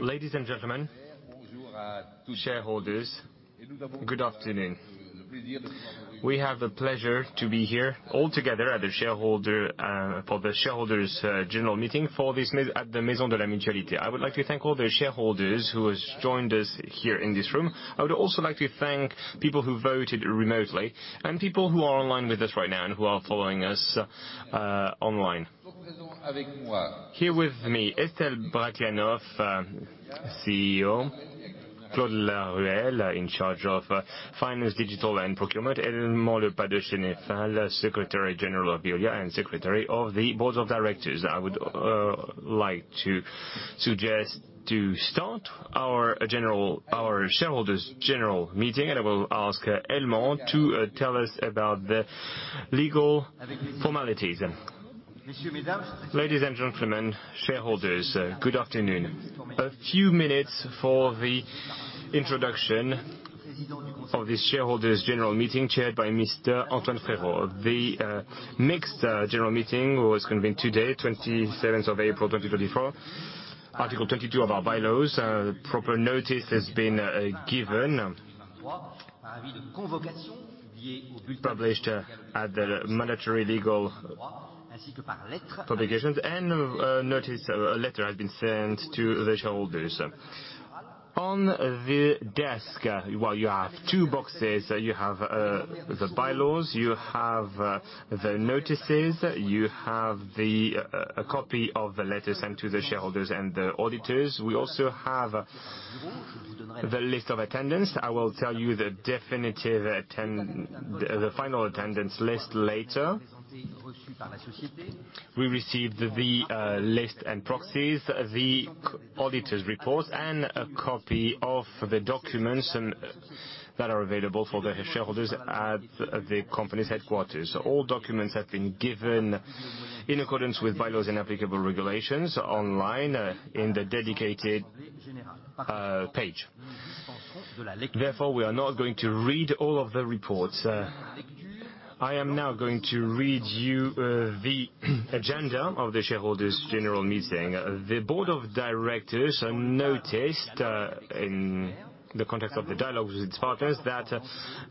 Ladies and gentlemen, shareholders, good afternoon. We have the pleasure to be here all together for the shareholders' general meeting for this month at the Maison de la Mutualité. I would like to thank all the shareholders who has joined us here in this room. I would also like to thank people who voted remotely and people who are online with us right now and who are following us online. Here with me, Estelle Brachlianoff, CEO. Claude Laruelle, in charge of finance, digital, and procurement. Helman le Pas de Sécheval, Secretary General of Veolia and Secretary of the Board of Directors. I would like to suggest to start our shareholders' general meeting. I will ask Helman le Pas de Sécheval to tell us about the legal formalities. Ladies and gentlemen, shareholders, good afternoon. A few minutes for the introduction of this shareholders' general meeting, chaired by Mr. Antoine Frérot. The mixed general meeting was convened today, 27th of April 2024, Article 22 of our bylaws. Proper notice has been given. Published at the mandatory legal publications and notice, a letter has been sent to the shareholders. On the desk, well, you have two boxes. You have the bylaws, you have the notices, you have the copy of the letter sent to the shareholders and the auditors. We also have the list of attendance. I will tell you the definitive final attendance list later. We received the list and proxies, the auditors' reports, and a copy of the documents that are available for the shareholders at the company's headquarters. All documents have been given in accordance with bylaws and applicable regulations online in the dedicated Page. We are not going to read all of the reports. I am now going to read you the agenda of the shareholders' general meeting. The Board of Directors noticed in the context of the dialogue with its partners, that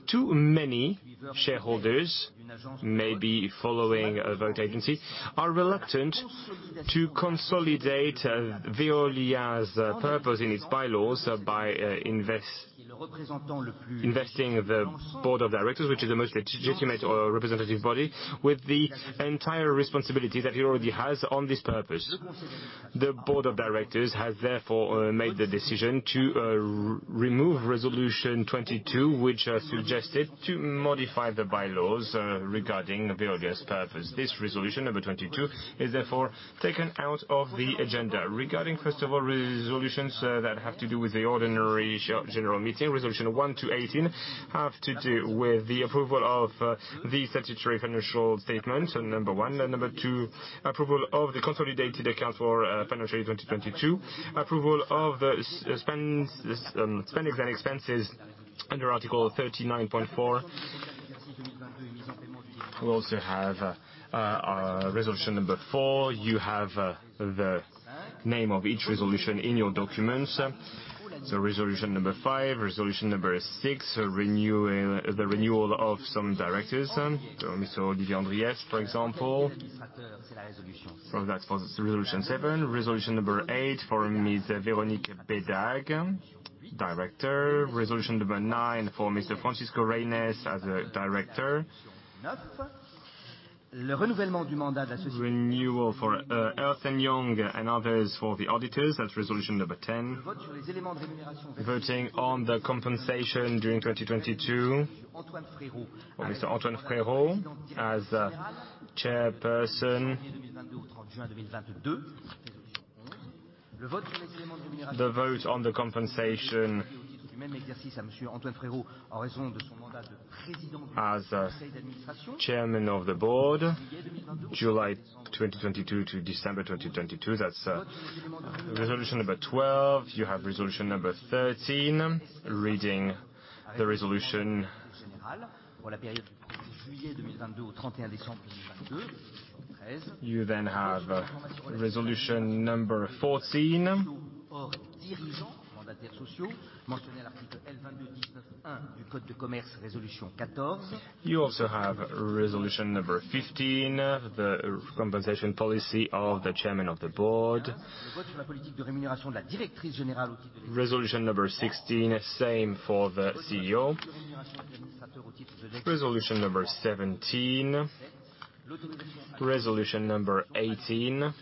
too many shareholders may be following a vote agency, are reluctant to consolidate Veolia's purpose in its bylaws by investing the board of directors, which is the most legitimate or representative body, with the entire responsibility that he already has on this purpose. The board of directors has made the decision to remove Resolution 22, which suggested to modify the bylaws regarding Veolia's purpose. This Resolution, number two2, is taken out of the agenda. Regarding, first of all, Resolutions that have to do with the ordinary general meeting, Resolution 1 to 18 have to do with the approval of the statutory financial statement, No. 1. No. 2, approval of the consolidated accounts for financial year 2022. Approval of spends, spendings and expenses under Article 39.4. We also have Resolution No. 4. You have the name of each resolution in your documents. Resolution No. 5. Resolution No. 6, the renewal of some Directors. Mr. Olivier Andriès, for example. That was Resolution 7. Resolution No. 8 for Ms. Véronique Bédague, Director. Resolution No. 9 for Mr. Francisco Reynés as a Director. Renewal for Ernst & Young and others for the auditors. That's Resolution No. 10. Voting on the compensation during 2022 for Mr. Antoine Frérot as Chairperson. The vote on the compensation as Chairman of the Board, July 2022 to December 2022. That's Resolution No. 12. You have Resolution No. 13. Reading the Resolution. You then have Resolution No. 14. You also have Resolution No. 15, the compensation policy of the Chairman of the Board. Resolution number one6, same for the CEO. Resolution number one7. Resolution number one8.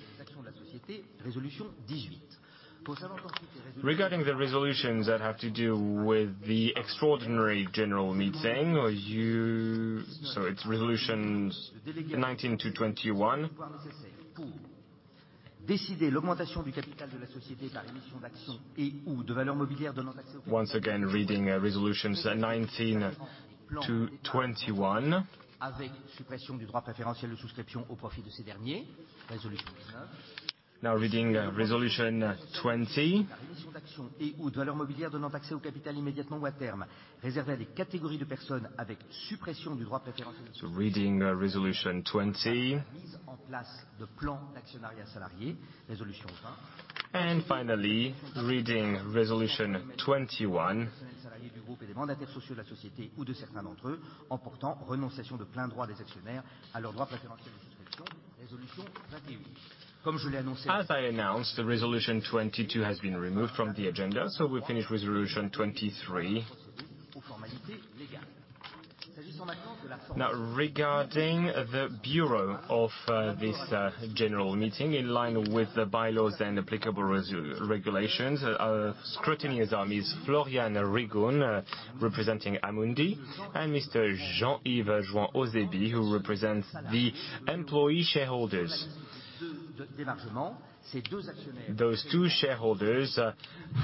Regarding the Resolutions that have to do with the extraordinary general meeting, it's Resolutions 19 to 21. Once again, reading Resolutions 19 to 21. Reading Resolution 20. Reading Resolution 20. Finally, reading Resolution 21. As I announced, the Resolution 22 has been removed from the agenda. We finish with Resolution 23. Regarding the bureau of this general meeting, in line with the bylaws and applicable regulations, our scrutineers are Ms. Floriane Rigourd, representing Amundi, and Mr. Jean-Yves Jouan-Auzeby, who represents the employee shareholders. Those two shareholders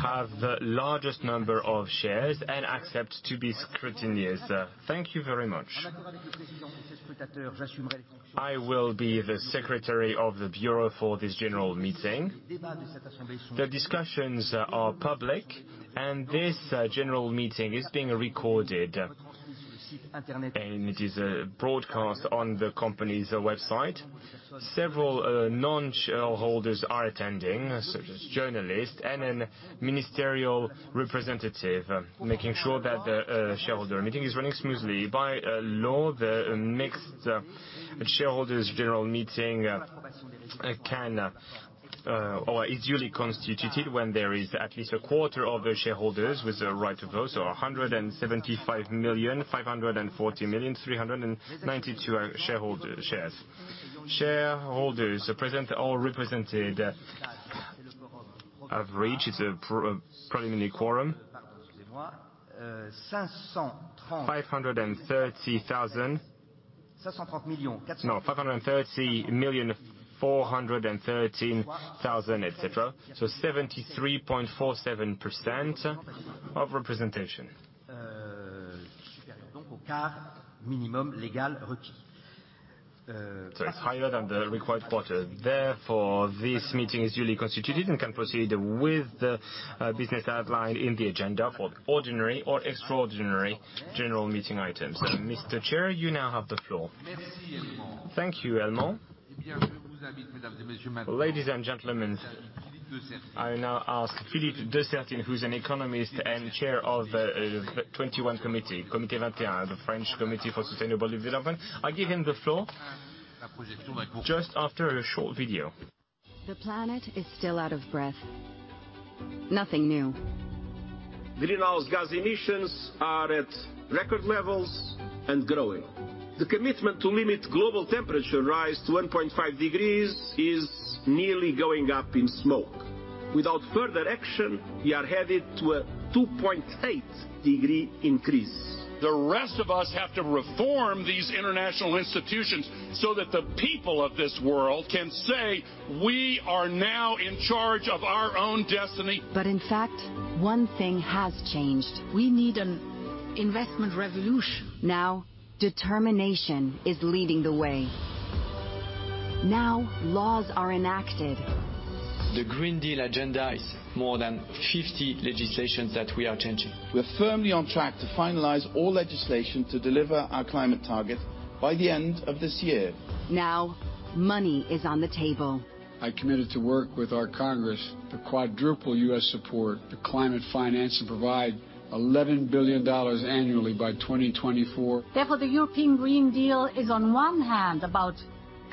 have the largest number of shares and accept to be scrutineers. Thank you very much. I will be the secretary of the bureau for this general meeting. The discussions are public and this general meeting is being recorded. It is broadcast on the company's website. Several non-shareholders are attending, such as journalists and an ministerial representative, making sure that the shareholder meeting is running smoothly. By law, the mixed shareholders general meeting can or is duly constituted when there is at least a quarter of the shareholders with a right to vote, so 175 million, 540 million, 392 shareholder shares. Shareholders present or represented have reached a pro-preliminary quorum. 530,000. 530,413,000, et cetera. 73.47% of representation. It's higher than the required quarter. Therefore, this meeting is duly constituted and can proceed with the business outlined in the agenda for ordinary or extraordinary general meeting items. Mr. Chair, you now have the floor. Thank you, Armand. Ladies and gentlemen, I now ask Philippe Dessertine, who's an economist and chair of the 21 committee. Comité 21, the French Committee for Sustainable Development. I give him the floor just after a short video. The planet is still out of breath. Nothing new. Greenhouse gas emissions are at record levels and growing. The commitment to limit global temperature rise to 1.5 degrees is nearly going up in smoke. Without further action, we are headed to a 2.8 degree increase. The rest of us have to reform these international institutions so that the people of this world can say, “We are now in charge of our own destiny.” In fact, one thing has changed. We need an investment revolution. Now, determination is leading the way. Now, laws are enacted. The Green Deal agenda is more than 50 legislations that we are changing. We're firmly on track to finalize all legislation to deliver our climate target by the end of this year. Now, money is on the table. I committed to work with our Congress to quadruple U.S. support to climate finance and provide $11 billion annually by 2024. The European Green Deal is on one hand about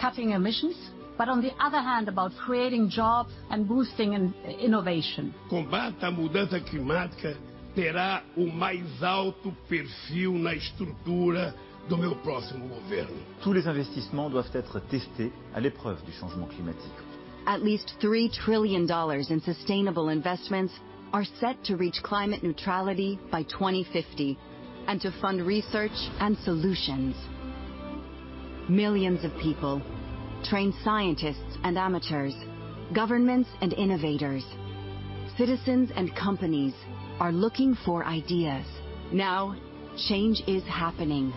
cutting emissions, but on the other hand, about creating jobs and boosting innovation. At least $3 trillion in sustainable investments are set to reach climate neutrality by 2050, and to fund research and solutions. Millions of people, trained scientists and amateurs, governments and innovators, citizens and companies are looking for ideas. Now, change is happening.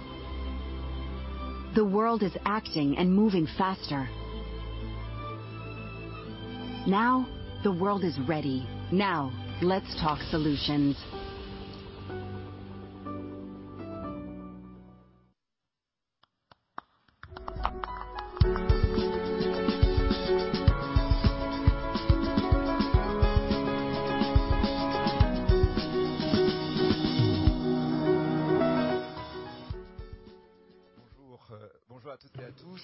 The world is acting and moving faster. Now, the world is ready. Now, let's talk solutions.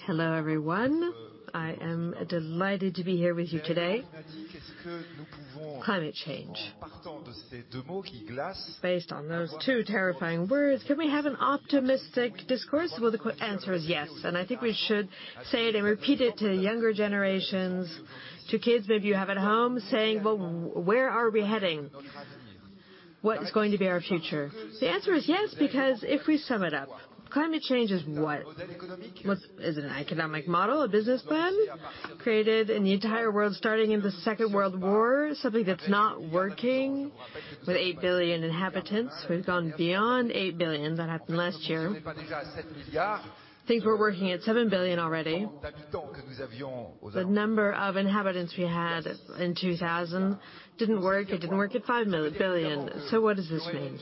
Hello, everyone. I am delighted to be here with you today. Climate change? Based on those two terrifying words, can we have an optimistic discourse? The answer is yes, and I think we should say it and repeat it to younger generations, to kids that you have at home saying, "Where are we heading? What is going to be our future?" The answer is yes, because if we sum it up, climate change is what? What? Is it an economic model, a business plan created in the entire world starting in the Second World War, something that's not working with 8 billion inhabitants. We've gone beyond 8 billion. That happened last year. Things were working at 7 billion already. The number of inhabitants we had in 2000 didn't work. It didn't work at 5 billion. What does this mean?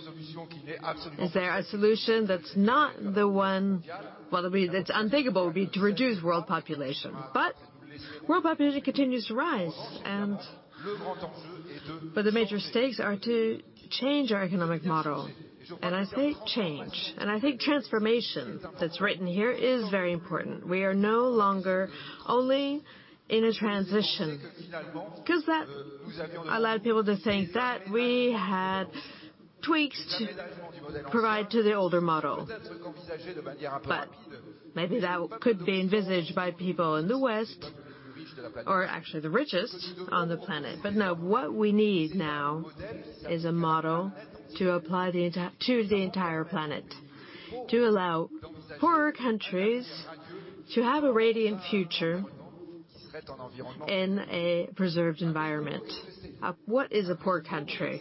Is there a solution that's not the one? It's unthinkable would be to reduce world population. World population continues to rise, but the major stakes are to change our economic model. I say change, I think transformation that's written here is very important. We are no longer only in a transition, because that allowed people to think that we had tweaks to provide to the older model. Maybe that could be envisaged by people in the West or actually the richest on the planet. What we need now is a model to apply to the entire planet, to allow poorer countries to have a radiant future in a preserved environment. What is a poor country?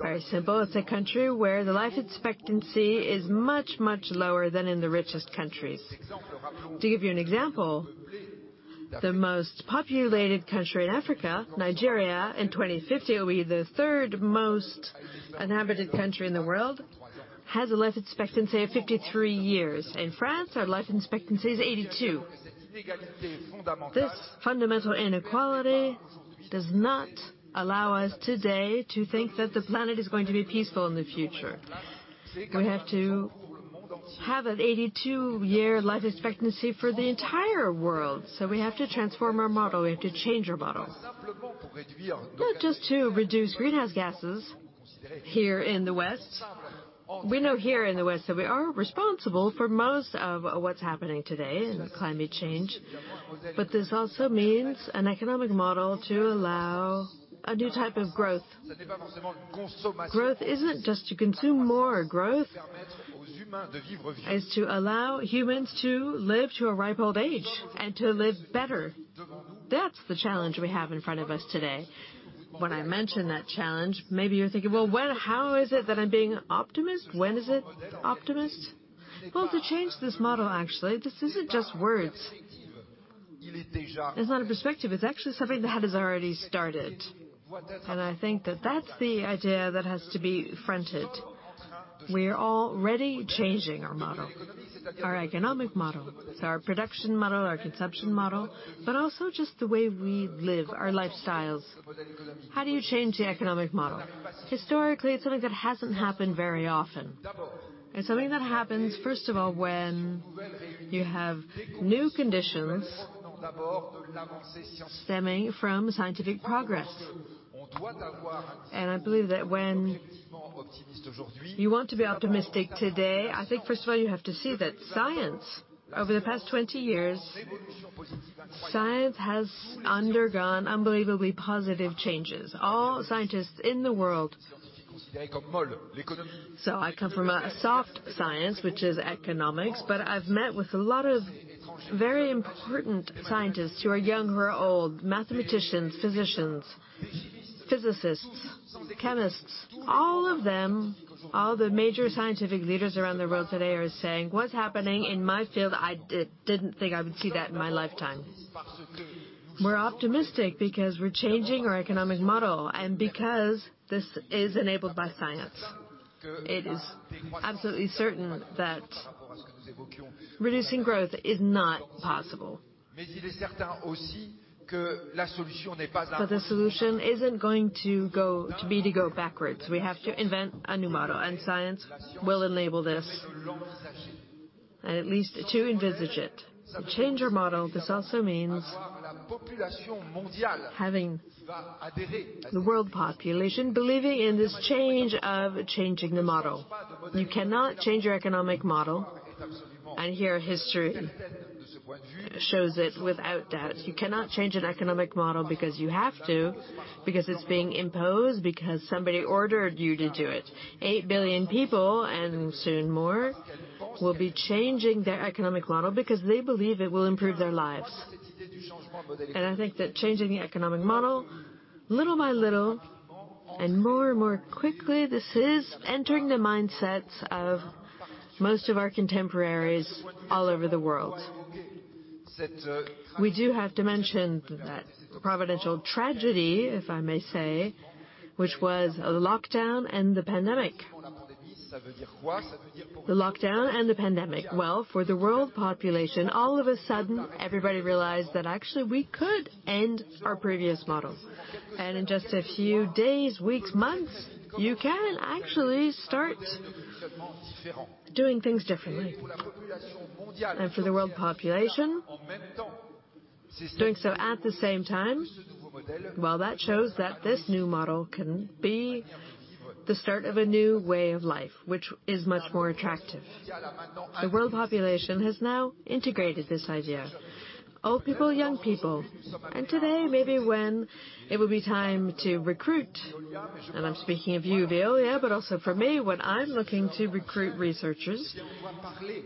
Very simple. It's a country where the life expectancy is much lower than in the richest countries. To give you an example, the most populated country in Africa, Nigeria, in 2050 will be the third most inhabited country in the world, has a life expectancy of 53 years. In France, our life expectancy is 82. This fundamental inequality does not allow us today to think that the planet is going to be peaceful in the future. We have to have an 82-year life expectancy for the entire world. We have to transform our model. We have to change our model. Not just to reduce greenhouse gases here in the West. We know here in the West that we are responsible for most of what's happening today in climate change. This also means an economic model to allow a new type of growth. Growth isn't just to consume more. Growth is to allow humans to live to a ripe old age and to live better. That's the challenge we have in front of us today. When I mention that challenge, maybe you're thinking, "Well, how is it that I'm being optimist? When is it optimist?" Well, to change this model, actually, this isn't just words. It's not a perspective. It's actually something that has already started. I think that that's the idea that has to be fronted. We are already changing our model, our economic model. It's our production model, our consumption model, but also just the way we live our lifestyles. How do you change the economic model? Historically, it's something that hasn't happened very often. It's something that happens, first of all, when you have new conditions stemming from scientific progress. I believe that when you want to be optimistic today, I think first of all, you have to see that science over the past 20 years, science has undergone unbelievably positive changes. All scientists in the world... I come from a soft science, which is economics, but I've met with a lot of very important scientists who are young or old, mathematicians, physicians, physicists, chemists. All of them, all the major scientific leaders around the world today are saying, "What's happening in my field, I didn't think I would see that in my lifetime." We're optimistic because we're changing our economic model and because this is enabled by science. It is absolutely certain that reducing growth is not possible. The solution isn't going to be to go backwards. We have to invent a new model, and science will enable this, and at least to envisage it. To change our model, this also means having the world population believing in this change of changing the model. You cannot change your economic model, and here history shows it without doubt. You cannot change an economic model because you have to, because it's being imposed, because somebody ordered you to do it. 8 billion people, and soon more, will be changing their economic model because they believe it will improve their lives. I think that changing the economic model little by little and more and more quickly, this is entering the mindsets of most of our contemporaries all over the world. We do have to mention that providential tragedy, if I may say, which was the lockdown and the pandemic. The lockdown and the pandemic. Well, for the world population, all of a sudden everybody realized that actually we could end our previous models. In just a few days, weeks, months, you can actually start doing things differently. For the world population, doing so at the same time, well, that shows that this new model can be the start of a new way of life, which is much more attractive. The world population has now integrated this idea. Old people, young people. Today, maybe when it will be time to recruit, and I'm speaking of you, Veolia, but also for me, when I'm looking to recruit researchers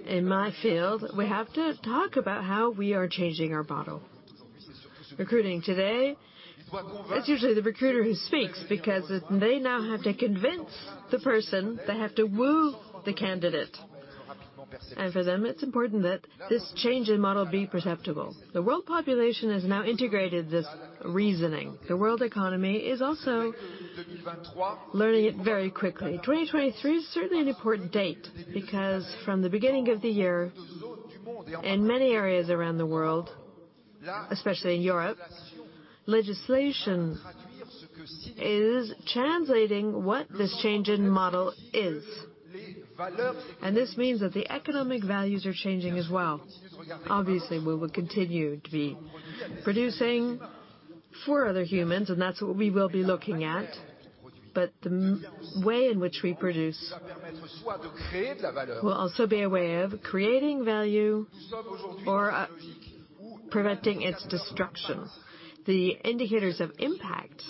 in my field, we have to talk about how we are changing our model. Recruiting today, it's usually the recruiter who speaks because they now have to convince the person, they have to woo the candidate. For them, it's important that this change in model be perceptible. The world population has now integrated this reasoning. The world economy is also learning it very quickly. 2023 is certainly an important date because from the beginning of the year, in many areas around the world, especially in Europe, legislation is translating what this change in model is. This means that the economic values are changing as well. Obviously, we will continue to be producing for other humans, and that's what we will be looking at. The way in which we produce will also be a way of creating value or preventing its destruction. The indicators of impact,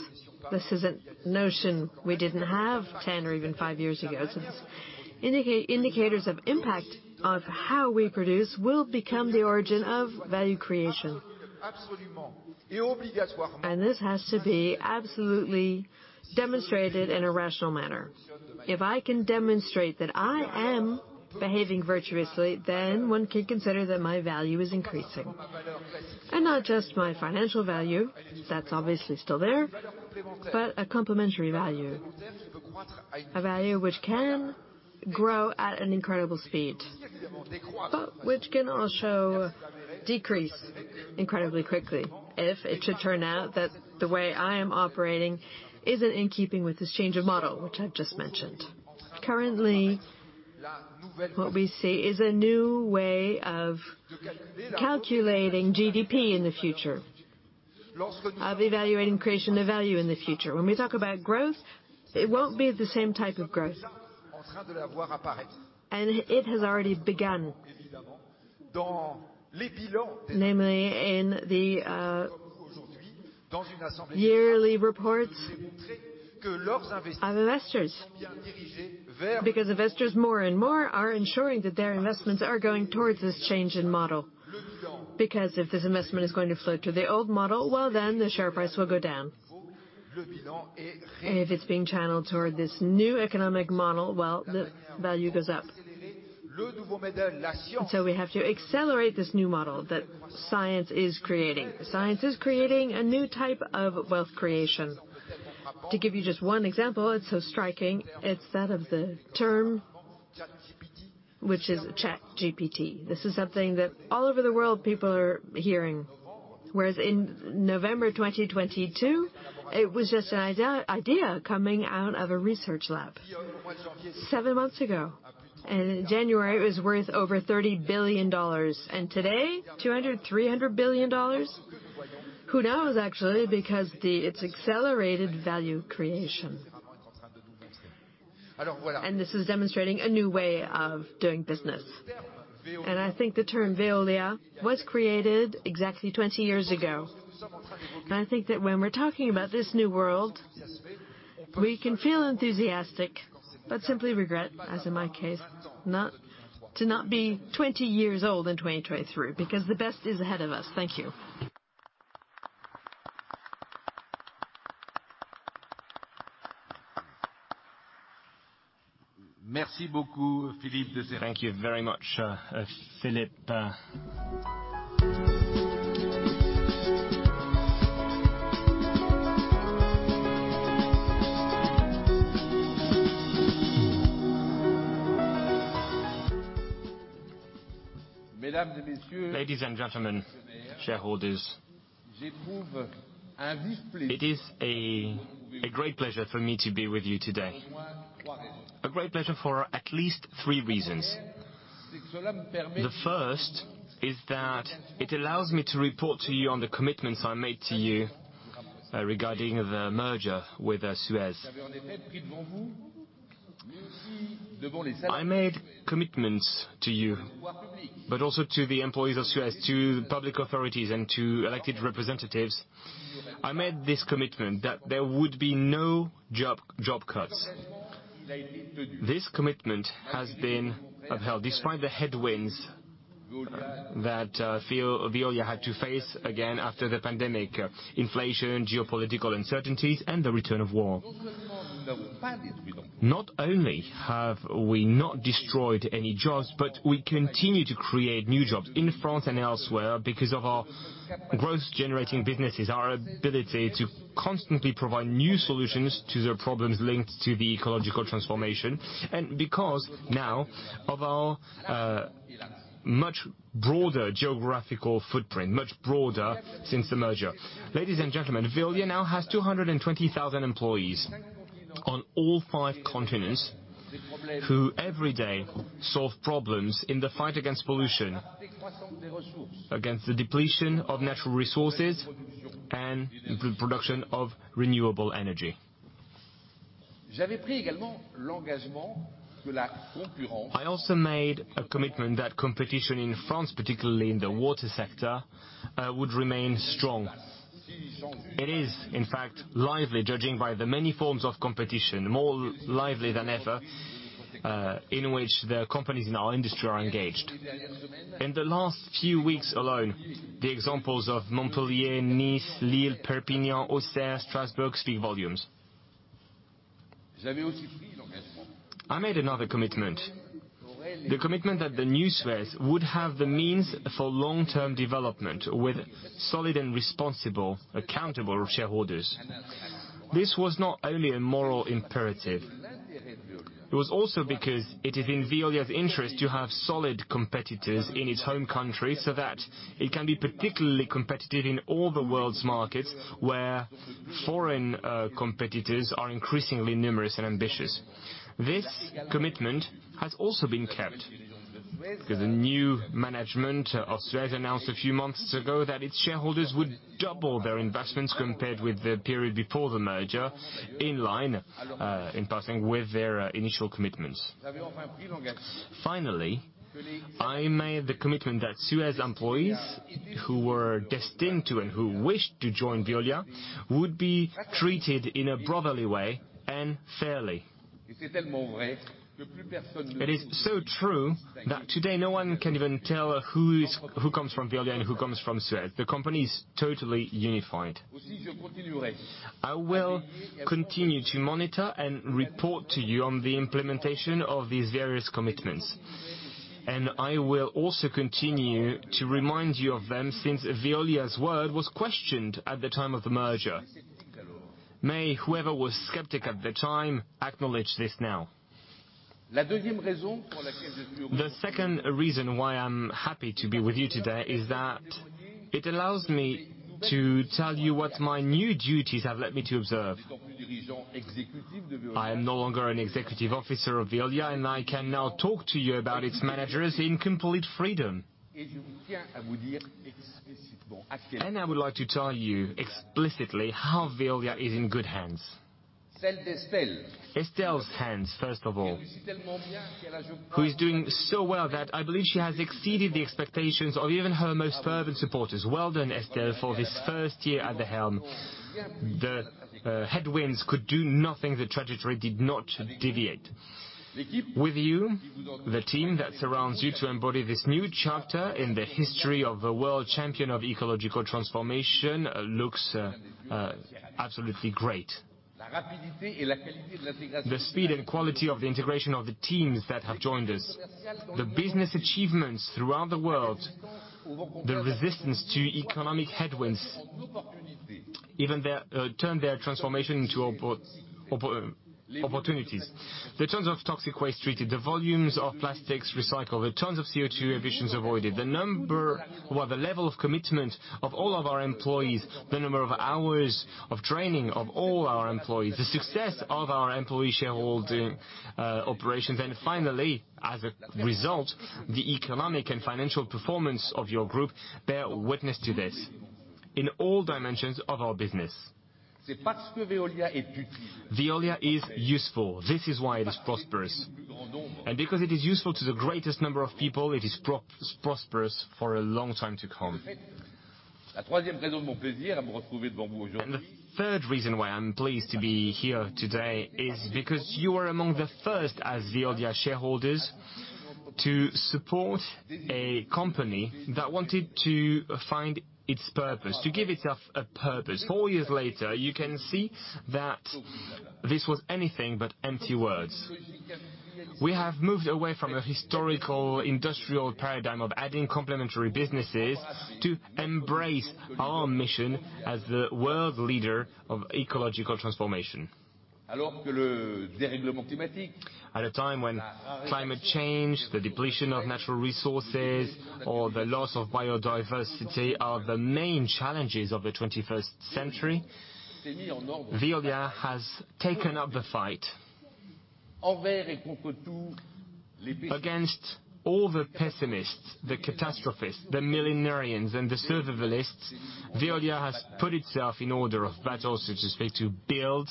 this is a notion we didn't have 10 or even five years ago. Since indicators of impact of how we produce will become the origin of value creation. This has to be absolutely demonstrated in a rational manner. If I can demonstrate that I am behaving virtuously, then one can consider that my value is increasing. Not just my financial value, that's obviously still there, but a complementary value. A value which can grow at an incredible speed, but which can also decrease incredibly quickly if it should turn out that the way I am operating isn't in keeping with this change of model, which I've just mentioned. Currently, what we see is a new way of calculating GDP in the future, of evaluating creation of value in the future. When we talk about growth, it won't be the same type of growth, and it has already begun. Namely, in the yearly reports of investors more and more are ensuring that their investments are going towards this change in model. If this investment is going to flow to the old model, well, the share price will go down. If it's being channeled toward this new economic model, well, the value goes up. We have to accelerate this new model that science is creating. Science is creating a new type of wealth creation. To give you just one example, it's so striking, it's that of the term which is ChatGPT. This is something that all over the world people are hearing. Whereas in November 2022, it was just an idea coming out of a research lab seven months ago. In January, it was worth over $30 billion, and today, $200 billion-$300 billion. Who knows, actually, because it's accelerated value creation. This is demonstrating a new way of doing business. I think the term Veolia was created exactly 20 years ago. I think that when we're talking about this new world, we can feel enthusiastic, but simply regret, as in my case, to not be 20 years old in 2023, because the best is ahead of us. Thank you. Thank you very much, Philippe. Ladies and gentlemen, shareholders, it is a great pleasure for me to be with you today. A great pleasure for at least three reasons. The first is that it allows me to report to you on the commitments I made to you regarding the merger with Suez. I made commitments to you, but also to the employees of Suez, to the public authorities, and to elected representatives. I made this commitment that there would be no job cuts. This commitment has been upheld despite the headwinds that Veolia had to face again after the pandemic: inflation, geopolitical uncertainties, and the return of war. Not only have we not destroyed any jobs, but we continue to create new jobs in France and elsewhere because of our growth-generating businesses, our ability to constantly provide new solutions to the problems linked to the ecological transformation, and because now of our much broader geographical footprint, much broader since the merger. Ladies and gentlemen, Veolia now has 220,000 employees on all five continents who every day solve problems in the fight against pollution, against the depletion of natural resources, and the production of renewable energy. I also made a commitment that competition in France, particularly in the water sector, would remain strong. It is, in fact, lively, judging by the many forms of competition, more lively than ever in which the companies in our industry are engaged. In the last few weeks alone, the examples of Montpellier, Nice, Lille, Perpignan, Auxerre, Strasbourg speak volumes. I made another commitment, the commitment that the new Suez would have the means for long-term development with solid and responsible accountable shareholders. This was not only a moral imperative, it was also because it is in Veolia's interest to have solid competitors in its home country so that it can be particularly competitive in all the world's markets where foreign competitors are increasingly numerous and ambitious. This commitment has also been kept because the new management of Suez announced a few months ago that its shareholders would double their investments compared with the period before the merger in line, in passing with their initial commitments. Finally, I made the commitment that Suez employees who were destined to, and who wished to join Veolia would be treated in a brotherly way and fairly. It is so true that today no one can even tell who comes from Veolia and who comes from Suez. The company is totally unified. I will continue to monitor and report to you on the implementation of these various commitments, and I will also continue to remind you of them since Veolia's word was questioned at the time of the merger. May whoever was skeptic at the time acknowledge this now. The second reason why I'm happy to be with you today is that it allows me to tell you what my new duties have led me to observe. I am no longer an executive officer of Veolia, I can now talk to you about its managers in complete freedom. I would like to tell you explicitly how Veolia is in good hands. Estelle's hands, first of all, who is doing so well that I believe she has exceeded the expectations of even her most fervent supporters. Well done, Estelle, for this first year at the helm. The headwinds could do nothing, the trajectory did not deviate. With you, the team that surrounds you to embody this new chapter in the history of the world champion of ecological transformation looks absolutely great. The speed and quality of the integration of the teams that have joined us, the business achievements throughout the world, the resistance to economic headwinds, even their turn their transformation into opportunities. The tons of toxic waste treated, the volumes of plastics recycled, the tons of CO2 emissions avoided, the number or the level of commitment of all of our employees, the number of hours of training of all our employees, the success of our employee shareholder operations. Finally, as a result, the economic and financial performance of your group bear witness to this in all dimensions of our business. Veolia is useful, this is why it is prosperous. Because it is useful to the greatest number of people, it is prosperous for a long time to come. The third reason why I'm pleased to be here today is because you are among the first as Veolia shareholders to support a company that wanted to find its purpose, to give itself a purpose. Four years later, you can see that this was anything but empty words. We have moved away from a historical industrial paradigm of adding complementary businesses to embrace our mission as the world leader of ecological transformation. At a time when climate change, the depletion of natural resources, or the loss of biodiversity are the main challenges of the 21st century, Veolia has taken up the fight. Against all the pessimists, the catastrophists, the millenarians, and the survivalists, Veolia has put itself in order of battle, so to speak, to build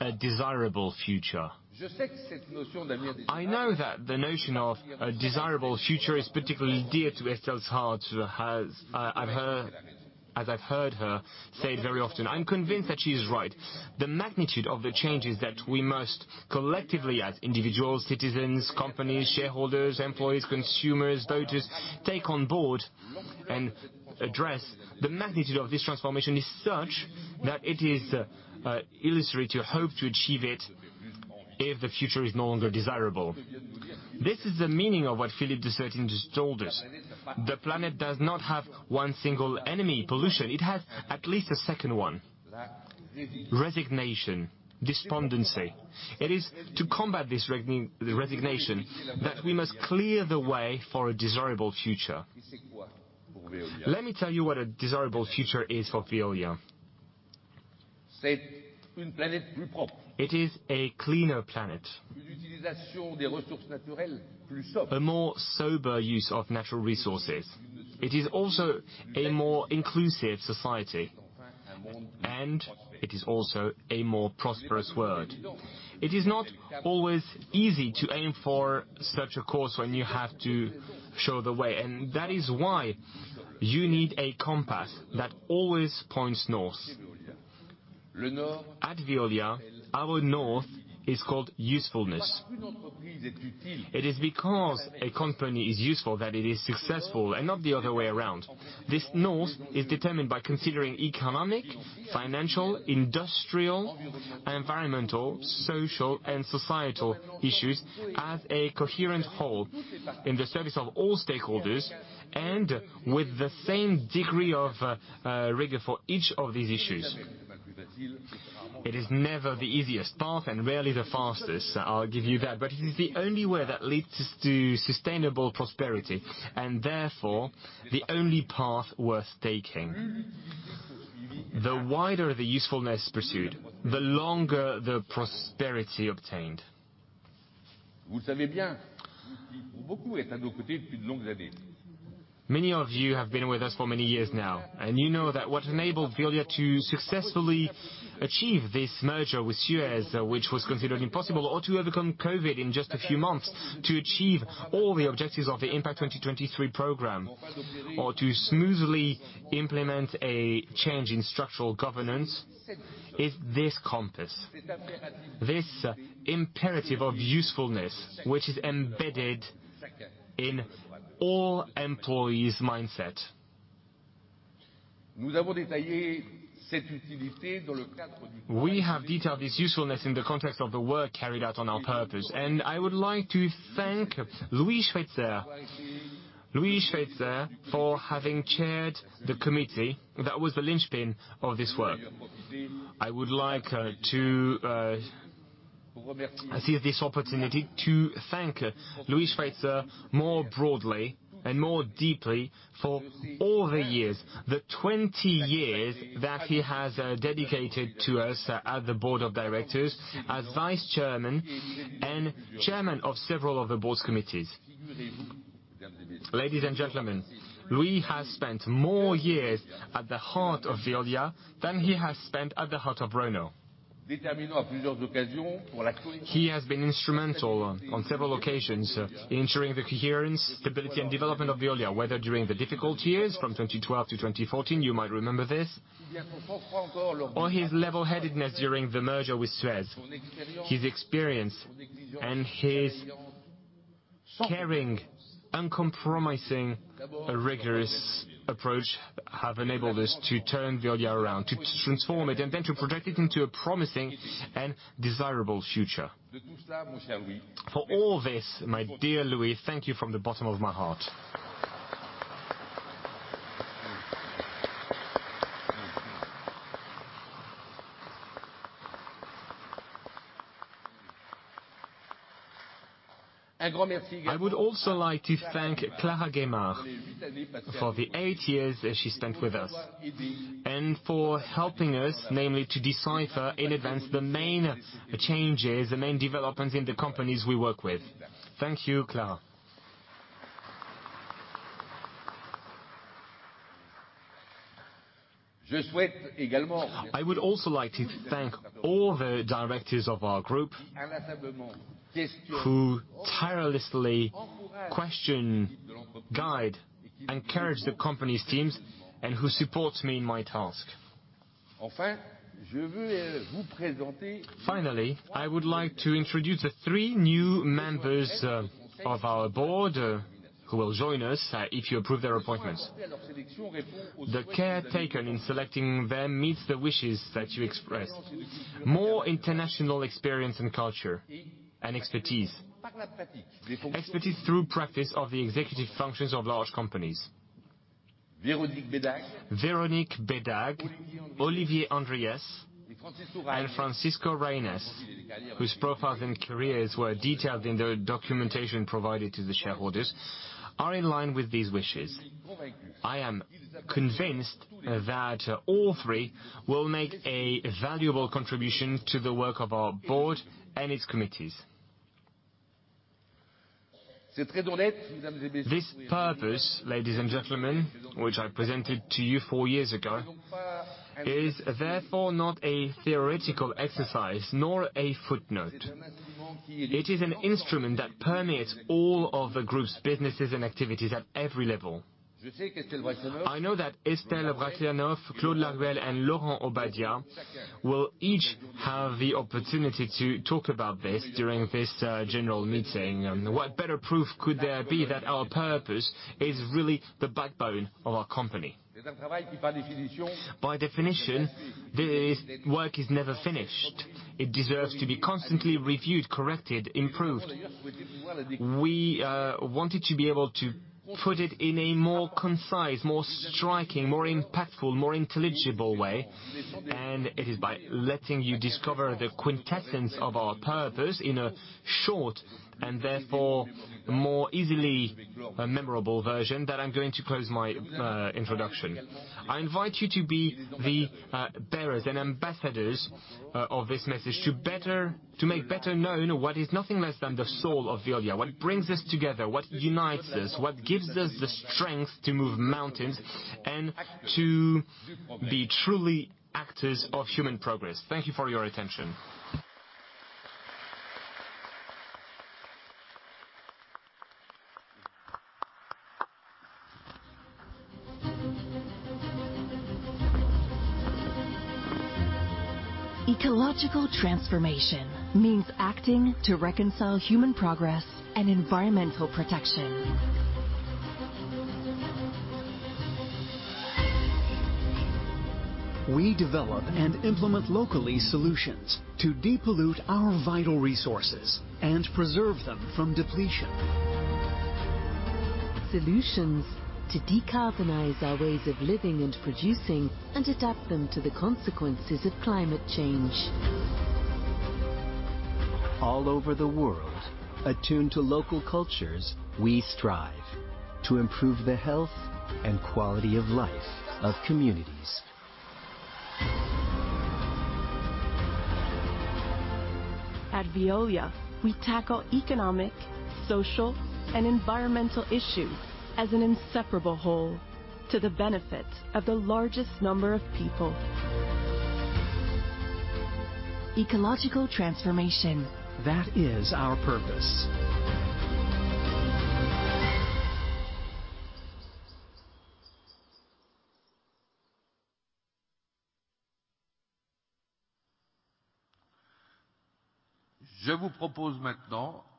a desirable future. I know that the notion of a desirable future is particularly dear to Estelle's heart, to her's, as I've heard her say it very often. I'm convinced that she's right. The magnitude of the changes that we must collectively as individuals, citizens, companies, shareholders, employees, consumers, voters take on board and address the magnitude of this transformation is such that it is illusory to hope to achieve it if the future is no longer desirable. This is the meaning of what Philippe Dessertine just told us. The planet does not have one single enemy, pollution. It has at least a second one, resignation, despondency. It is to combat this resignation that we must clear the way for a desirable future. Let me tell you what a desirable future is for Veolia. It is a cleaner planet. A more sober use of natural resources. It is also a more inclusive society. It is also a more prosperous world. It is not always easy to aim for such a course when you have to show the way. That is why you need a compass that always points north. At Veolia, our north is called usefulness. It is because a company is useful that it is successful and not the other way around. This north is determined by considering economic, financial, industrial, environmental, social, and societal issues as a coherent whole in the service of all stakeholders and with the same degree of rigor for each of these issues. It is never the easiest path and rarely the fastest, I'll give you that. It is the only way that leads us to sustainable prosperity, and therefore, the only path worth taking. The wider the usefulness pursued, the longer the prosperity obtained. Many of you have been with us for many years now, you know that what enabled Veolia to successfully achieve this merger with Suez, which was considered impossible, or to overcome COVID in just a few months to achieve all the objectives of the Impact 2023 program, or to smoothly implement a change in structural governance, is this compass, this imperative of usefulness, which is embedded in all employees' mindset. We have detailed this usefulness in the context of the work carried out on our purpose, I would like to thank Louis Schweitzer for having chaired the committee that was the linchpin of this work. I would like to seize this opportunity to thank Louis Schweitzer more broadly and more deeply for all the years, the 20 years that he has dedicated to us at the board of directors, as vice chairman and chairman of several of the board's committees. Ladies and gentlemen, Louis has spent more years at the heart of Veolia than he has spent at the heart of Renault. He has been instrumental on several occasions in ensuring the coherence, stability, and development of Veolia, whether during the difficult years from 2012-2014, you might remember this. His level-headedness during the merger with Suez. His experience and his caring, uncompromising, rigorous approach have enabled us to turn Veolia around, to transform it, and then to project it into a promising and desirable future. For all this, my dear Louis, thank you from the bottom of my heart. I would also like to thank Clara Gaymard for the eight years that she spent with us and for helping us, namely, to decipher in advance the main changes, the main developments in the companies we work with. Thank you, Clara. I would also like to thank all the directors of our group who tirelessly question, guide, encourage the company's teams and who support me in my task. Finally, I would like to introduce the three new members of our board who will join us if you approve their appointments. The care taken in selecting them meets the wishes that you expressed. More international experience and culture and expertise. Expertise through practice of the executive functions of large companies. Véronique Bédague, Olivier Andriès, and Francisco Reynés, whose profiles and careers were detailed in the documentation provided to the shareholders, are in line with these wishes. I am convinced that all three will make a valuable contribution to the work of our board and its committees. This purpose, ladies and gentlemen, which I presented to you four years ago, is therefore not a theoretical exercise nor a footnote. It is an instrument that permeates all of the group's businesses and activities at every level. I know that Estelle Brachlianoff, Claude Laruelle, and Laurent Obadia will each have the opportunity to talk about this during this general meeting. What better proof could there be that our purpose is really the backbone of our company? By definition, this work is never finished. It deserves to be constantly reviewed, corrected, improved. We wanted to be able to put it in a more concise, more striking, more impactful, more intelligible way. It is by letting you discover the quintessence of our purpose in a short and therefore more easily memorable version that I'm going to close my introduction. I invite you to be the bearers and ambassadors of this message to make better known what is nothing less than the soul of Veolia, what brings us together, what unites us, what gives us the strength to move mountains and to be truly actors of human progress. Thank you for your attention. Ecological transformation means acting to reconcile human progress and environmental protection. We develop and implement locally solutions to depollute our vital resources and preserve them from depletion. Solutions to decarbonize our ways of living and producing, and adapt them to the consequences of climate change. All over the world, attuned to local cultures, we strive to improve the health and quality of life of communities. At Veolia, we tackle economic, social, and environmental issues as an inseparable whole to the benefit of the largest number of people. Ecological transformation. That is our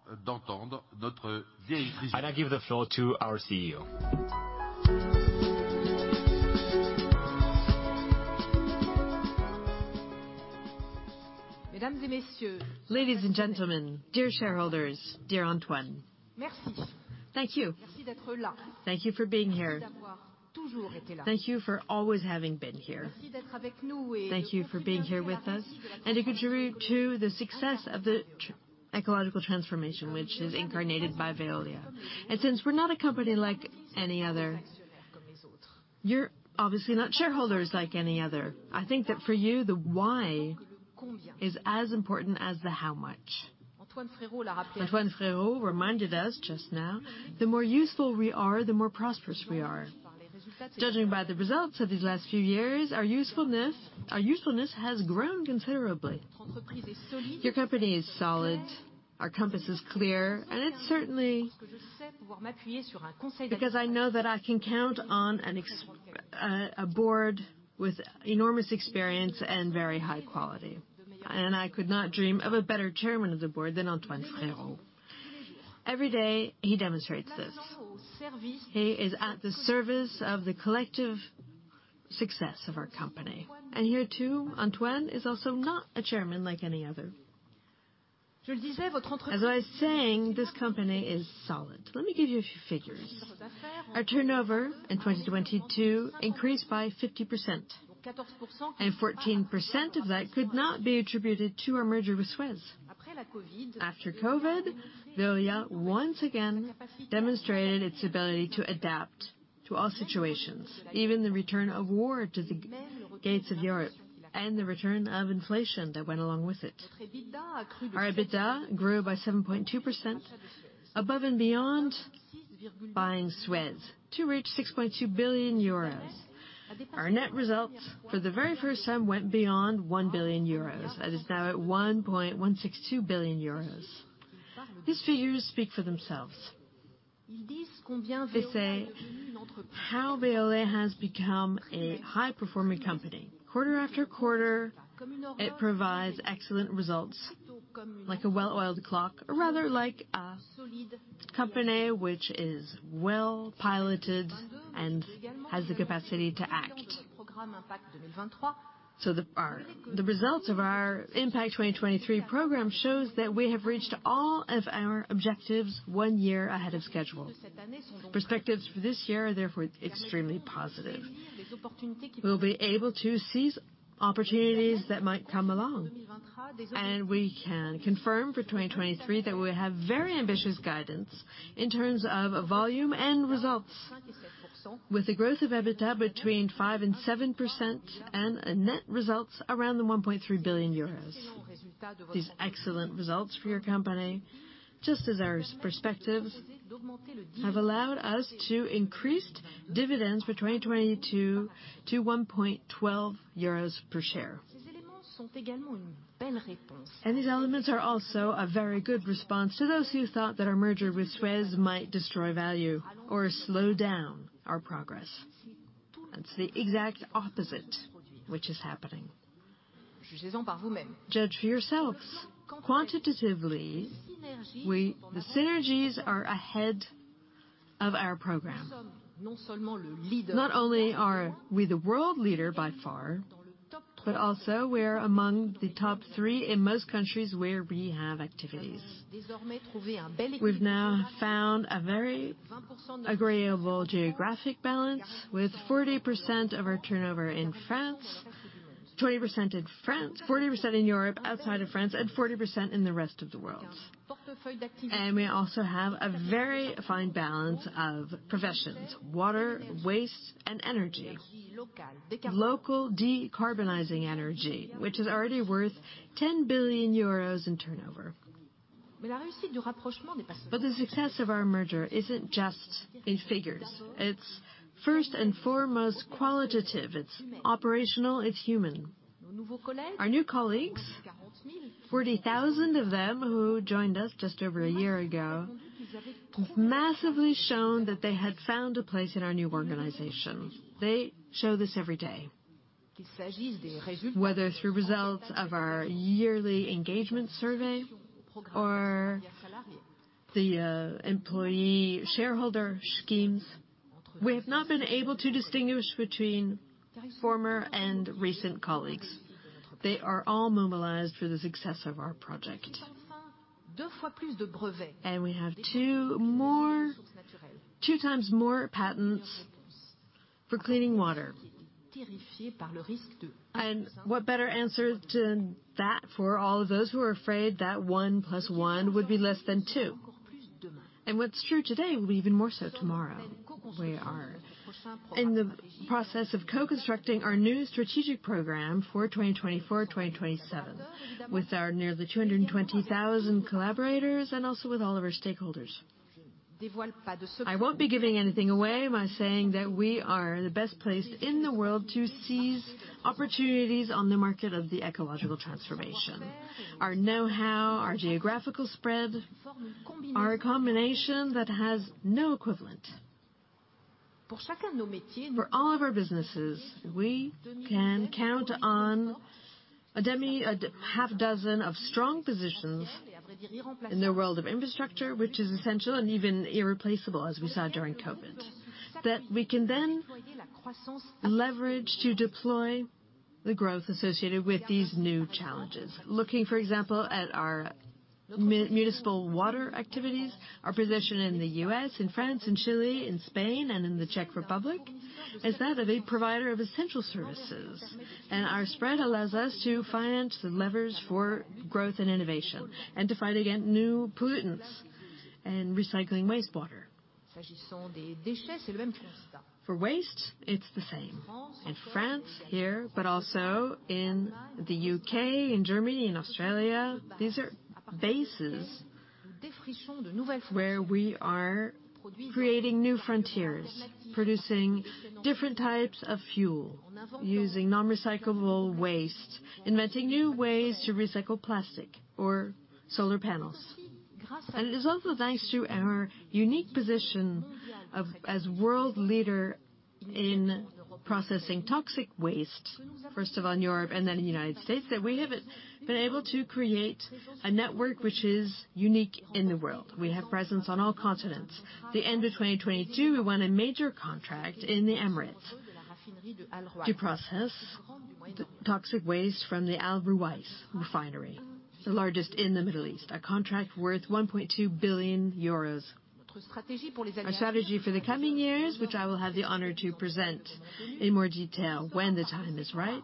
purpose. I now give the floor to our CEO. Ladies and gentlemen, dear shareholders, dear Antoine, thank you. Thank you for being here. Thank you for always having been here. Thank you for being here with us and to contribute to the success of the ecological transformation which is incarnated by Veolia. Since we're not a company like any other, you're obviously not shareholders like any other. I think that for you, the why is as important as the how much. Antoine Frérot reminded us just now, the more useful we are, the more prosperous we are. Judging by the results of these last few years, our usefulness has grown considerably. Your company is solid, our compass is clear, and it's certainly because I know that I can count on a board with enormous experience and very high quality. I could not dream of a better chairman of the board than Antoine Frérot. Every day, he demonstrates this. He is at the service of the collective success of our company. Here, too, Antoine is also not a chairman like any other. As I was saying, this company is solid. Let me give you a few figures. Our turnover in 2022 increased by 50%, and 14% of that could not be attributed to our merger with Suez. After COVID, Veolia once again demonstrated its ability to adapt to all situations, even the return of war to the gates of Europe and the return of inflation that went along with it. Our EBITDA grew by 7.2% above and beyond buying Suez to reach 6.2 billion euros. Our net results for the very first time went beyond 1 billion euros and is now at 1.162 billion euros. These figures speak for themselves. They say how Veolia has become a high-performing company. Quarter after quarter, it provides excellent results like a well-oiled clock or rather like a company which is well-piloted and has the capacity to act. The results of our Impact 2023 program shows that we have reached all of our objectives one year ahead of schedule. Perspectives for this year are therefore extremely positive. We'll be able to seize opportunities that might come along, and we can confirm for 2023 that we have very ambitious guidance in terms of volume and results, with the growth of EBITDA between 5% and 7% and net results around the 1.3 billion euros. These excellent results for your company, just as our perspectives, have allowed us to increase dividends for 2022 to 1.12 euros per share. These elements are also a very good response to those who thought that our merger with Suez might destroy value or slow down our progress. That's the exact opposite which is happening. Judge for yourselves. Quantitatively, the synergies are ahead of our program. Not only are we the world leader by far, but also we are among the Top 3 in most countries where we have activities. We've now found a very agreeable geographic balance with 40% of our turnover in France, 20% in France, 40% in Europe outside of France, and 40% in the rest of the world. We also have a very fine balance of professions: water, waste, and energy. Local decarbonizing energy, which is already worth 10 billion euros in turnover. The success of our merger isn't just in figures. It's first and foremost qualitative. It's operational. It's human. Our new colleagues. 40,000 of them who joined us just over a year ago, massively shown that they had found a place in our new organization. They show this every day. Whether through results of our yearly engagement survey or the employee shareholder schemes, we have not been able to distinguish between former and recent colleagues. They are all mobilized for the success of our project. We have 2x more patents for cleaning water. What better answer to that for all of those who are afraid that 1 + 1 would be less than 2? What's true today will be even more so tomorrow. We are in the process of co-constructing our new strategic program for 2024, 2027 with our nearly 220,000 collaborators, and also with all of our stakeholders. I won't be giving anything away by saying that we are the best placed in the world to seize opportunities on the market of the ecological transformation. Our know-how, our geographical spread, are a combination that has no equivalent. For all of our businesses, we can count on a half dozen of strong positions in the world of infrastructure, which is essential and even irreplaceable, as we saw during COVID. That we can then leverage to deploy the growth associated with these new challenges. Looking, for example, at our municipal water activities, our position in the U.S., in France, in Chile, in Spain, and in the Czech Republic, is that of a provider of essential services. Our spread allows us to finance the levers for growth and innovation and to fight against new pollutants and recycling wastewater. For waste, it's the same. In France here, but also in the U.K., in Germany, in Australia, these are bases where we are creating new frontiers, producing different types of fuel, using non-recyclable waste, inventing new ways to recycle plastic or solar panels. It is also thanks to our unique position as world leader in processing toxic waste, first of all in Europe and then in the United States, that we have been able to create a network which is unique in the world. We have presence on all continents. The end of 2022, we won a major contract in the Emirates to process the toxic waste from the Al Ruwais refinery, the largest in the Middle East, a contract worth 1.2 billion euros. Our strategy for the coming years, which I will have the honor to present in more detail when the time is right,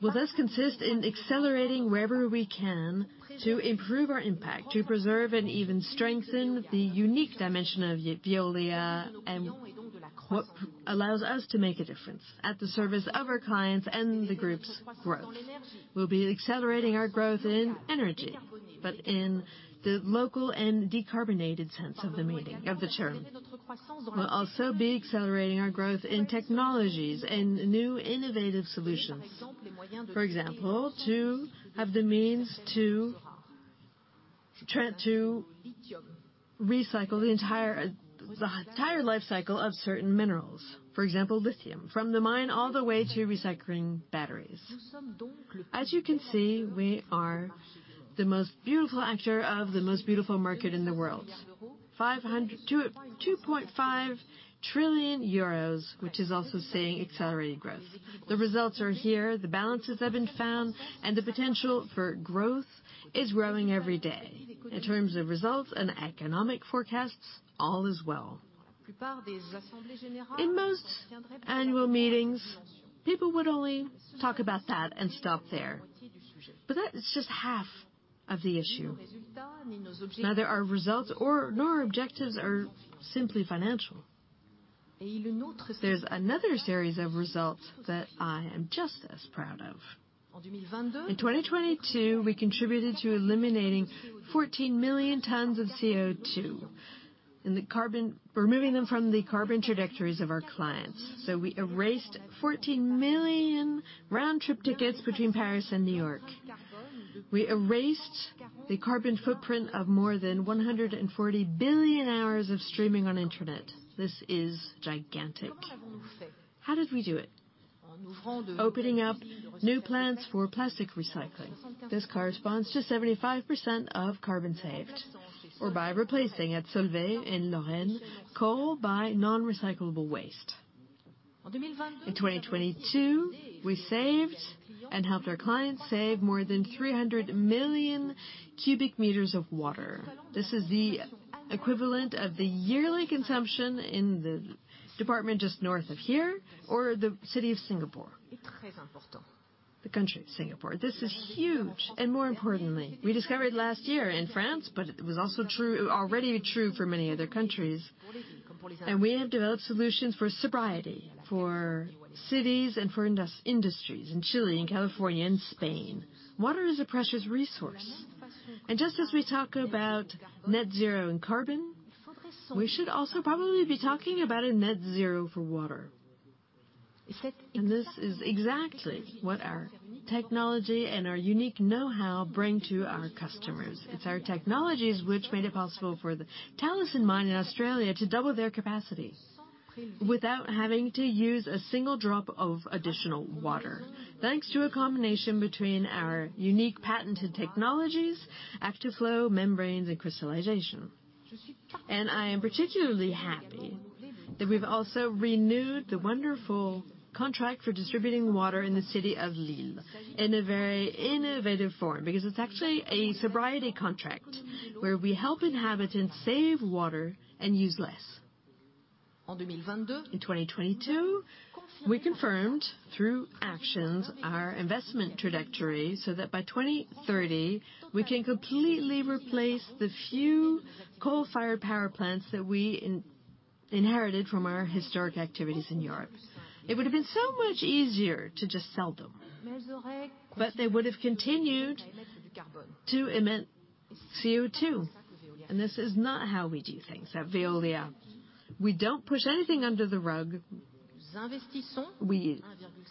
will thus consist in accelerating wherever we can to improve our impact, to preserve and even strengthen the unique dimension of Veolia and what allows us to make a difference at the service of our clients and the group's growth. We'll be accelerating our growth in energy, but in the local and decarbonated sense of the term. We'll also be accelerating our growth in technologies and new innovative solutions. For example, to have the means to recycle the entire life cycle of certain minerals, for example, lithium, from the mine all the way to recycling batteries. As you can see, we are the most beautiful actor of the most beautiful market in the world. 500 trillion-2.5 trillion euros, which is also seeing accelerated growth. The results are here, the balances have been found, the potential for growth is growing every day. In terms of results and economic forecasts, all is well. In most annual meetings, people would only talk about that and stop there, that is just half of the issue. Neither our results nor our objectives are simply financial. There's another series of results that I am just as proud of. In 2022, we contributed to eliminating 14 million tons of CO2, removing them from the carbon trajectories of our clients. We erased 14 million round trip tickets between Paris and New York. We erased the carbon footprint of more than 140 billion hours of streaming on internet. This is gigantic. How did we do it? Opening up new plants for plastic recycling. This corresponds to 75% of carbon saved, or by replacing at Solvay in Lorraine coal by non-recyclable waste. In 2022, we saved and helped our clients save more than 300 million cubic meters of water. This is the equivalent of the yearly consumption in the department just north of here or The country of Singapore. This is huge, more importantly, we discovered last year in France, but it was also already true for many other countries, we have developed solutions for sobriety for cities and for industries in Chile and California and Spain. Water is a precious resource, just as we talk about net zero in carbon, we should also probably be talking about a net zero for water. This is exactly what our technology and our unique know-how bring to our customers. It's our technologies which made it possible for the Talison mine in Australia to double their capacity without having to use a single drop of additional water, thanks to a combination between our unique patented technologies, active flow membranes and crystallization. I am particularly happy that we've also renewed the wonderful contract for distributing water in the city of Lille in a very innovative form because it's actually a sobriety contract where we help inhabitants save water and use less. In 2022, we confirmed through actions our investment trajectory, so that by 2030 we can completely replace the few coal-fired power plants that we inherited from our historic activities in Europe. It would have been so much easier to just sell them, they would have continued to emit CO2, this is not how we do things at Veolia. We don't push anything under the rug. We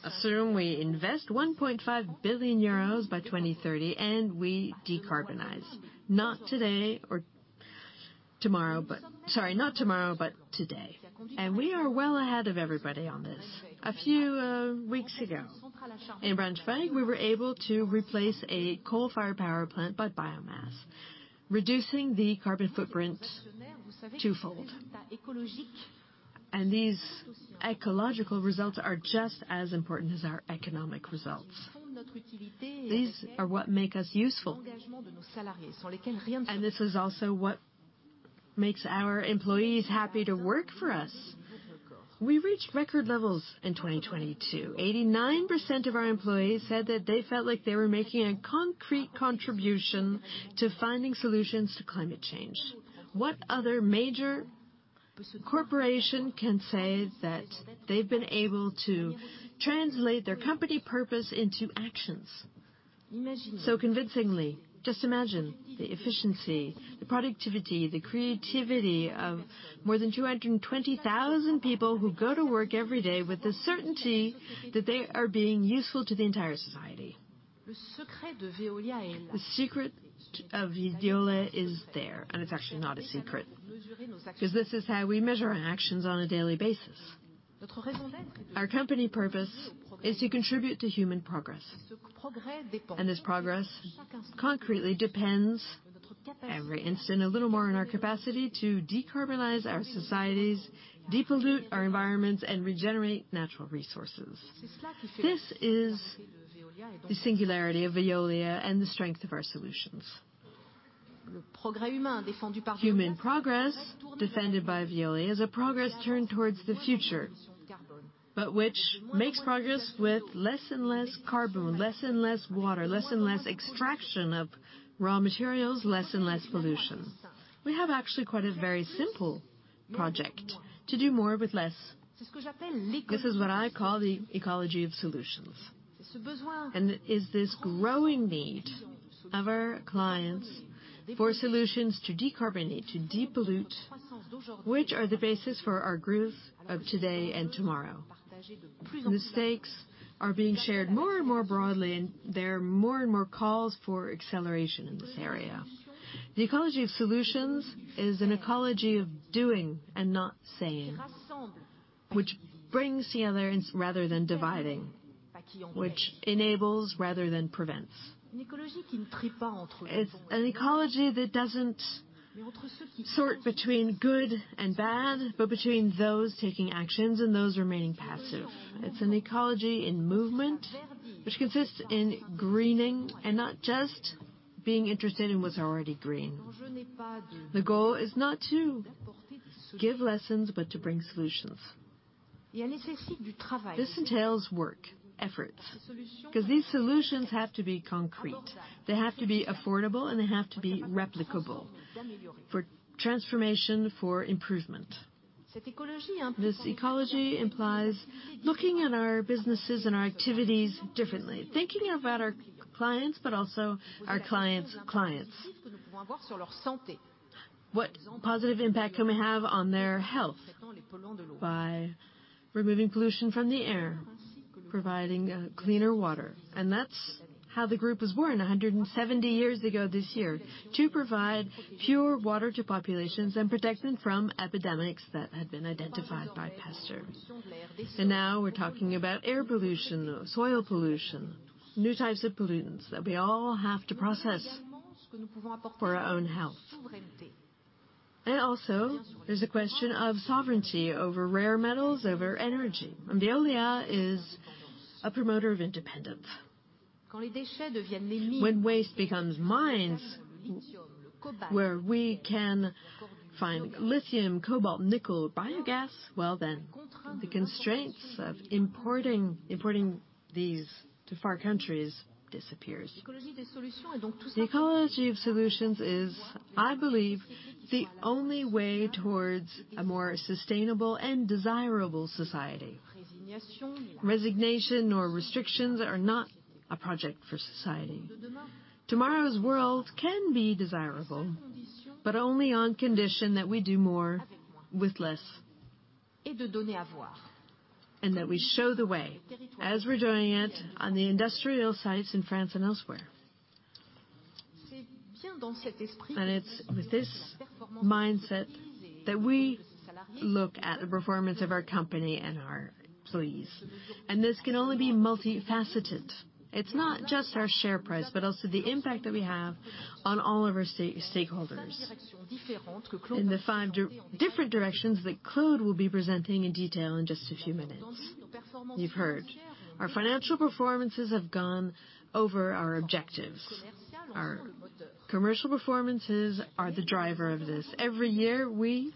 assume we invest 1.5 billion euros by 2030, we decarbonize. Not tomorrow, but today. We are well ahead of everybody on this. A few weeks ago in Braunschweig, we were able to replace a coal-fired power plant by biomass, reducing the carbon footprint twofold. These ecological results are just as important as our economic results. These are what make us useful, and this is also what makes our employees happy to work for us. We reached record levels in 2022. 89% of our employees said that they felt like they were making a concrete contribution to finding solutions to climate change. What other major corporation can say that they've been able to translate their company purpose into actions so convincingly? Just imagine the efficiency, the productivity, the creativity of more than 220,000 people who go to work every day with the certainty that they are being useful to the entire society. The secret of Veolia is there, and it's actually not a secret because this is how we measure our actions on a daily basis. Our company purpose is to contribute to human progress, and this progress concretely depends every instant a little more on our capacity to decarbonize our societies, depollute our environments, and regenerate natural resources. This is the singularity of Veolia and the strength of our solutions. Human progress defended by Veolia is a progress turned towards the future, but which makes progress with less and less carbon, less and less water, less and less extraction of raw materials, less and less pollution. We have actually quite a very simple project: to do more with less. This is what I call the ecology of solutions. It is this growing need of our clients for solutions to decarbonate, to depollute, which are the basis for our growth of today and tomorrow. Mistakes are being shared more and more broadly, and there are more and more calls for acceleration in this area. The ecology of solutions is an ecology of doing and not saying, which brings together rather than dividing, which enables rather than prevents. It's an ecology that doesn't sort between good and bad, but between those taking actions and those remaining passive. It's an ecology in movement which consists in greening and not just being interested in what's already green. The goal is not to give lessons, but to bring solutions. This entails work, effort, because these solutions have to be concrete, they have to be affordable, and they have to be replicable for transformation, for improvement. This ecology implies looking at our businesses and our activities differently, thinking about our clients, but also our clients' clients. What positive impact can we have on their health by removing pollution from the air, providing cleaner water. That's how the group was born 170 years ago this year to provide pure water to populations and protect them from epidemics that had been identified by Pasteur. Now we're talking about air pollution, soil pollution, new types of pollutants that we all have to process for our own health. Also, there's a question of sovereignty over rare metals, over energy, and Veolia is a promoter of independence. When waste becomes mines, where we can find lithium, cobalt, nickel, biogas, well, then the constraints of importing these to far countries disappears. The ecology of solutions is, I believe, the only way towards a more sustainable and desirable society. Resignation or restrictions are not a project for society. Tomorrow's world can be desirable, but only on condition that we do more with less. That we show the way, as we're doing it on the industrial sites in France and elsewhere. It's with this mindset that we look at the performance of our company and our employees, and this can only be multifaceted. It's not just our share price, but also the impact that we have on all of our stakeholders. In the five different directions that Claude will be presenting in detail in just a few minutes. You've heard our financial performances have gone over our objectives. Our commercial performances are the driver of this. Every year, we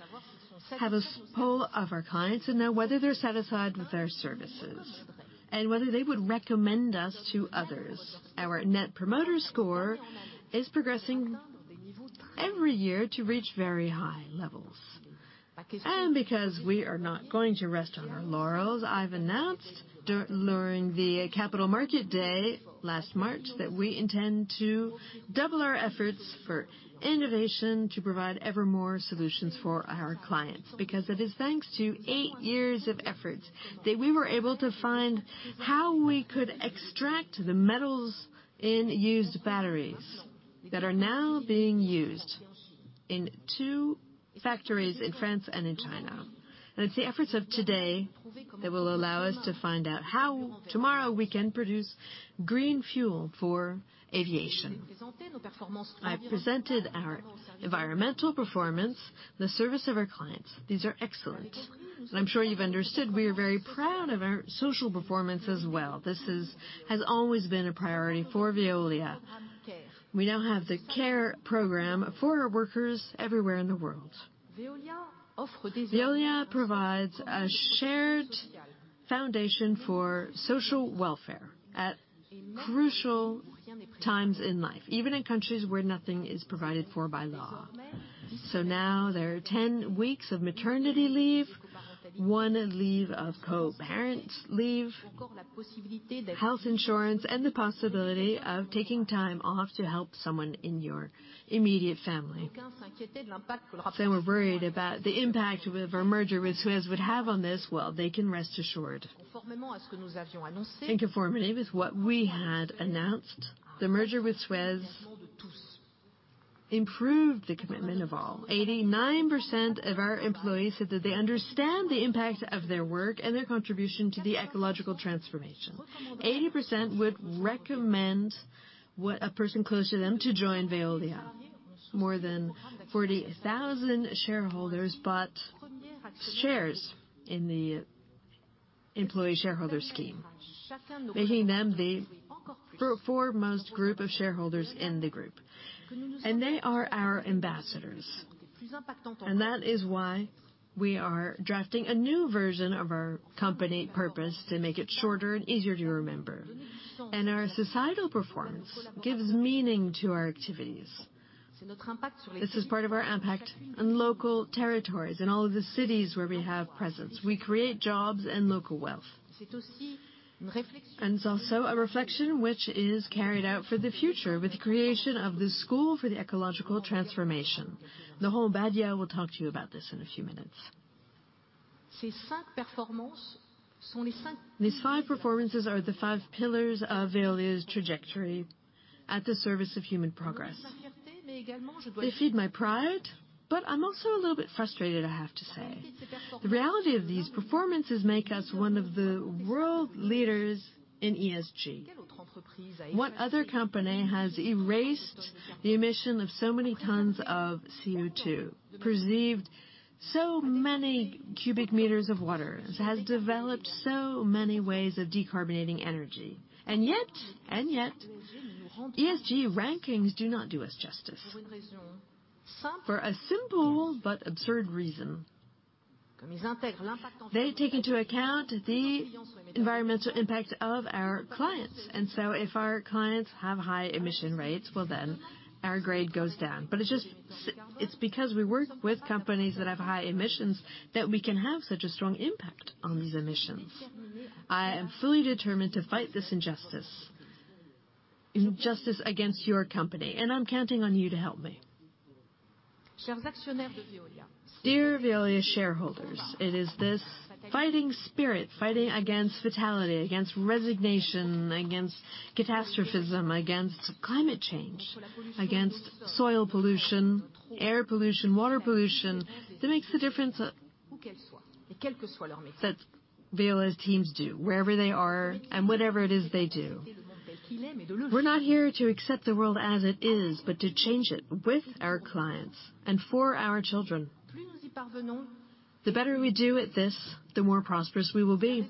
have a poll of our clients to know whether they're satisfied with our services and whether they would recommend us to others. Our Net Promoter Score is progressing every year to reach very high levels. Because we are not going to rest on our laurels, I've announced during the Capital Market Day last March, that we intend to double our efforts for innovation to provide ever more solutions for our clients. Because it is thanks to eight years of efforts that we were able to find how we could extract the metals in used batteries that are now being used in two factories in France and in China. It's the efforts of today that will allow us to find out how tomorrow we can produce green fuel for aviation. I presented our environmental performance, the service of our clients. These are excellent. I'm sure you've understood, we are very proud of our social performance as well. This has always been a priority for Veolia. We now have the care program for our workers everywhere in the world. Veolia provides a shared foundation for social welfare at crucial times in life, even in countries where nothing is provided for by law. Now there are 10 weeks of maternity leave, 1 leave of co-parents leave, health insurance, and the possibility of taking time off to help someone in your immediate family. If they were worried about the impact of our merger with Suez would have on this, well, they can rest assured. In conformity with what we had announced, the merger with Suez improved the commitment of all. 89% of our employees said that they understand the impact of their work and their contribution to the ecological transformation. 80% would recommend what a person close to them to join Veolia. More than 40,000 shareholders bought shares in the employee shareholder scheme, making them the foremost group of shareholders in the group, they are our ambassadors. That is why we are drafting a new version of our company purpose to make it shorter and easier to remember. Our societal performance gives meaning to our activities. This is part of our impact on local territories in all of the cities where we have presence. We create jobs and local wealth. It's also a reflection which is carried out for the future with the creation of the School of Ecological Transformation. Laurent Obadia will talk to you about this in a few minutes. These five performances are the five pillars of Veolia's trajectory at the service of human progress. They feed my pride, I'm also a little bit frustrated, I have to say. The reality of these performances make us one of the world leaders in ESG. What other company has erased the emission of so many tons of CO2, preserved so many cubic meters of water, has developed so many ways of decarbonating energy? Yet, ESG rankings do not do us justice for a simple but absurd reason. They take into account the environmental impact of our clients. If our clients have high emission rates, well, then our grade goes down. It's just it's because we work with companies that have high emissions that we can have such a strong impact on these emissions. I am fully determined to fight this injustice, against your company, and I'm counting on you to help me. Dear Veolia shareholders, it is this fighting spirit, fighting against fatality, against resignation, against catastrophism, against climate change, against soil pollution, air pollution, water pollution, that makes the difference, that Veolia's teams do wherever they are and whatever it is they do. We're not here to accept the world as it is, but to change it with our clients and for our children. The better we do at this, the more prosperous we will be.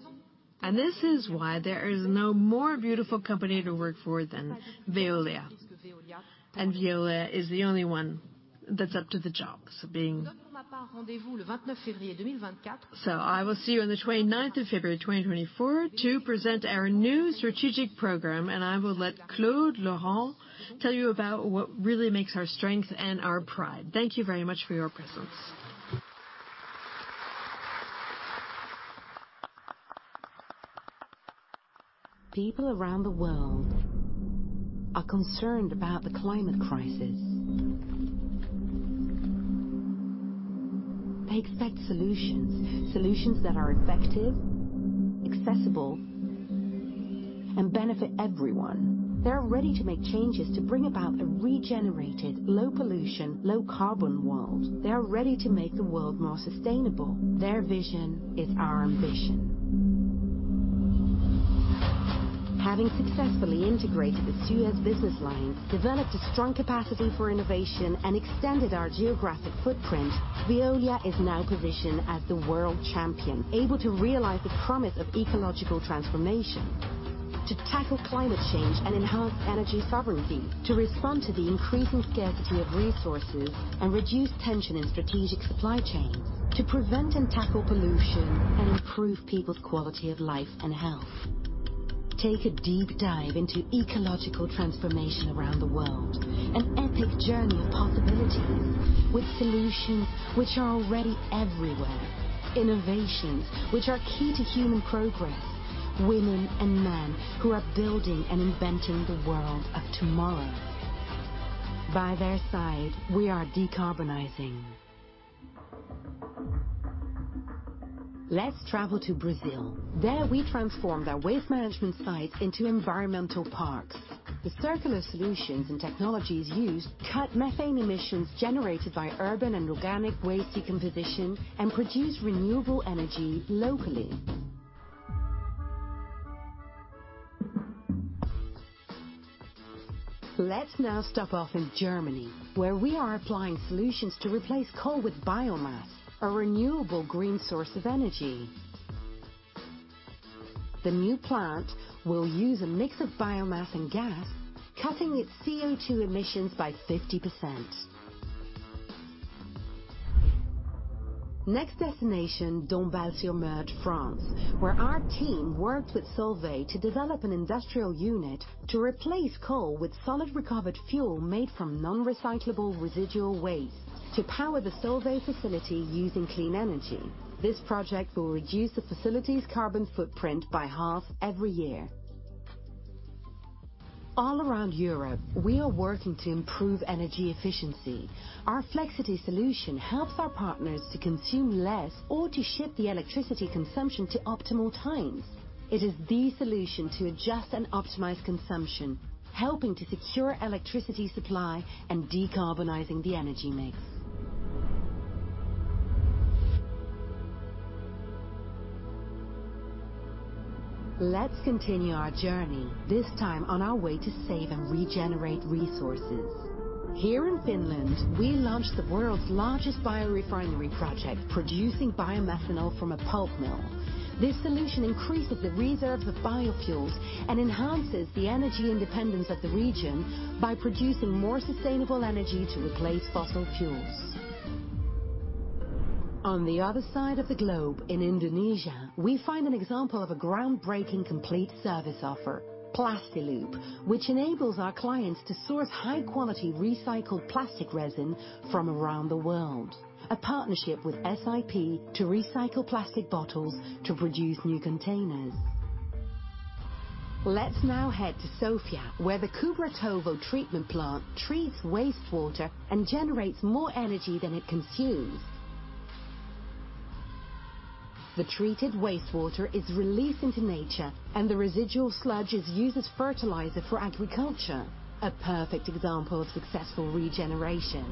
This is why there is no more beautiful company to work for than Veolia, and Veolia is the only one that's up to the job. I will see you on the 29th of February, 2024 to present our new strategic program, and I will let Claude Laruelle tell you about what really makes our strength and our pride. Thank you very much for your presence. People around the world are concerned about the climate crisis. They expect solutions that are effective, accessible, and benefit everyone. They're ready to make changes to bring about a regenerated, low pollution, low carbon world. They are ready to make the world more sustainable. Their vision is our ambition. Having successfully integrated the Suez business lines, developed a strong capacity for innovation, and extended our geographic footprint, Veolia is now positioned as the world champion, able to realize the promise of ecological transformation, to tackle climate change and enhance energy sovereignty. To respond to the increasing scarcity of resources and reduce tension in strategic supply chains. To prevent and tackle pollution and improve people's quality of life and health. Take a deep dive into ecological transformation around the world. An epic journey of possibility with solutions which are already everywhere. Innovations, which are key to human progress. Women and men who are building and inventing the world of tomorrow. By their side, we are decarbonizing. Let's travel to Brazil. There we transform their waste management sites into environmental parks. The circular solutions and technologies used cut methane emissions generated by urban and organic waste decomposition and produce renewable energy locally. Let's now stop off in Germany, where we are applying solutions to replace coal with biomass, a renewable green source of energy. The new plant will use a mix of biomass and gas, cutting its CO2 emissions by 50%. Next destination, Dombasle-sur-Meurthe, France, where our team worked with Solvay to develop an industrial unit to replace coal with solid recovered fuel made from non-recyclable residual waste to power the Solvay facility using clean energy. This project will reduce the facility's carbon footprint by half every year. All around Europe, we are working to improve energy efficiency. Our Flexcity solution helps our partners to consume less or to shift the electricity consumption to optimal times. It is the solution to adjust and optimize consumption, helping to secure electricity supply and decarbonizing the energy mix. Let's continue our journey, this time on our way to save and regenerate resources. Here in Finland, we launched the world's largest biorefinery project, producing biomethanol from a pulp mill. This solution increases the reserve of biofuels and enhances the energy independence of the region by producing more sustainable energy to replace fossil fuels. On the other side of the globe, in Indonesia, we find an example of a groundbreaking complete service offer, PlastiLoop, which enables our clients to source high-quality recycled plastic resin from around the world. A partnership with SIP to recycle plastic bottles to produce new containers. Let's now head to Sofia, where the Kubratovo treatment plant treats wastewater and generates more energy than it consumes. The treated wastewater is released into nature, the residual sludge is used as fertilizer for agriculture. A perfect example of successful regeneration.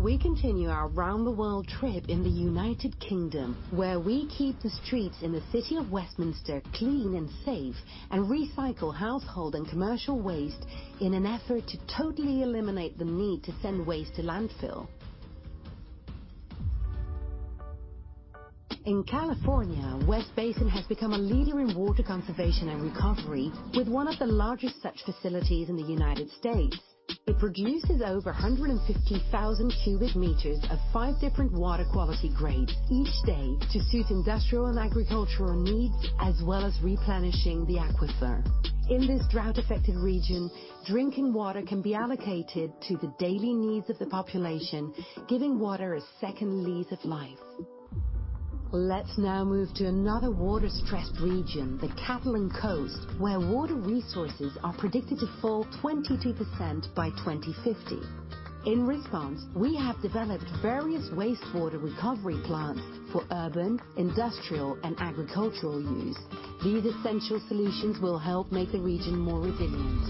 We continue our round the world trip in the United Kingdom, where we keep the streets in the City of Westminster clean and safe and recycle household and commercial waste in an effort to totally eliminate the need to send waste to landfill. In California, West Basin has become a leader in water conservation and recovery, with one of the largest such facilities in the United States. It produces over 150,000 cubic meters of five different water quality grades each day to suit industrial and agricultural needs, as well as replenishing the aquifer. In this drought-affected region, drinking water can be allocated to the daily needs of the population, giving water a second lease of life. Let's now move to another water-stressed region, the Catalan coast, where water resources are predicted to fall 22% by 2050. In response, we have developed various wastewater recovery plants for urban, industrial, and agricultural use. These essential solutions will help make the region more resilient.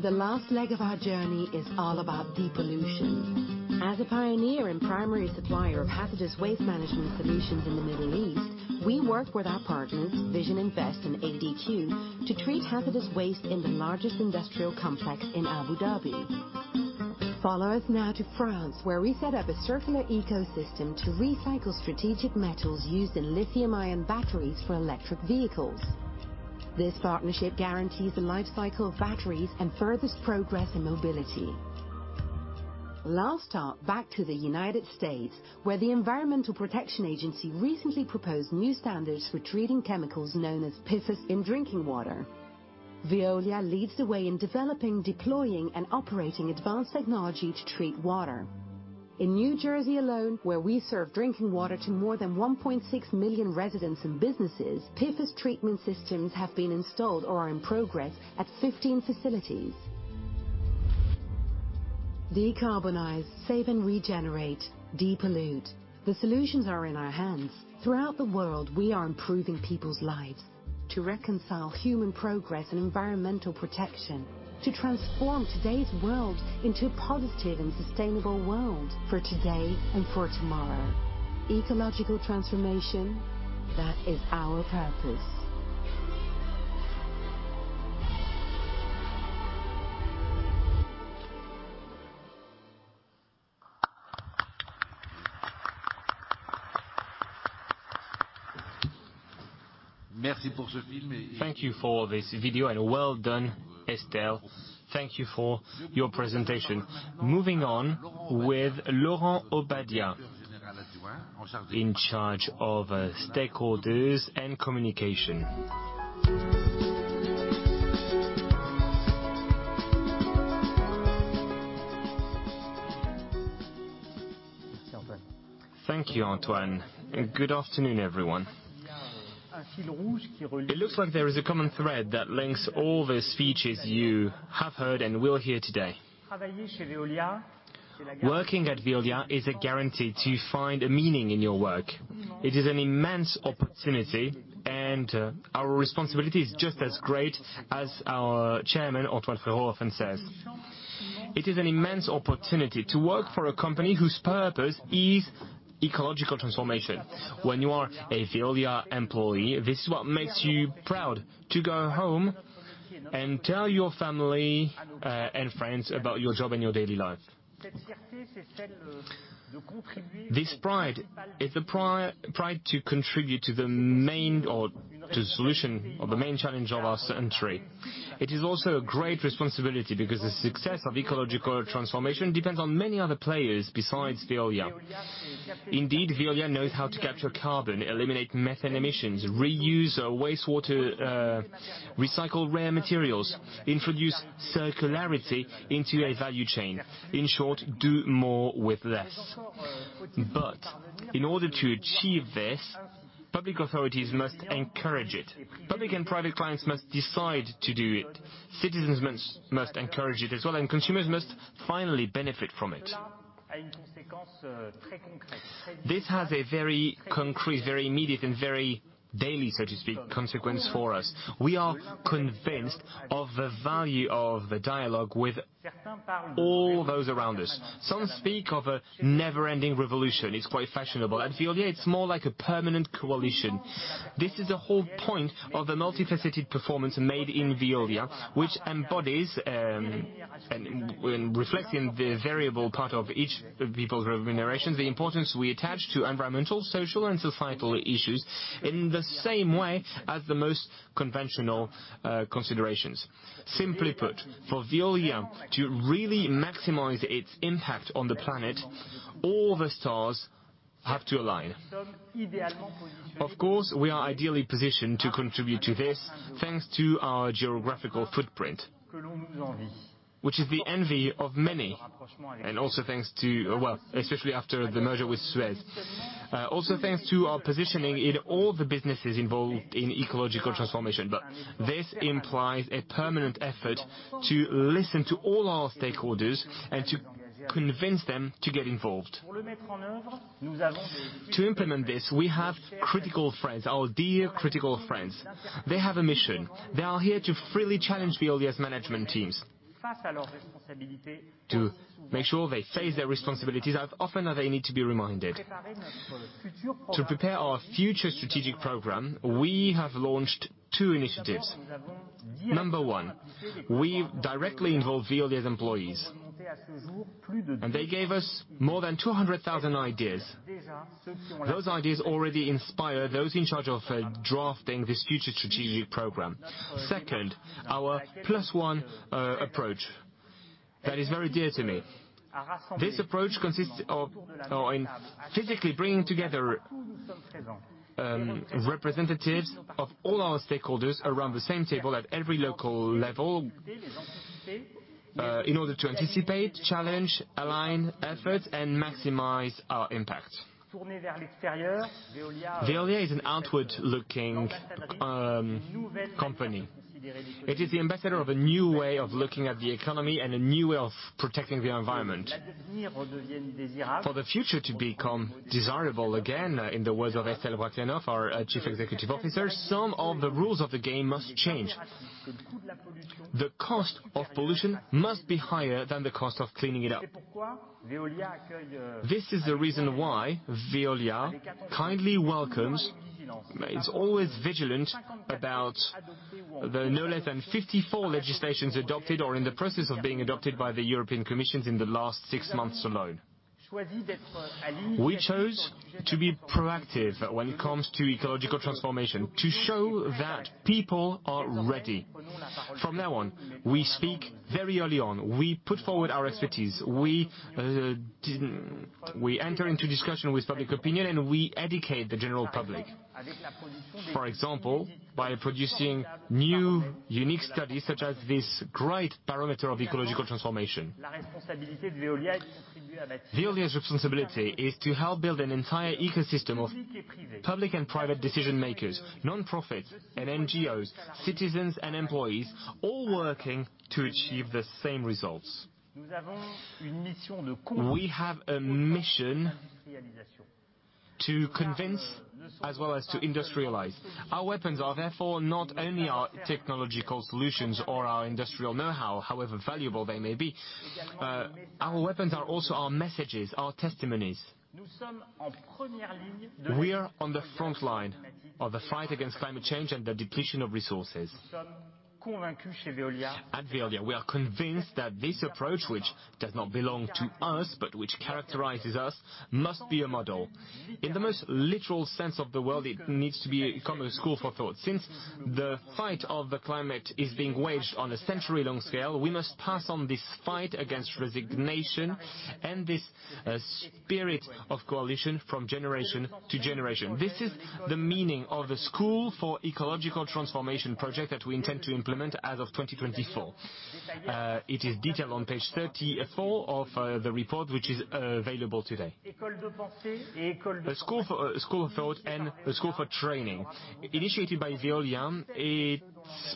The last leg of our journey is all about depollution. As a pioneer and primary supplier of hazardous waste management solutions in the Middle East, we work with our partners, Vision Invest and ADQ, to treat hazardous waste in the largest industrial complex in Abu Dhabi. Follow us now to France, where we set up a circular ecosystem to recycle strategic metals used in lithium ion batteries for electric vehicles. This partnership guarantees the life cycle of batteries and furthest progress in mobility. Last stop, back to the U.S., where the Environmental Protection Agency recently proposed new standards for treating chemicals known as PFAS in drinking water. Veolia leads the way in developing, deploying, and operating advanced technology to treat water. In New Jersey alone, where we serve drinking water to more than 1.6 million residents and businesses, PFOS treatment systems have been installed or are in progress at 15 facilities. Decarbonize, save and regenerate, depollute. The solutions are in our hands. Throughout the world, we are improving people's lives to reconcile human progress and environmental protection, to transform today's world into a positive and sustainable world for today and for tomorrow. Ecological transformation, that is our purpose. Thank you for this video, and well done, Estelle. Thank you for your presentation. Moving on with Laurent Obadia, in charge of stakeholders and communication. Thank you, Antoine, and good afternoon, everyone. It looks like there is a common thread that links all the speeches you have heard and will hear today. Working at Veolia is a guarantee to find a meaning in your work. It is an immense opportunity, our responsibility is just as great as our chairman, Antoine Frérot, often says. It is an immense opportunity to work for a company whose purpose is ecological transformation. When you are a Veolia employee, this is what makes you proud to go home and tell your family and friends about your job and your daily life. This pride is the pride to contribute to the main or to the solution of the main challenge of our century. It is also a great responsibility because the success of ecological transformation depends on many other players besides Veolia. Veolia knows how to capture carbon, eliminate methane emissions, reuse our wastewater, recycle rare materials, introduce circularity into a value chain. In short, do more with less. In order to achieve this, public authorities must encourage it. Public and private clients must decide to do it. Citizens must encourage it as well, consumers must finally benefit from it. This has a very concrete, very immediate, and very daily, so to speak, consequence for us. We are convinced of the value of the dialogue with all those around us. Some speak of a never-ending revolution. It's quite fashionable. At Veolia, it's more like a permanent coalition. This is the whole point of the multifaceted performance made in Veolia, which embodies and reflects in the variable part of each people's remuneration, the importance we attach to environmental, social, and societal issues in the same way as the most conventional considerations. Simply put, for Veolia to really maximize its impact on the planet, all the stars have to align. Of course, we are ideally positioned to contribute to this thanks to our geographical footprint, which is the envy of many, and also thanks to... Well, especially after the merger with Suez. Also thanks to our positioning in all the businesses involved in ecological transformation. This implies a permanent effort to listen to all our stakeholders and to convince them to get involved. To implement this, we have critical friends, our dear critical friends. They have a mission. They are here to freely challenge Veolia's management teams to make sure they face their responsibilities as often as they need to be reminded. To prepare our future strategic program, we have launched two initiatives. Number one, we directly involve Veolia's employees. They gave us more than 200,000 ideas. Those ideas already inspire those in charge of drafting this future strategic program. Second, our +1 approach. That is very dear to me. This approach consists of in physically bringing together representatives of all our stakeholders around the same table at every local level in order to anticipate, challenge, align efforts, and maximize our impact. Veolia is an outward-looking company. It is the ambassador of a new way of looking at the economy and a new way of protecting the environment. For the future to become desirable again, in the words of Estelle Brachlianoff, our Chief Executive Officer, some of the rules of the game must change. The cost of pollution must be higher than the cost of cleaning it up. This is the reason why Veolia kindly welcomes, is always vigilant about the no less than 54 legislations adopted or in the process of being adopted by the European Commission in the last six months alone. We chose to be proactive when it comes to ecological transformation to show that people are ready. From now on, we speak very early on. We put forward our expertise. We enter into discussion with public opinion, and we educate the general public. For example, by producing new unique studies such as this great Barometer of Ecological Transformation. Veolia's responsibility is to help build an entire ecosystem of public and private decision-makers, nonprofits, and NGOs, citizens and employees, all working to achieve the same results. We have a mission to convince as well as to industrialize. Our weapons are therefore not only our technological solutions or our industrial know-how, however valuable they may be. Our weapons are also our messages, our testimonies. We are on the front line of the fight against climate change and the depletion of resources. At Veolia, we are convinced that this approach, which does not belong to us, but which characterizes us, must be a model. In the most literal sense of the world, it needs to be become a school for thought. Since the fight of the climate is being waged on a century-long scale, we must pass on this fight against resignation and this spirit of coalition from generation to generation. This is the meaning of the School of Ecological Transformation project that we intend to implement as of 2024. It is detailed on Page 34 of the report which is available today. A school of thought and a school for training. Initiated by Veolia, its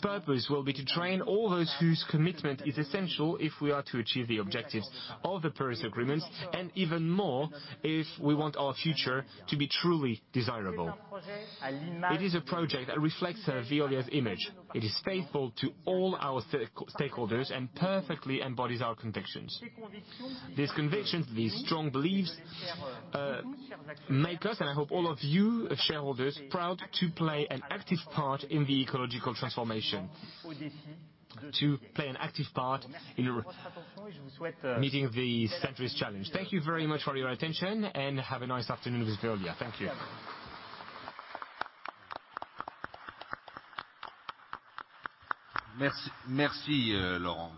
purpose will be to train all those whose commitment is essential if we are to achieve the objectives of the Paris Agreement. Even more if we want our future to be truly desirable. It is a project that reflects Veolia's image. It is faithful to all our stakeholders and perfectly embodies our convictions. These convictions, these strong beliefs make us, and I hope all of you shareholders, proud to play an active part in the ecological transformation, to play an active part in meeting the century's challenge. Thank you very much for your attention. Have a nice afternoon with Veolia. Thank you. Merci, merci, Laurent.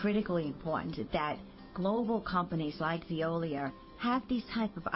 I think it's critically important that global companies like Veolia have these type of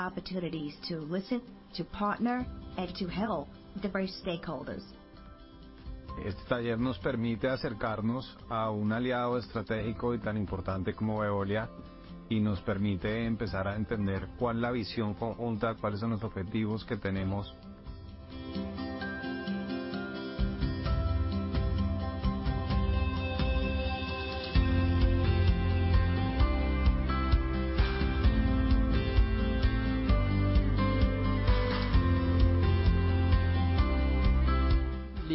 opportunities to listen, to partner, and to help diverse stakeholders. The main challenges associated with ecological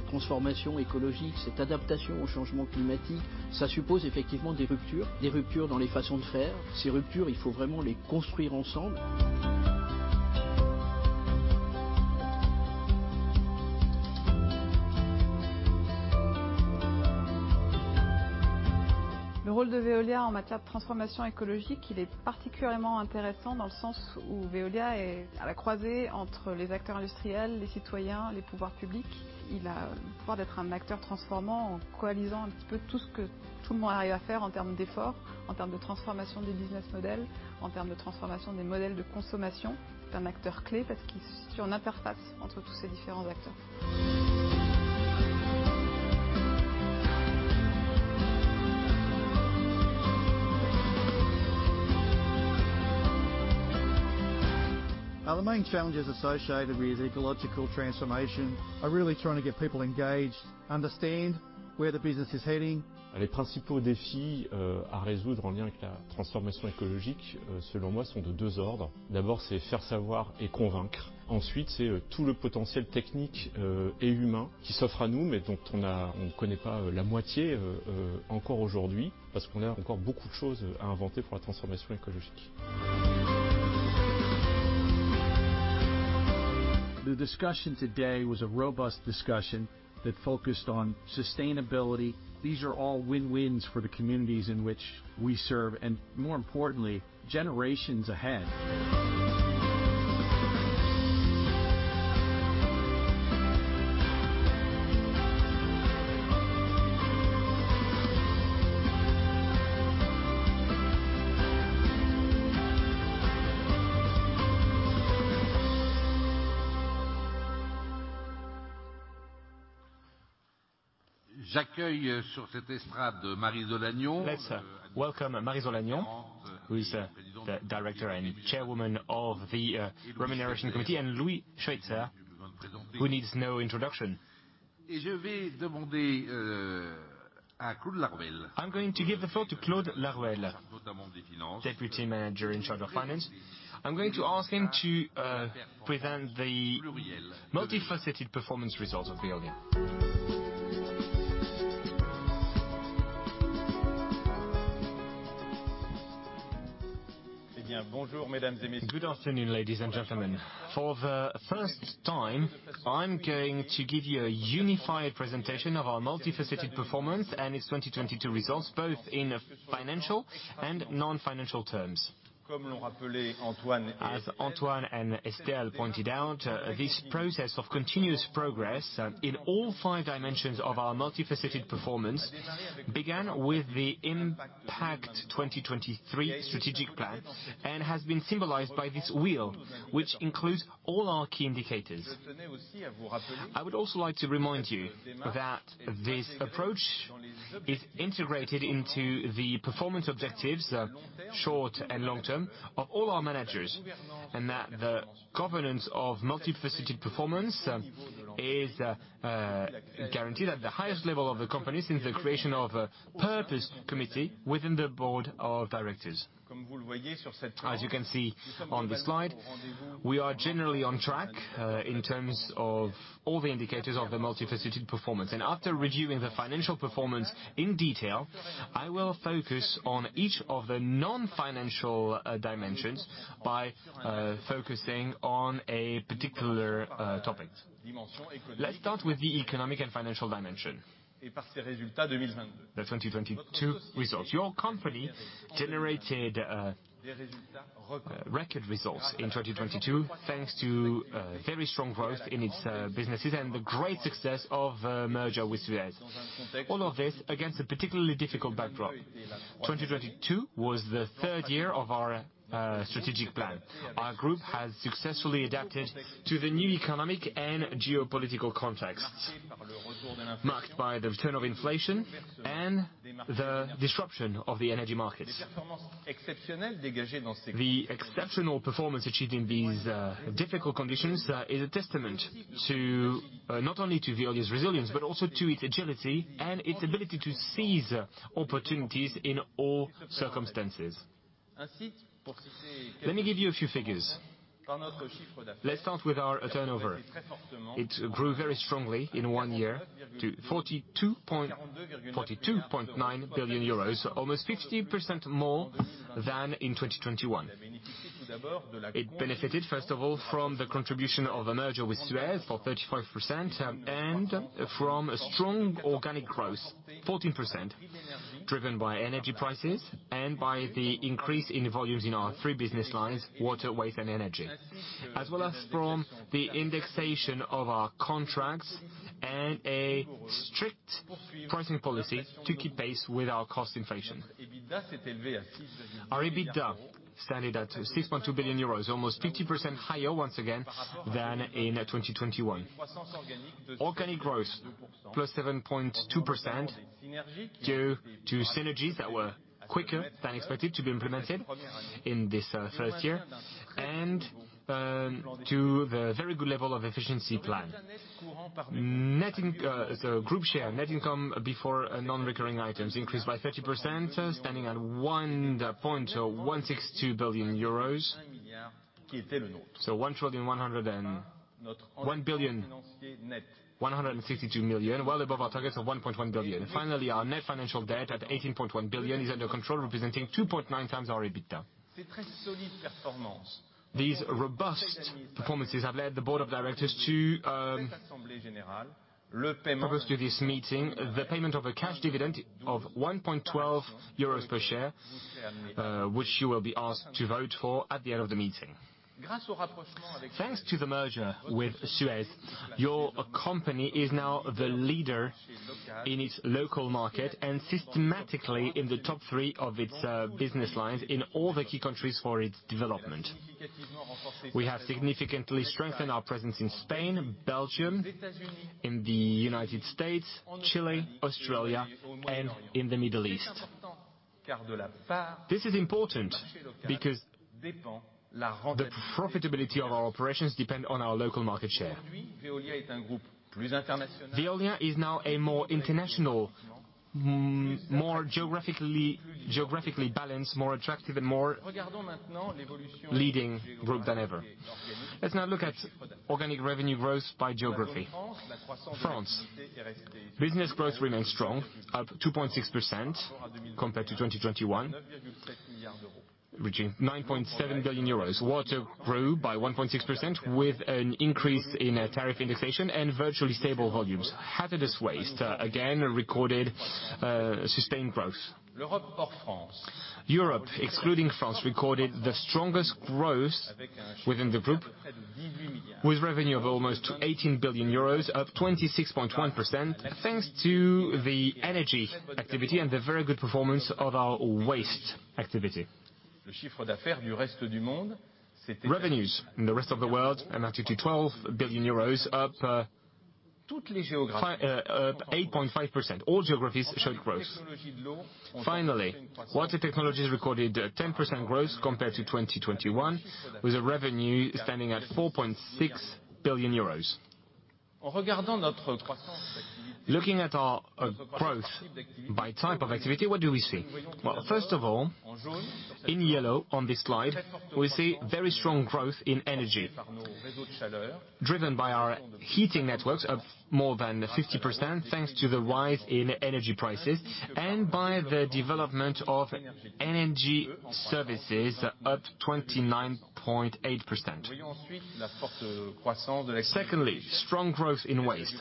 transformation are really trying to get people engaged, understand where the business is heading. The discussion today was a robust discussion that focused on sustainability. These are all win-wins for the communities in which we serve, and more importantly, generations ahead. Let's welcome Marie-Lise Agneaux, who is the Director and Chairwoman of the Remuneration Committee, and Louis Schweitzer, who needs no introduction. I'm going to give the floor to Claude Laruelle, Deputy Manager in charge of Finance. I'm going to ask him to present the multifaceted performance results of Veolia. Good afternoon, ladies and gentlemen. For the first time, I'm going to give you a unified presentation of our multifaceted performance and its 2022 results, both in financial and non-financial terms. As Antoine and Estelle pointed out, this process of continuous progress in all five dimensions of our multifaceted performance began with the Impact 2023 strategic plan and has been symbolized by this wheel, which includes all our key indicators. I would also like to remind you that this approach is integrated into the performance objectives, short and long-term, of all our managers, and that the governance of multifaceted performance is guaranteed at the highest level of the company since the creation of a purpose committee within the board of directors. As you can see on the slide, we are generally on track in terms of all the indicators of the multifaceted performance. After reviewing the financial performance in detail, I will focus on each of the non-financial dimensions by focusing on a particular topic. Let's start with the economic and financial dimension, the 2022 results. Your company generated record results in 2022 thanks to very strong growth in its businesses and the great success of a merger with Suez. All of this against a particularly difficult backdrop. 2022 was the third year of our strategic plan. Our group has successfully adapted to the new economic and geopolitical context marked by the return of inflation and the disruption of the energy markets. The exceptional performance achieved in these difficult conditions is a testament to not only to Veolia's resilience, but also to its agility and its ability to seize opportunities in all circumstances. Let me give you a few figures. Let's start with our turnover. It grew very strongly in one year to 42.9 billion euros, almost 50% more than in 2021. It benefited, first of all, from the contribution of a merger with Suez for 35%, and from a strong organic growth, 14%, driven by energy prices and by the increase in volumes in our three business lines, water, waste, and energy, as well as from the indexation of our contracts and a strict pricing policy to keep pace with our cost inflation. Our EBITDA stand at 6.2 billion euros, almost 50% higher once again than in 2021. Organic growth, +7.2% due to synergies that were quicker than expected to be implemented in this first year and to the very good level of efficiency plan. The group share net income before non-recurring items increased by 30%, standing at 1.162 billion euros. 1,101.162 billion, well above our targets of 1.1 billion. Finally, our net financial debt at 18.1 billion is under control, representing 2.9x our EBITDA. These robust performances have led the board of directors to propose to this meeting the payment of a cash dividend of 1.12 euros per share, which you will be asked to vote for at the end of the meeting. Thanks to the merger with Suez, your company is now the leader in its local market and systematically in the top three of its business lines in all the key countries for its development. We have significantly strengthened our presence in Spain, Belgium, in the United States, Chile, Australia, and in the Middle East. This is important because the profitability of our operations depend on our local market share. Veolia is now a more international, more geographically balanced, more attractive, and more leading group than ever. Let's now look at organic revenue growth by geography. France. Business growth remains strong, up 2.6% compared to 2021, reaching 9.7 billion euros. Water grew by 1.6% with an increase in tariff indexation and virtually stable volumes. Hazardous waste again recorded sustained growth. Europe, excluding France, recorded the strongest growth within the group, with revenue of almost 18 billion euros, up 26.1%, thanks to the energy activity and the very good performance of our waste activity. Revenues in the rest of the world amounted to 12 billion euros, up 8.5%. All geographies showed growth. Finally, water technologies recorded 10% growth compared to 2021, with a revenue standing at 4.6 billion euros. Looking at our growth by type of activity, what do we see? First of all, in yellow on this slide, we see very strong growth in energy driven by our heating networks of more than 50% thanks to the rise in energy prices and by the development of energy services up 29.8%. Secondly, strong growth in waste,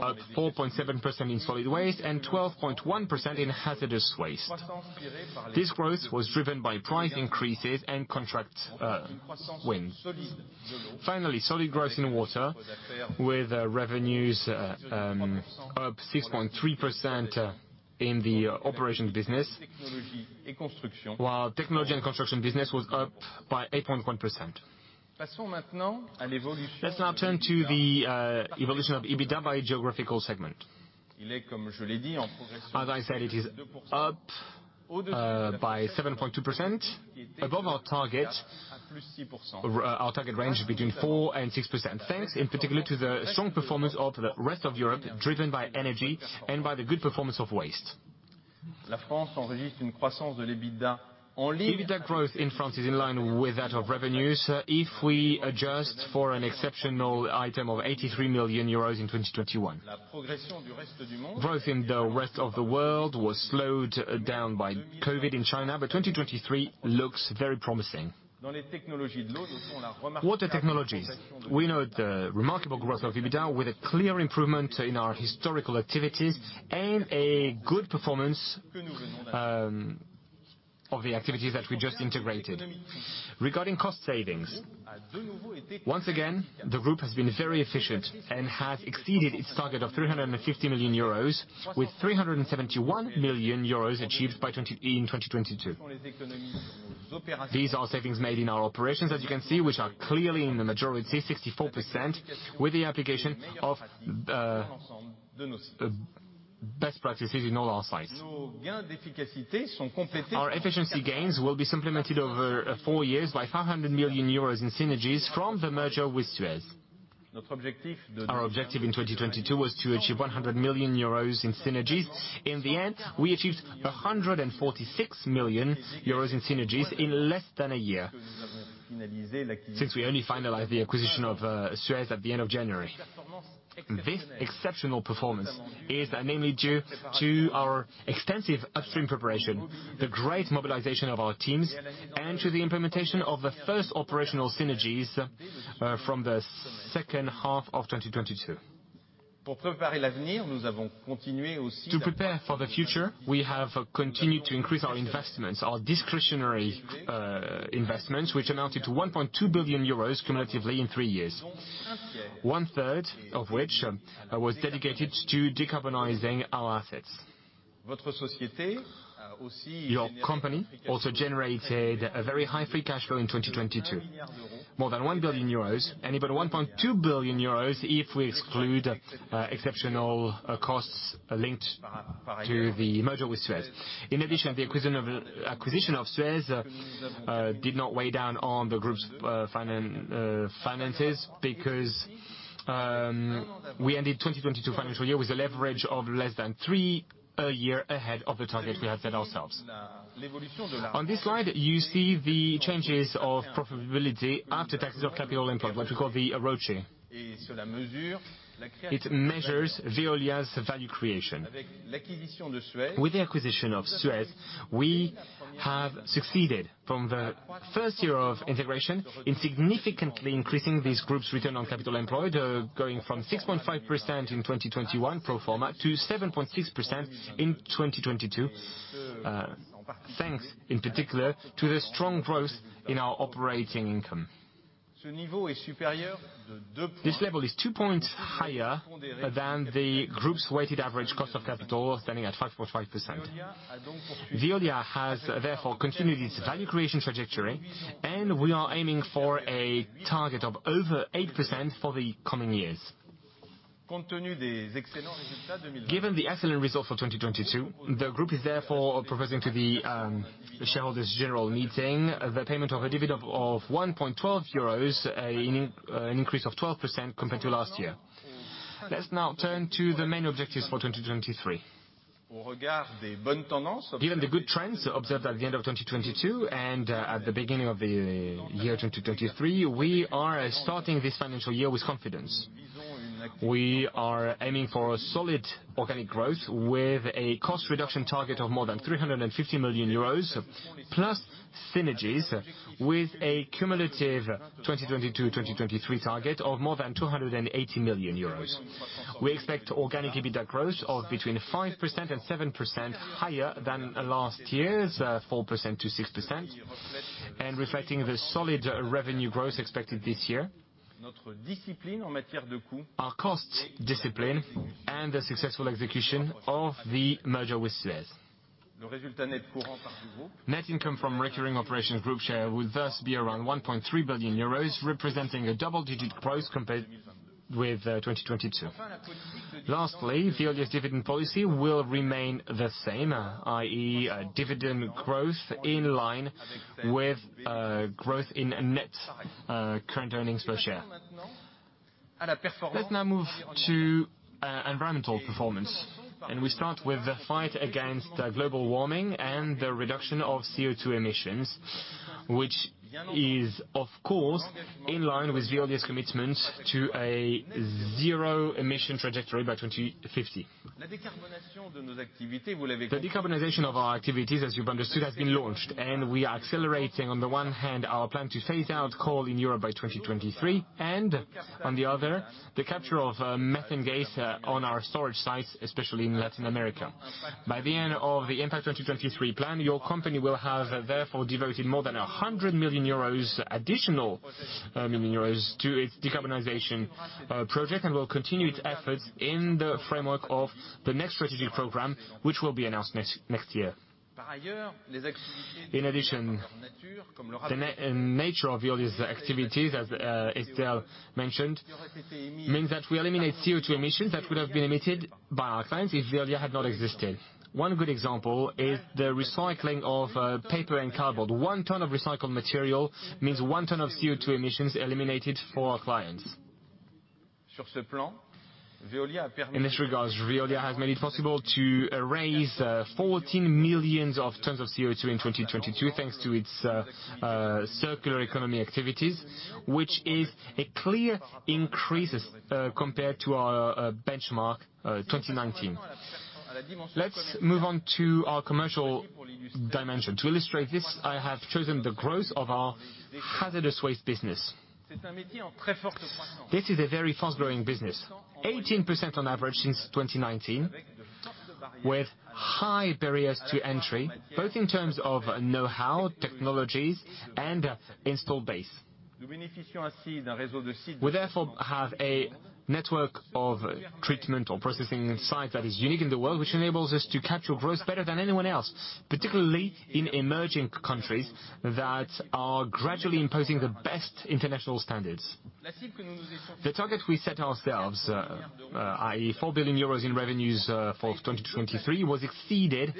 up 4.7% in solid waste and 12.1% in hazardous waste. This growth was driven by price increases and contract wins. Finally, solid growth in water with revenues up 6.3% in the operations business, while technology and construction business was up by 8.1%. Let's now turn to the evolution of EBITDA by geographical segment. As I said, it is up by 7.2% above our target range between 4%-6%. Thanks in particular to the strong performance of the rest of Europe, driven by energy and by the good performance of waste. EBITDA growth in France is in line with that of revenues, if we adjust for an exceptional item of 83 million euros in 2021. Growth in the rest of the world was slowed down by COVID in China. 2023 looks very promising. Water technologies. We note the remarkable growth of EBITDA with a clear improvement in our historical activities and a good performance of the activities that we just integrated. Regarding cost savings, once again, the group has been very efficient and has exceeded its target of 350 million euros with 371 million euros achieved in 2022. These are savings made in our operations, as you can see, which are clearly in the majority, 64%, with the application of best practices in all our sites. Our efficiency gains will be supplemented over four years by 500 million euros in synergies from the merger with Suez. Our objective in 2022 was to achieve 100 million euros in synergies. In the end, we achieved 146 million euros in synergies in less than a year, since we only finalized the acquisition of Suez at the end of January. This exceptional performance is namely due to our extensive upstream preparation, the great mobilization of our teams, and to the implementation of the first operational synergies from the 2nd half of 2022. To prepare for the future, we have continued to increase our investments, our discretionary investments, which amounted to 1.2 billion euros cumulatively in three years. 1/3 of which was dedicated to decarbonizing our assets. Your company also generated a very high free cash flow in 2022, more than 1 billion euros, and about 1.2 billion euros if we exclude exceptional costs linked to the merger with Suez. The acquisition of Suez did not weigh down on the group's finances because we ended 2022 financial year with a leverage of less than three a year ahead of the target we have set ourselves. On this slide you see the changes of profitability after taxes of capital employed, what we call the ROCE. It measures Veolia's value creation. With the acquisition of Suez, we have succeeded from the first year of integration in significantly increasing this group's return on capital employed, going from 6.5% in 2021 pro forma to 7.6% in 2022, thanks in particular to the strong growth in our operating income. This level is 2 points higher than the group's weighted average cost of capital standing at 5.5%. Veolia has therefore continued its value creation trajectory, and we are aiming for a target of over 8% for the coming years. Given the excellent results for 2022, the group is therefore proposing to the shareholders general meeting the payment of a dividend of 1.12 euros, an increase of 12% compared to last year. Let's now turn to the main objectives for 2023. Given the good trends observed at the end of 2022 and at the beginning of the year 2023, we are starting this financial year with confidence. We are aiming for a solid organic growth with a cost reduction target of more than 350 million euros, plus synergies with a cumulative 2022, 2023 target of more than 280 million euros. We expect organic EBITDA growth of between 5% and 7% higher than last year's 4%-6%, and reflecting the solid revenue growth expected this year. Our cost discipline and the successful execution of the merger with Suez. Net income from recurring operations group share will thus be around 1.3 billion euros, representing a double-digit growth compared with 2022. Lastly, Veolia's dividend policy will remain the same, i.e., dividend growth in line with growth in net current earnings per share. Let's now move to environmental performance. We start with the fight against global warming and the reduction of CO2 emissions, which is, of course, in line with Veolia's commitment to a zero emission trajectory by 2050. The decarbonization of our activities, as you've understood, has been launched, we are accelerating, on the one hand, our plan to phase out coal in Europe by 2023, and on the other, the capture of methane gas on our storage sites, especially in Latin America. By the end of the Impact 2023 plan, your company will have therefore devoted more than 100 million euros, additional million EUR to its decarbonization project and will continue its efforts in the framework of the next strategic program, which will be announced next year. In addition, the nature of Veolia's activities, as Estelle mentioned, means that we eliminate CO2 emissions that would have been emitted by our clients if Veolia had not existed. One good example is the recycling of paper and cardboard. One ton of recycled material means one ton of CO2 emissions eliminated for our clients. In this regard, Veolia has made it possible to erase 14 million tons of CO2 in 2022, thanks to its circular economy activities, which is a clear increase compared to our benchmark 2019. Let's move on to our commercial dimension. To illustrate this, I have chosen the growth of our hazardous waste business. This is a very fast-growing business. 18% on average since 2019, with high barriers to entry, both in terms of know-how, technologies, and installed base. We therefore have a network of treatment or processing site that is unique in the world, which enables us to capture growth better than anyone else, particularly in emerging countries that are gradually imposing the best international standards. The target we set ourselves, i.e., 4 billion euros in revenues, for 2023, was exceeded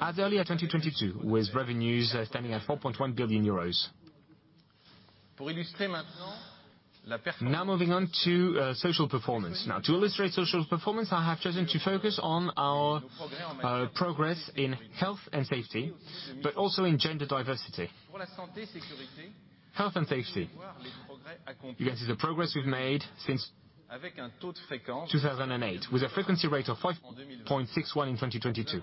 as early as 2022, with revenues standing at 4.1 billion euros. Moving on to social performance. To illustrate social performance, I have chosen to focus on our progress in health and safety, but also in gender diversity. Health and safety. You can see the progress we've made since 2008, with a frequency rate of 5.61% in 2022.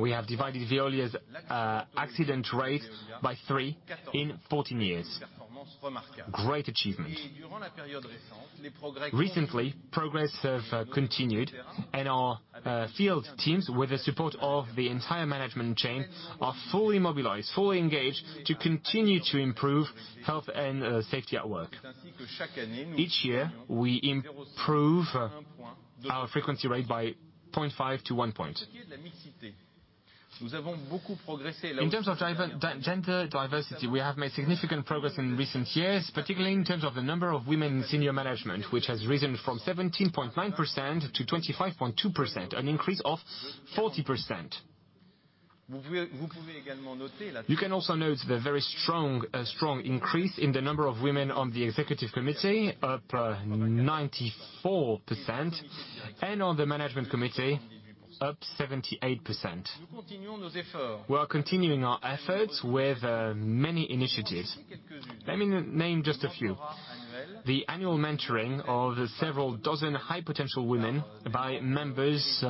We have divided Veolia's accident rate by three in 14 years. Great achievement. Recently, progress have continued, our field teams, with the support of the entire management chain, are fully mobilized, fully engaged to continue to improve health and safety at work. Each year, we improve our frequency rate by 0.5-1 point. In terms of gender diversity, we have made significant progress in recent years, particularly in terms of the number of women in senior management, which has risen from 17.9%-25.2%, an increase of 40%. You can also note the very strong increase in the number of women on the executive committee, up 94%, and on the management committee, up 78%. We are continuing our efforts with many initiatives. Let me name just a few. The annual mentoring of several dozen high-potential women by members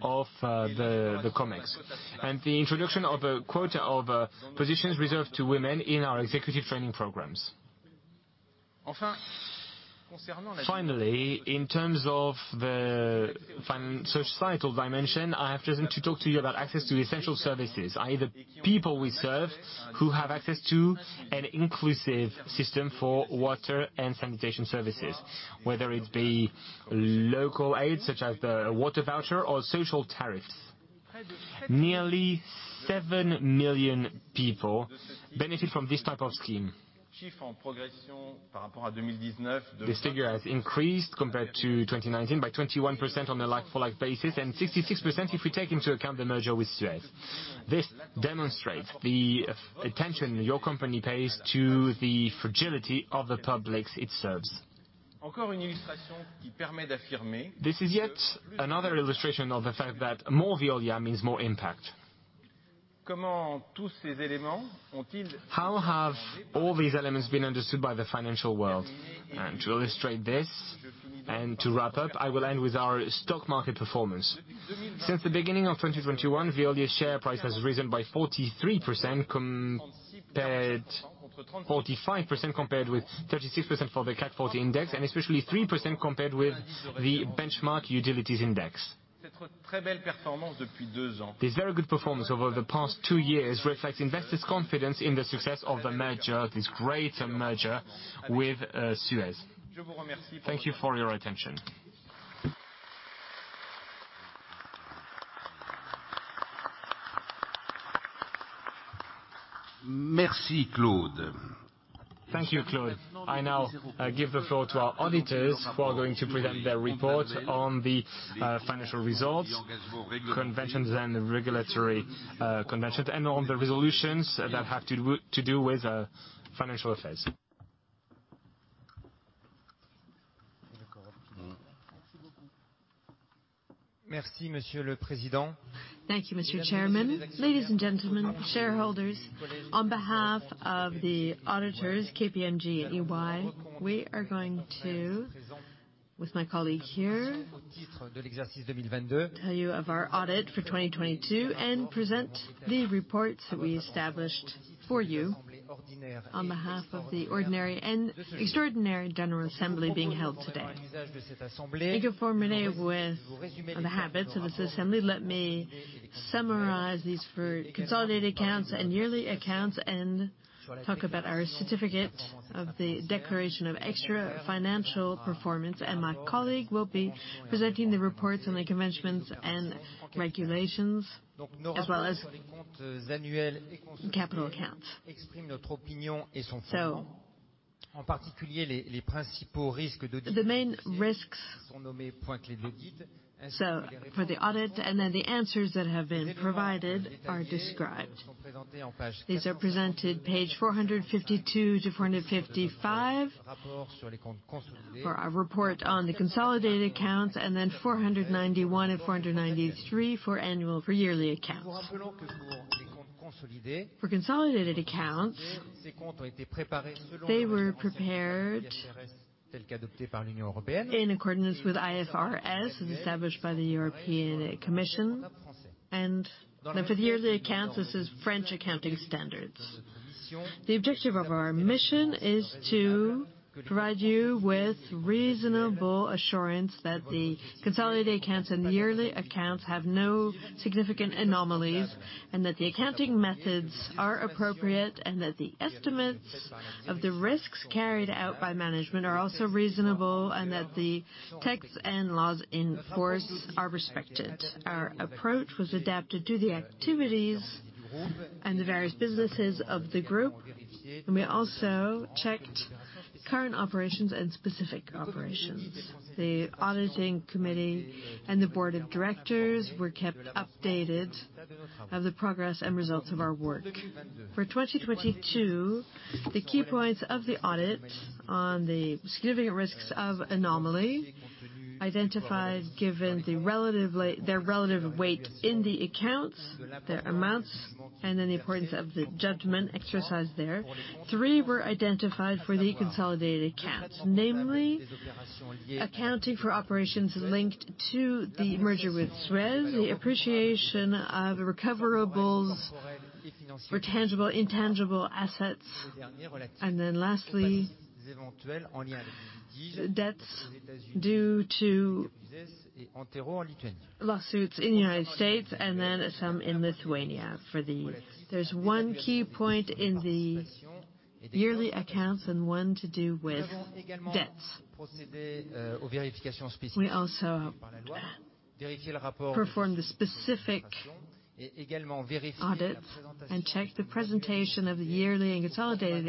of the ComEx, and the introduction of a quota of positions reserved to women in our executive training programs. Finally, in terms of the fan... societal dimension, I have chosen to talk to you about access to essential services, i.e., the people we serve who have access to an inclusive system for water and sanitation services, whether it be local aid, such as the water voucher or social tariffs. Nearly 7 million people benefit from this type of scheme. This figure has increased compared to 2019 by 21% on the like-for-like basis and 66% if we take into account the merger with Suez. This demonstrates the attention your company pays to the fragility of the publics it serves. This is yet another illustration of the fact that more Veolia means more impact. How have all these elements been understood by the financial world? To illustrate this, and to wrap up, I will end with our stock market performance. Since the beginning of 2021, Veolia's share price has risen by 45% compared with 36% for the CAC 40 index, especially 3% compared with the benchmark utilities index. This very good performance over the past two years reflects investors' confidence in the success of the merger, this great merger with Suez. Thank you for your attention. Merci, Claude. Thank you, Claude. I now give the floor to our auditors who are going to present their report on the financial results, conventions and regulatory conventions, and on the Resolutions that have to do with financial affairs. Merci, Monsieur le Président. Thank you, Mr. Chairman. Ladies and gentlemen, shareholders, on behalf of the auditors KPMG and EY, we are going to, with my colleague here, tell you of our audit for 2022 and present the reports that we established for you on behalf of the ordinary and extraordinary general assembly being held today. In conformity with the habits of this assembly, let me summarize these for consolidated accounts and yearly accounts and talk about our certificate of the declaration of extra-financial performance. My colleague will be presenting the reports on the conventions and regulations as well as capital accounts. The main risks for the audit, the answers that have been provided are described. These are presented Page 452-455 for our report on the consolidated accounts and then 491-493 for yearly accounts. For consolidated accounts, they were prepared in accordance with IFRS, as established by the European Commission. For the yearly accounts, this is French accounting standards. The objective of our mission is to provide you with reasonable assurance that the consolidated accounts and the yearly accounts have no significant anomalies and that the accounting methods are appropriate and that the estimates of the risks carried out by management are also reasonable and that the tax and laws in force are respected. Our approach was adapted to the activities and the various businesses of the group, we also checked current operations and specific operations. The auditing committee and the board of directors were kept updated of the progress and results of our work. For 2022, the key points of the audit on the significant risks of anomaly identified given their relative weight in the accounts, their amounts, and then the importance of the judgment exercised there. Three were identified for the consolidated accounts, namely, accounting for operations linked to the merger with Suez, the appreciation of the recoverables for tangible, intangible assets, and then lastly, debts due to lawsuits in the United States and then some in Lithuania. There's one key point in the yearly accounts and one to do with debts. We also performed a specific audit and checked the presentation of the yearly and consolidated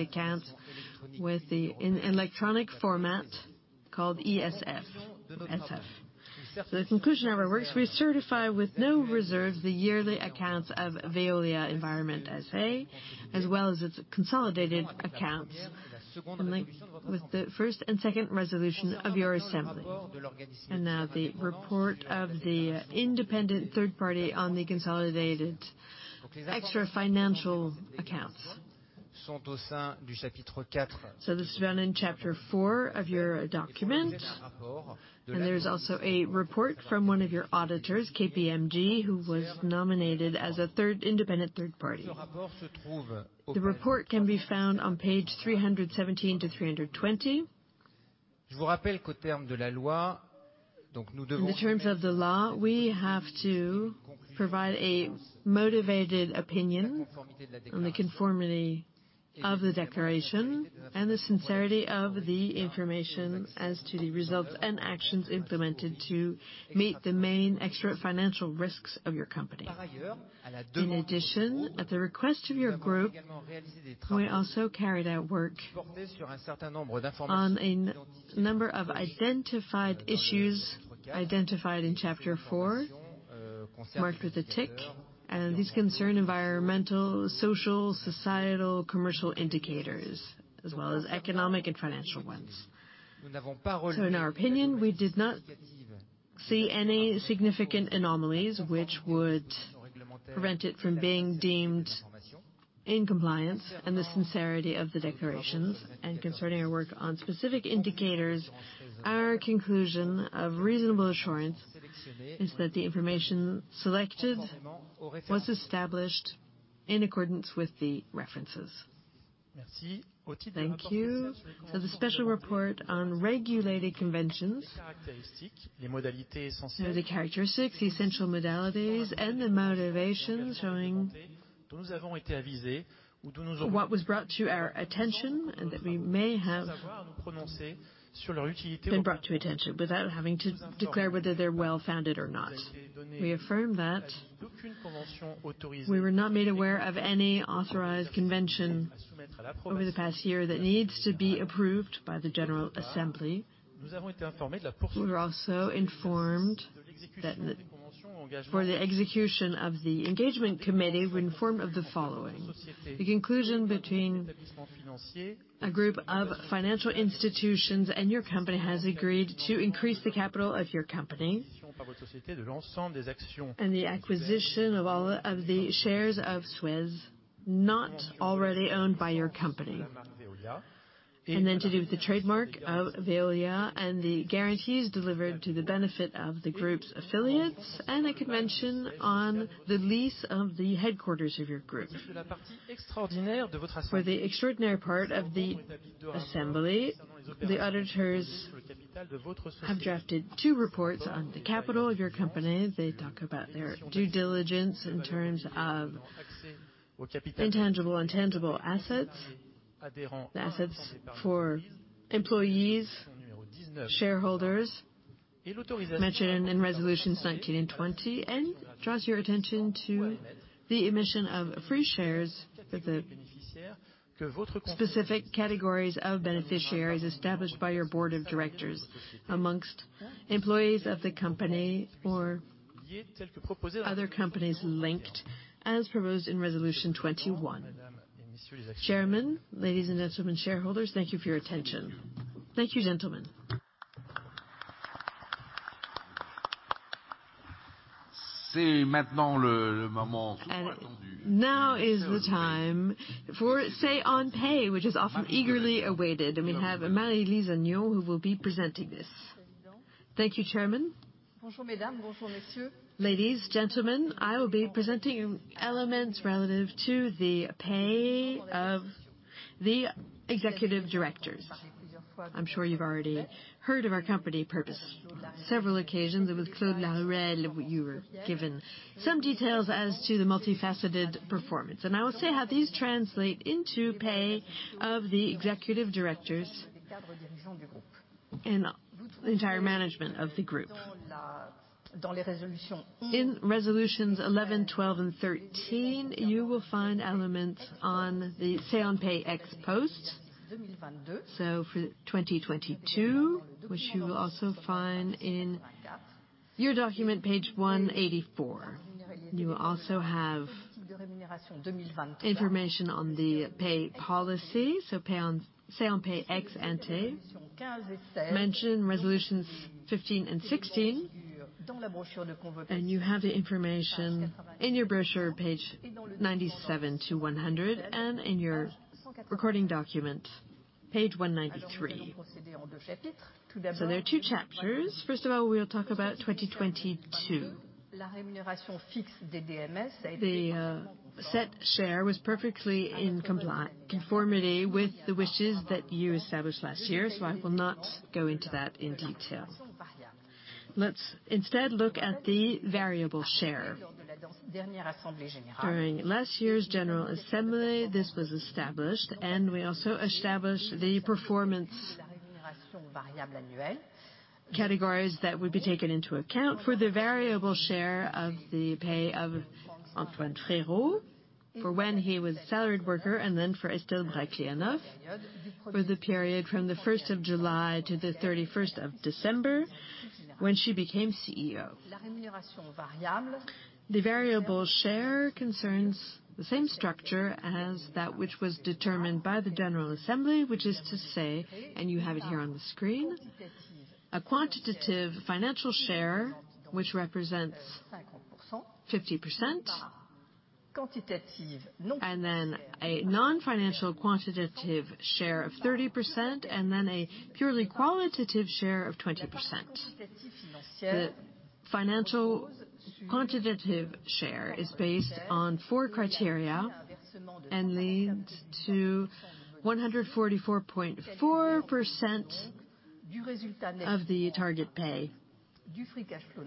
accwithounts in E. The conclusion of our works, we certify with no reserves the yearly accounts of Veolia Environnement SA, as well as its consolidated accounts linked with the first and second Resolution of your assembly. Now the report of the independent third party on the consolidated extra financial accounts. This is found in Chapter 4 of your document, and there's also a report from one of your auditors, KPMG, who was nominated as a third, independent third party. The report can be found on Page 317-320. In the terms of the law, we have to provide a motivated opinion on the conformity of the declaration and the sincerity of the information as to the results and actions implemented to meet the main extra financial risks of your company. In addition, at the request of your group, we also carried out work on a number of identified issues in Chapter 4, marked with a tick, these concern environmental, social, societal, commercial indicators, as well as economic and financial ones. In our opinion, we did not see any significant anomalies which would prevent it from being deemed in compliance and the sincerity of the declarations. Concerning our work on specific indicators, our conclusion of reasonable assurance is that the information selected was established in accordance with the references. Thank you. The special report on regulated conventions. The characteristics, the essential modalities, and the motivations showing what was brought to our attention without having to declare whether they're well-founded or not. We affirm that we were not made aware of any authorized convention over the past year that needs to be approved by the general assembly. We were also informed that For the execution of the engagement committee, we're informed of the following: The conclusion between a group of financial institutions and your company has agreed to increase the capital of your company and the acquisition of all of the shares of Suez not already owned by your company. To do with the trademark of Veolia and the guarantees delivered to the benefit of the group's affiliates, and I could mention on the lease of the headquarters of your group. For the extraordinary part of the assembly, the auditors have drafted two reports on the capital of your company. They talk about their due diligence in terms of intangible and tangible assets for employees, shareholders, mentioned in Resolutions 19 and 20, and draws your attention to the emission of free shares with the specific categories of beneficiaries established by your board of directors among employees of the company or other companies linked, as proposed in Resolution 21. Chairman, ladies and gentlemen, shareholders, thank you for your attention. Thank you, gentlemen. Now is the time for say-on-pay, which is often eagerly awaited. We have Marie-Lise Agneaux who will be presenting this. Thank you, Chairman. Ladies, gentlemen, I will be presenting elements relative to the pay of the executive directors. I'm sure you've already heard of our company purpose on several occasions. With Claude Laruelle, you were given some details as to the multifaceted performance. I will say how these translate into pay of the executive directors and the entire management of the group. In Resolutions 11, 12, and 13, you will find elements on the say-on-pay ex post. For 2022, which you will also find in your document, Page 184. You will also have information on the pay policy. Say on pay ex ante. Mention Resolutions 15 and 16. You have the information in your brochure, Page 97 to 100, and in your recording document, Page 193. There are two chapters. First of all, we will talk about 2022. The set share was perfectly in conformity with the wishes that you established last year, so I will not go into that in detail. Let's instead look at the variable share. During last year's general assembly, this was established, and we also established the performance categories that would be taken into account for the variable share of the pay of Antoine Frérot for when he was salaried worker and then for Estelle Brachlianoff for the period from the first of July to the thirty-first of December when she became CEO. The variable share concerns the same structure as that which was determined by the general assembly, which is to say, and you have it here on the screen, a quantitative financial share which represents 50%, and then a non-financial quantitative share of 30%, and then a purely qualitative share of 20%. The financial quantitative share is based on four criteria and leads to 144.4% of the target pay,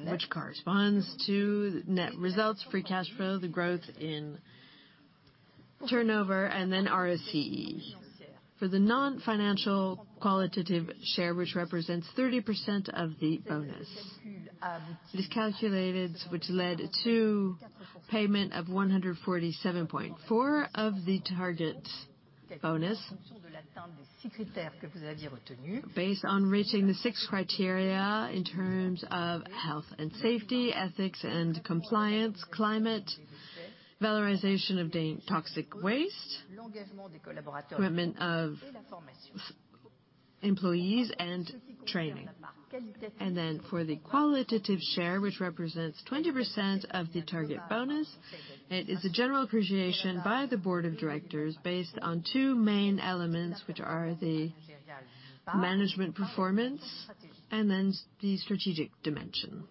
which corresponds to net results, free cash flow, the growth in turnover, and then ROCE. For the non-financial qualitative share, which represents 30% of the bonus, it is calculated, which led to payment of 147.4% of the target bonus based on reaching the six criteria in terms of health and safety, ethics and compliance, climate, valorization of toxic waste, commitment of employees, and training. For the qualitative share, which represents 20% of the target bonus, it is a general appreciation by the board of directors based on two main elements, which are the management performance and then the strategic dimension.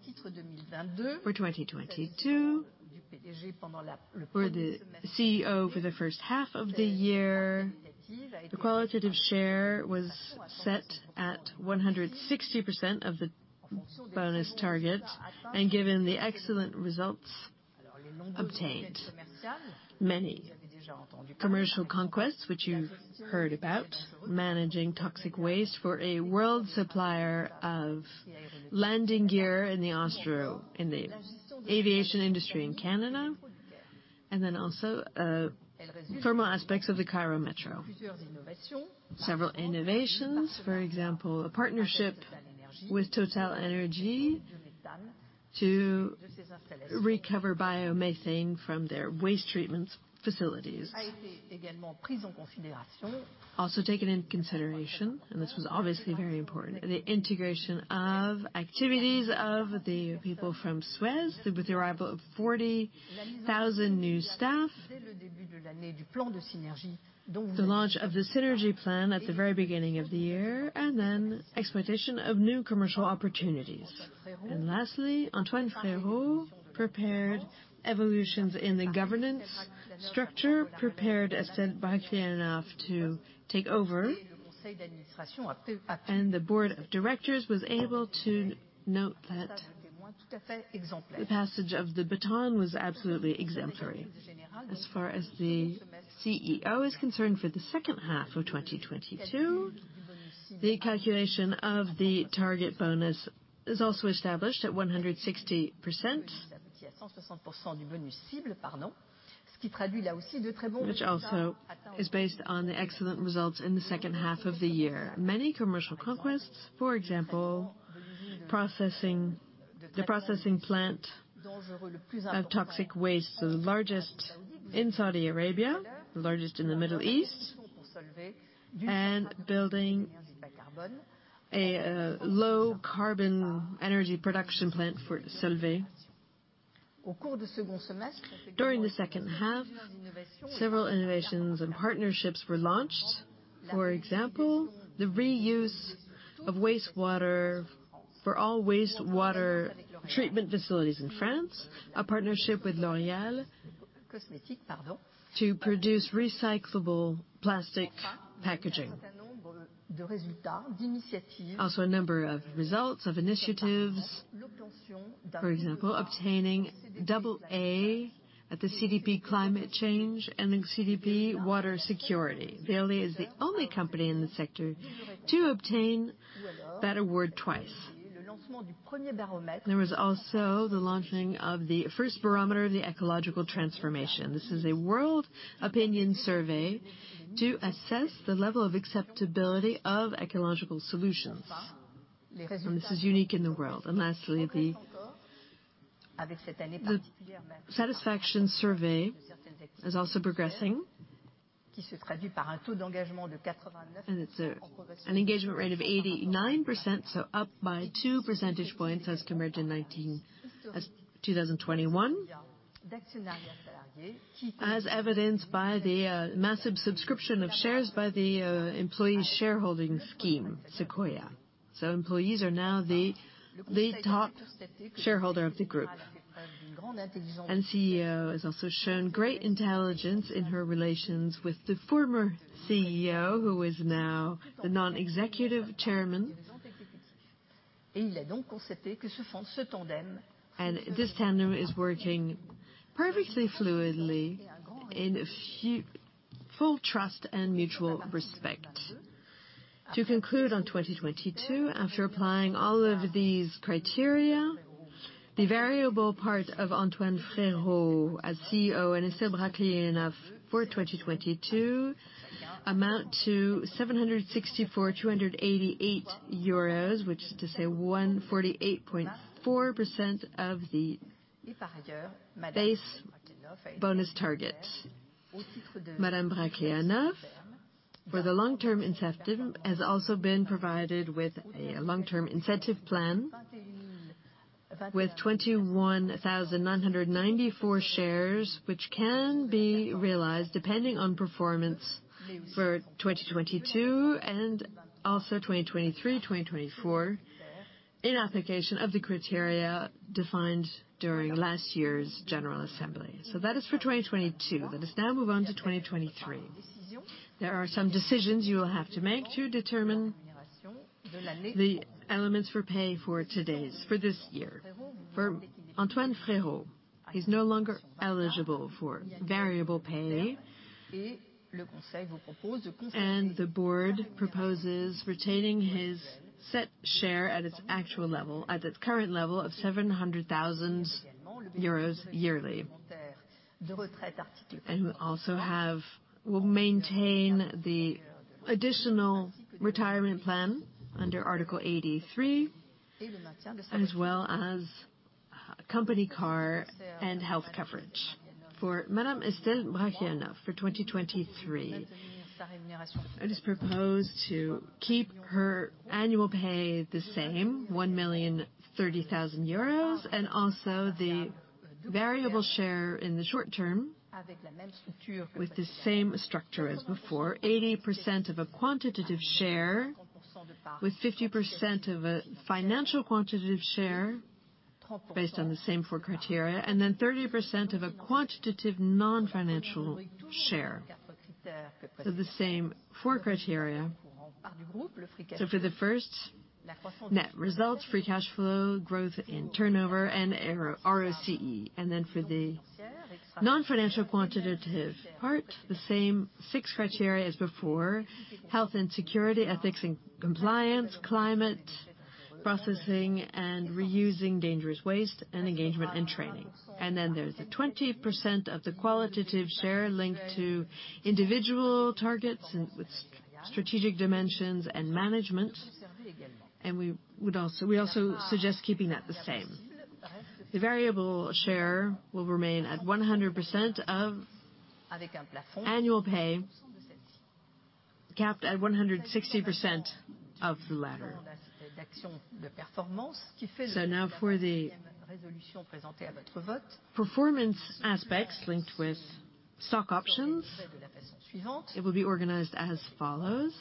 For 2022, for the CEO for the 1st half of the year, the qualitative share was set at 160% of the bonus target and given the excellent results obtained. Many commercial conquests, which you've heard about, managing toxic waste for a world supplier of landing gear in the aviation industry in Canada, and then also, thermal aspects of the Cairo Metro. Several innovations. For example, a partnership with TotalEnergies to recover biomethane from their waste treatments facilities. Also taken into consideration, and this was obviously very important, the integration of activities of the people from Suez, with the arrival of 40,000 new staff. The launch of the synergy plan at the very beginning of the year, and then exploitation of new commercial opportunities. Lastly, Antoine Frérot prepared evolutions in the governance structure, prepared Estelle Brachlianoff to take over. The board of directors was able to note that the passage of the baton was absolutely exemplary. As far as the CEO is concerned, for the 2nd half of 2022, the calculation of the target bonus is also established at 160%. Which also is based on the excellent results in the 2nd half of the year. Many commercial conquests, for example, the processing plant of toxic waste, the largest in Saudi Arabia, the largest in the Middle East, and building a low carbon energy production plant for Solvay. During the second half, several innovations and partnerships were launched. For example, the reuse of wastewater for all wastewater treatment facilities in France, a partnership with L'Oréal to produce recyclable plastic packaging. Also, a number of results, of initiatives. For example, obtaining double A at the CDP Climate Change and in CDP Water Security. Veolia is the only company in the sector to obtain that award twice. There was also the launching of the first barometer of the ecological transformation. This is a world opinion survey to assess the level of acceptability of ecological solutions, and this is unique in the world. Lastly, the satisfaction survey is also progressing. It's an engagement rate of 89%, so up by 2 percentage points as compared to 2021. As evidenced by the massive subscription of shares by the employee shareholding scheme, Sequoia. Employees are now the top shareholder of the group. CEO has also shown great intelligence in her relations with the former CEO, who is now the non-executive Chairman. This tandem is working perfectly fluidly in full trust and mutual respect. To conclude on 2022, after applying all of these criteria, the variable part of Antoine Frérot as CEO, and Estelle Brachlianoff for 2022 amount to 764,288 euros, which is to say 148.4% of the base bonus target. Madame Brachlianoff, for the long-term incentive, has also been provided with a long-term incentive plan with 21,994 shares, which can be realized depending on performance for 2022 and also 2023, 2024, in application of the criteria defined during last year's general assembly. That is for 2022. Let us now move on to 2023. There are some decisions you will have to make to determine the elements for pay for this year. For Antoine Frérot, he's no longer eligible for variable pay. The board proposes retaining his set share at its actual level, at its current level of 700,000 euros yearly. We also will maintain the additional retirement plan under Article 83, as well as company car and health coverage. For Madame Estelle Brachlianoff, for 2023, it is proposed to keep her annual pay the same, 1,030,000 euros, and also the variable share in the short term with the same structure as before, 80% of a quantitative share, with 50% of a financial quantitative share based on the same four criteria, and then 30% of a quantitative non-financial share. The same four criteria. For the first, net results, free cash flow, growth in turnover, and RO-ROCE. For the non-financial quantitative part, the same six criteria as before: health and security, ethics and compliance, climate, processing and reusing dangerous waste, and engagement and training. There's a 20% of the qualitative share linked to individual targets and with strategic dimensions and management. We also suggest keeping that the same. The variable share will remain at 100% of annual pay, capped at 160% of the latter. Now for the performance aspects linked with stock options, it will be organized as follows: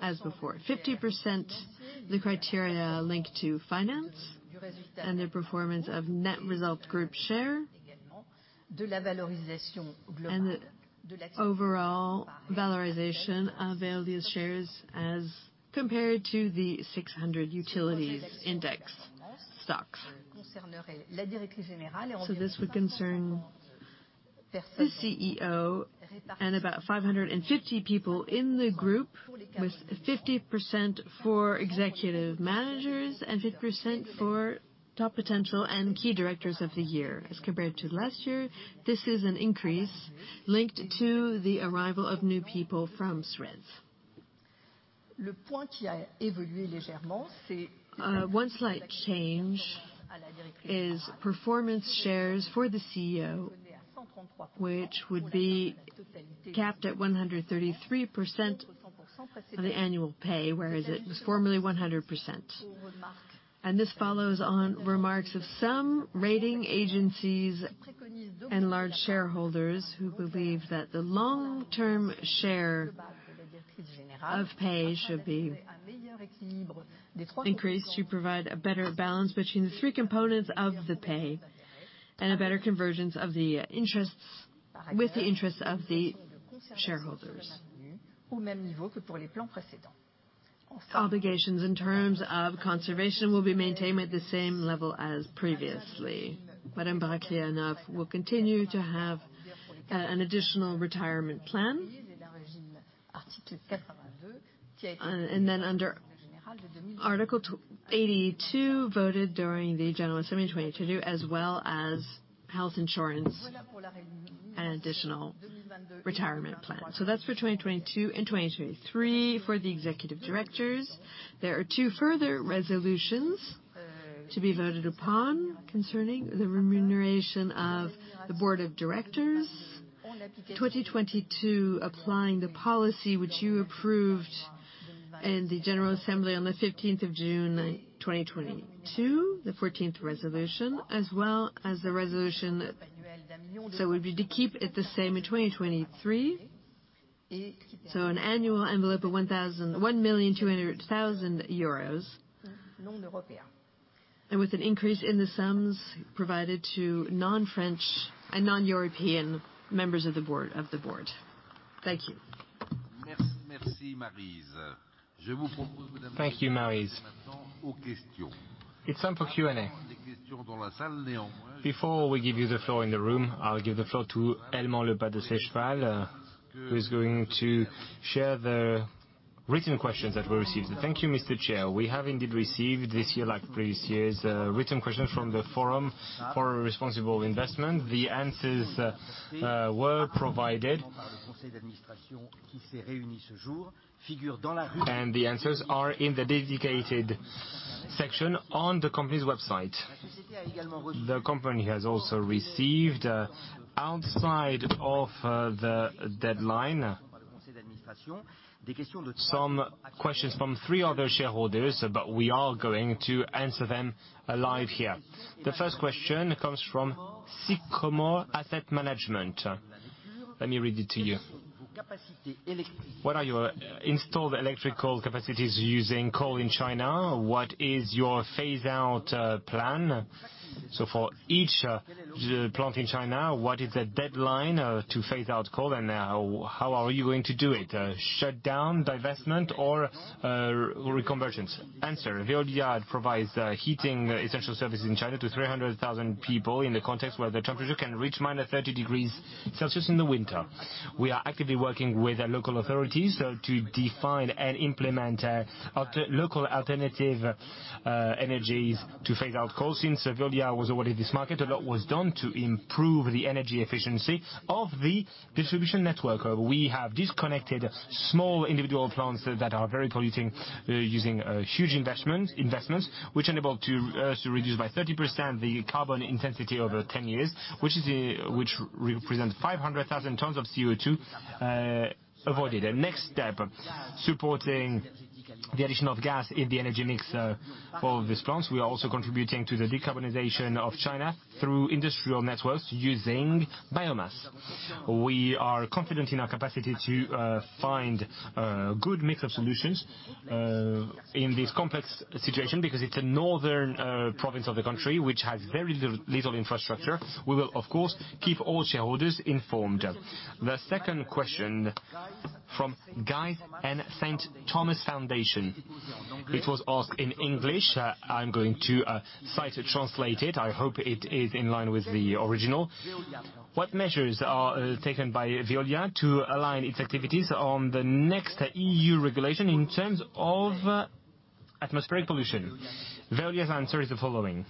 as before, 50% the criteria linked to finance and the performance of net result group share, and the overall valorization of Veolia's shares as compared to the STOXX Europe 600 Utilities index stocks. This would concern the CEO and about 550 people in the group, with 50% for executive managers and 50% for top potential and key directors of the year. One slight change is performance shares for the CEO, which would be capped at 133% of the annual pay, whereas it was formerly 100%. This follows on remarks of some rating agencies and large shareholders who believe that the long-term share of pay should be increased to provide a better balance between the three components of the pay and a better convergence of the interests with the interests of the shareholders. Obligations in terms of conservation will be maintained at the same level as previously. Madame Brachlianoff will continue to have an additional retirement plan. Under Article 82, voted during the General Assembly in 2022, as well as health insurance and additional retirement plan. That's for 2022 and 2023 for the executive directors. There are two further Resolutions to be voted upon concerning the remuneration of the Board of Directors. 2022, applying the policy which you approved in the General Assembly on the June 15th, 2022, the 14th Resolution, as well as the Resolution. It will be to keep it the same in 2023. An annual envelope of 1.2 million euros, and with an increase in the sums provided to non-French and non-European members of the Board. Thank you. Thank you, Maryse. It's time for Q&A. Before we give you the floor in the room, I'll give the floor to Helman le Pas de Sécheval, who is going to share the written questions that we received. Thank you, Mr. Chair. We have indeed received this year, like previous years, written questions from the Forum for Responsible Investment. The answers were provided. The answers are in the dedicated section on the company's website. The company has also received, outside of the deadline, some questions from three other shareholders, we are going to answer them live here. The first question comes from Sycomore Asset Management. Let me read it to you. What are your installed electrical capacities using coal in China? What is your phase out plan? For each plant in China, what is the deadline to phase out coal, and how are you going to do it? Shut down, divestment, or reconversions? Veolia provides heating essential services in China to 300,000 people in the context where the temperature can reach -30 degrees Celsius in the winter. We are actively working with local authorities to define and implement local alternative energies to phase out coal. Since Veolia was awarded this market, a lot was done to improve the energy efficiency of the distribution network. We have disconnected small individual plants that are very polluting using huge investments, which enabled to reduce by 30% the carbon intensity over 10 years, which represents 500,000 tons of CO2 avoided. The next step, supporting the addition of gas in the energy mix for these plants. We are also contributing to the decarbonization of China through industrial networks using biomass. We are confident in our capacity to find a good mix of solutions in this complex situation, because it's a northern province of the country which has very little infrastructure. We will, of course, keep all shareholders informed. The second question from Guy's and St Thomas' Foundation. It was asked in English. I'm going to sight translate it. I hope it is in line with the original. What measures are taken by Veolia to align its activities on the next EU regulation in terms of Atmospheric pollution. Veolia's answer is the following: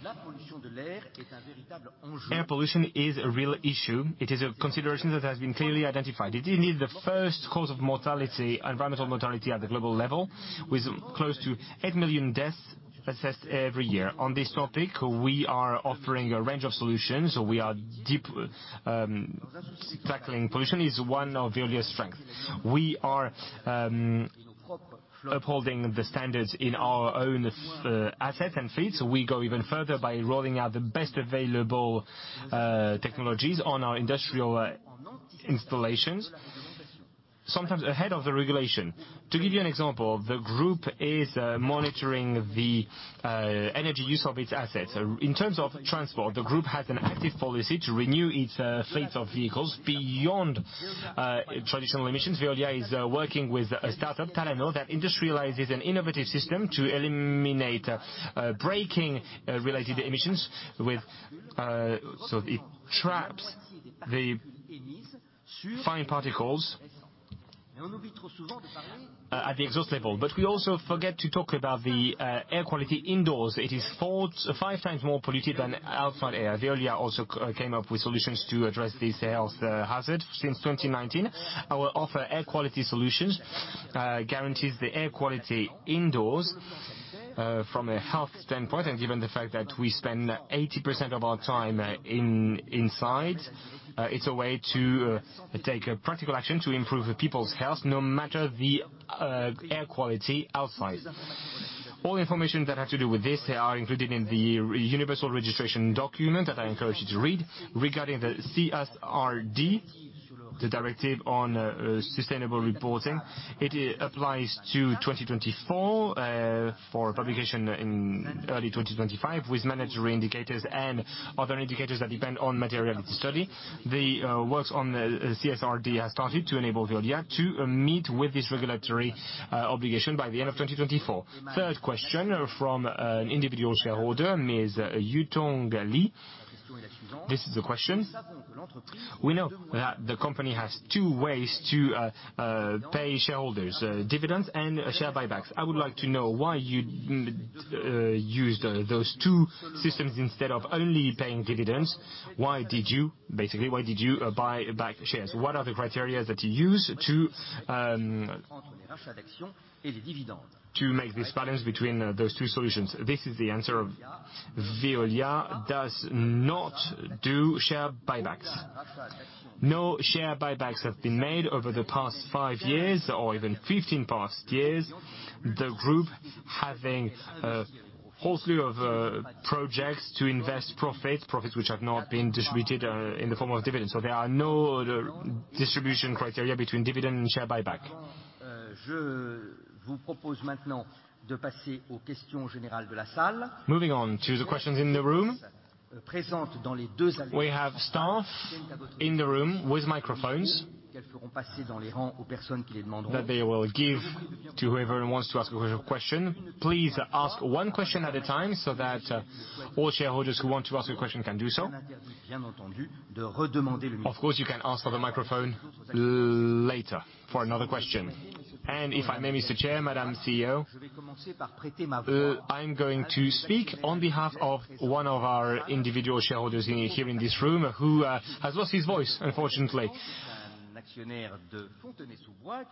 air pollution is a real issue. It is a consideration that has been clearly identified. It is indeed the first cause of mortality, environmental mortality at the global level, with close to 8 million deaths assessed every year. On this topic, we are offering a range of solutions. Tackling pollution is one of Veolia's strengths. We are upholding the standards in our own assets and fleets. We go even further by rolling out the best available technologies on our industrial installations, sometimes ahead of the regulation. To give you an example, the group is monitoring the energy use of its assets. In terms of transport, the group has an active policy to renew its fleets of vehicles. Beyond traditional emissions, Veolia is working with a start-up, Tallano, that industrializes an innovative system to eliminate braking-related emissions with so it traps the fine particles at the exhaust level. We also forget to talk about the air quality indoors. It is 4 to 5x more polluted than outside air. Veolia also came up with solutions to address this health hazard. Since 2019, our offer air quality solutions guarantees the air quality indoors from a health standpoint, and given the fact that we spend 80% of our time inside, it's a way to take a practical action to improve the people's health, no matter the air quality outside. All the information that have to do with this, they are included in the universal registration document that I encourage you to read. Regarding the CSRD, the directive on sustainable reporting, it applies to 2024 for publication in early 2025, with mandatory indicators and other indicators that depend on materiality study. The works on the CSRD has started to enable Veolia to meet with this regulatory obligation by the end of 2024. Third question from an individual shareholder, Ms. Yutong Li. This is the question: We know that the company has two ways to pay shareholders, dividends and share buybacks. I would like to know why you use those two systems instead of only paying dividends. Basically, why did you buy back shares? What are the criteria that you use to make this balance between those two solutions? This is the answer of Veolia does not do share buybacks. No share buybacks have been made over the past five years or even 15 past years. The group having a whole slew of projects to invest profits which have not been distributed in the form of dividends. There are no distribution criteria between dividend and share buyback. Moving on to the questions in the room. We have staff in the room with microphones that they will give to whoever wants to ask a question. Please ask one question at a time so that all shareholders who want to ask a question can do so. Of course, you can ask for the microphone later for another question. If I may, Mr. Chair, Madam CEO, I'm going to speak on behalf of one of our individual shareholders here in this room, who has lost his voice, unfortunately.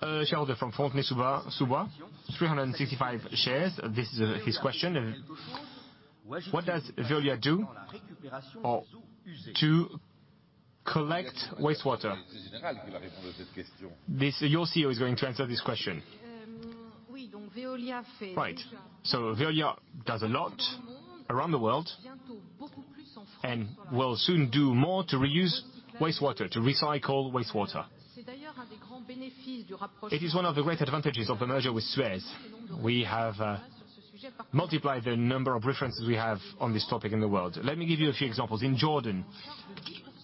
A shareholder from Fontenay-sous-Bois, 365 shares. This is his question: What does Veolia do to collect wastewater? This, your CEO is going to answer this question. Right. Veolia does a lot around the world, and will soon do more to reuse wastewater, to recycle wastewater. It is one of the great advantages of the merger with Suez. We have multiplied the number of references we have on this topic in the world. Let me give you a few examples. In Jordan,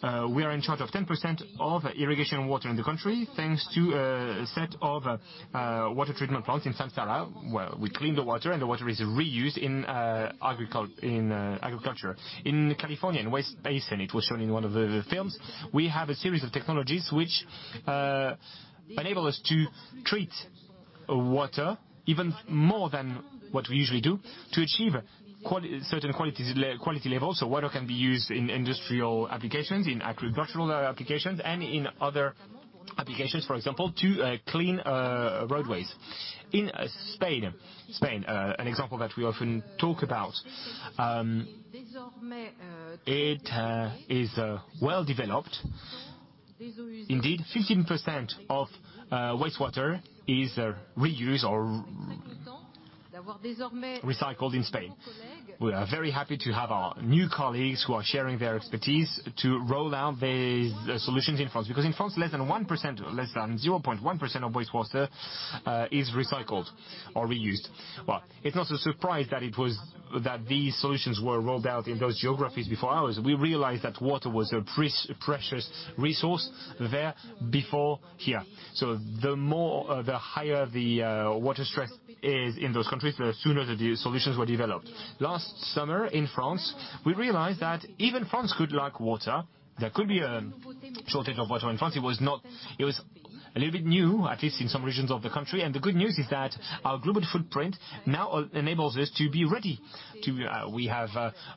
we are in charge of 10% of irrigation water in the country, thanks to a set of water treatment plants in Samra, where we clean the water, and the water is reused in agriculture. In California, in West Basin, it was shown in one of the films, we have a series of technologies which enable us to treat water even more than what we usually do to achieve certain quality levels, so water can be used in industrial applications, in agricultural applications, and in other applications, for example, to clean roadways. In Spain, an example that we often talk about, it is well developed. Indeed, 15% of wastewater is reused or recycled in Spain. We are very happy to have our new colleagues who are sharing their expertise to roll out the solutions in France. In France, less than 1%, less than 0.1% of wastewater is recycled or reused. Well, it's not a surprise that these solutions were rolled out in those geographies before ours. We realized that water was a precious resource there before here. The more, the higher the water stress is in those countries, the sooner the solutions were developed. Last summer in France, we realized that even France could lack water. There could be a shortage of water in France. It was a little bit new, at least in some regions of the country. The good news is that our global footprint now enables us to be ready to. We have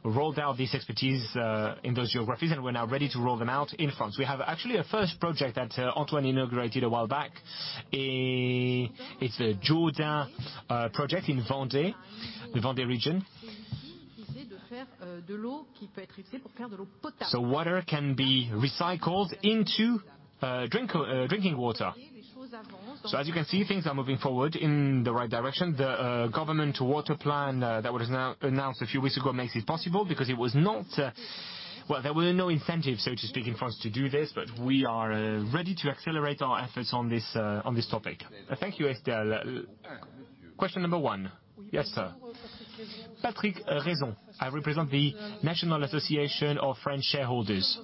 rolled out this expertise in those geographies, and we're now ready to roll them out in France. We have actually a first project that Antoine inaugurated a while back. It's a Jourdain project in Vendée, the Vendée region. Water can be recycled into drinking water. As you can see, things are moving forward in the right direction. The government water plan that was announced a few weeks ago makes it possible because it was not. Well, there were no incentives, so to speak, in France to do this, but we are ready to accelerate our efforts on this topic. Thank you, Estelle. Question number one. Yes, sir. Patrick Raison. I represent the National Association of French Shareholders.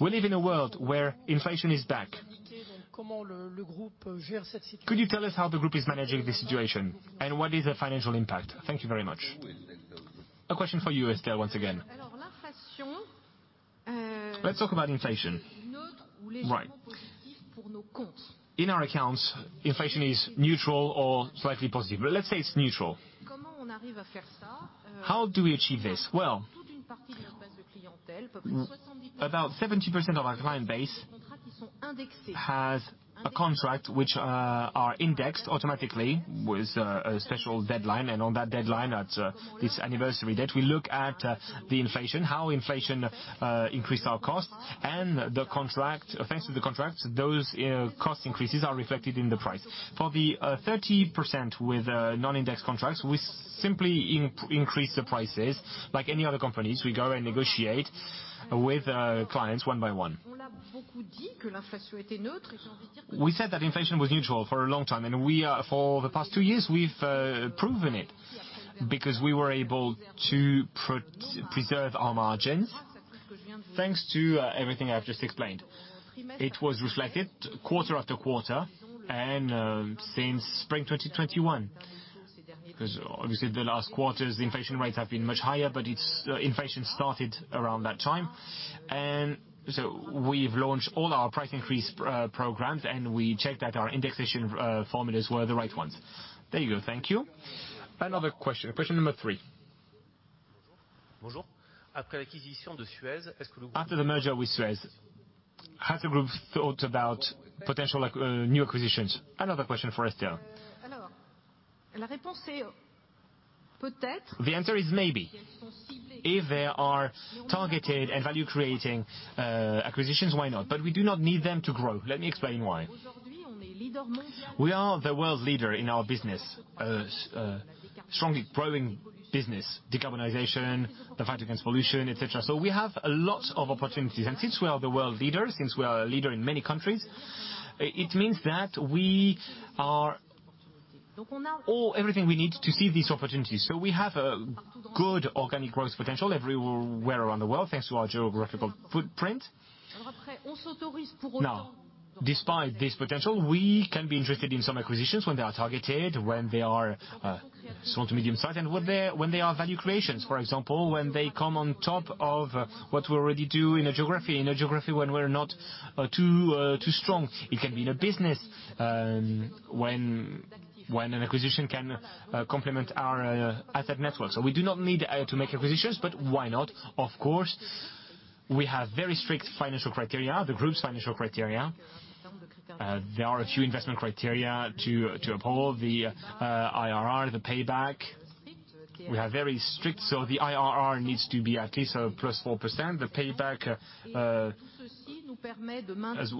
We live in a world where inflation is back. Could you tell us how the group is managing this situation, and what is the financial impact? Thank you very much. A question for you, Estelle, once again. Let's talk about inflation. Right. In our accounts, inflation is neutral or slightly positive, but let's say it's neutral. How do we achieve this? Well, about 70% of our client base has a contract which are indexed automatically with a special deadline. On that deadline, at this anniversary date, we look at the inflation, how inflation increased our costs. Thanks to the contracts, those cost increases are reflected in the price. For the 30% with non-indexed contracts, we simply increase the prices like any other companies. We go and negotiate with clients one by one. We said that inflation was neutral for a long time. We for the past two years, we've proven it because we were able to preserve our margins thanks to everything I've just explained. It was reflected quarter after quarter since spring 2021, because obviously the last quarters the inflation rates have been much higher, its inflation started around that time. We've launched all our price increase programs, we checked that our indexation formulas were the right ones. There you go. Thank you. Another question number three. After the merger with Suez, has the group thought about potential new acquisitions? Another question for Estelle. The answer is maybe. If they are targeted and value-creating acquisitions, why not? We do not need them to grow. Let me explain why. We are the world leader in our business, strongly growing business, decarbonization, the fight against pollution, et cetera. We have a lot of opportunities. Since we are the world leader, since we are a leader in many countries, it means that we are everything we need to see these opportunities. We have a good organic growth potential everywhere around the world, thanks to our geographical footprint. Despite this potential, we can be interested in some acquisitions when they are targeted, when they are small to medium size and when they are value creations. For example, when they come on top of what we already do in a geography, in a geography when we're not too strong. It can be in a business, when an acquisition can complement our asset network. We do not need to make acquisitions, but why not? Of course, we have very strict financial criteria, the group's financial criteria. There are a few investment criteria to uphold the IRR, the payback. We are very strict, so the IRR needs to be at least +4%, the payback as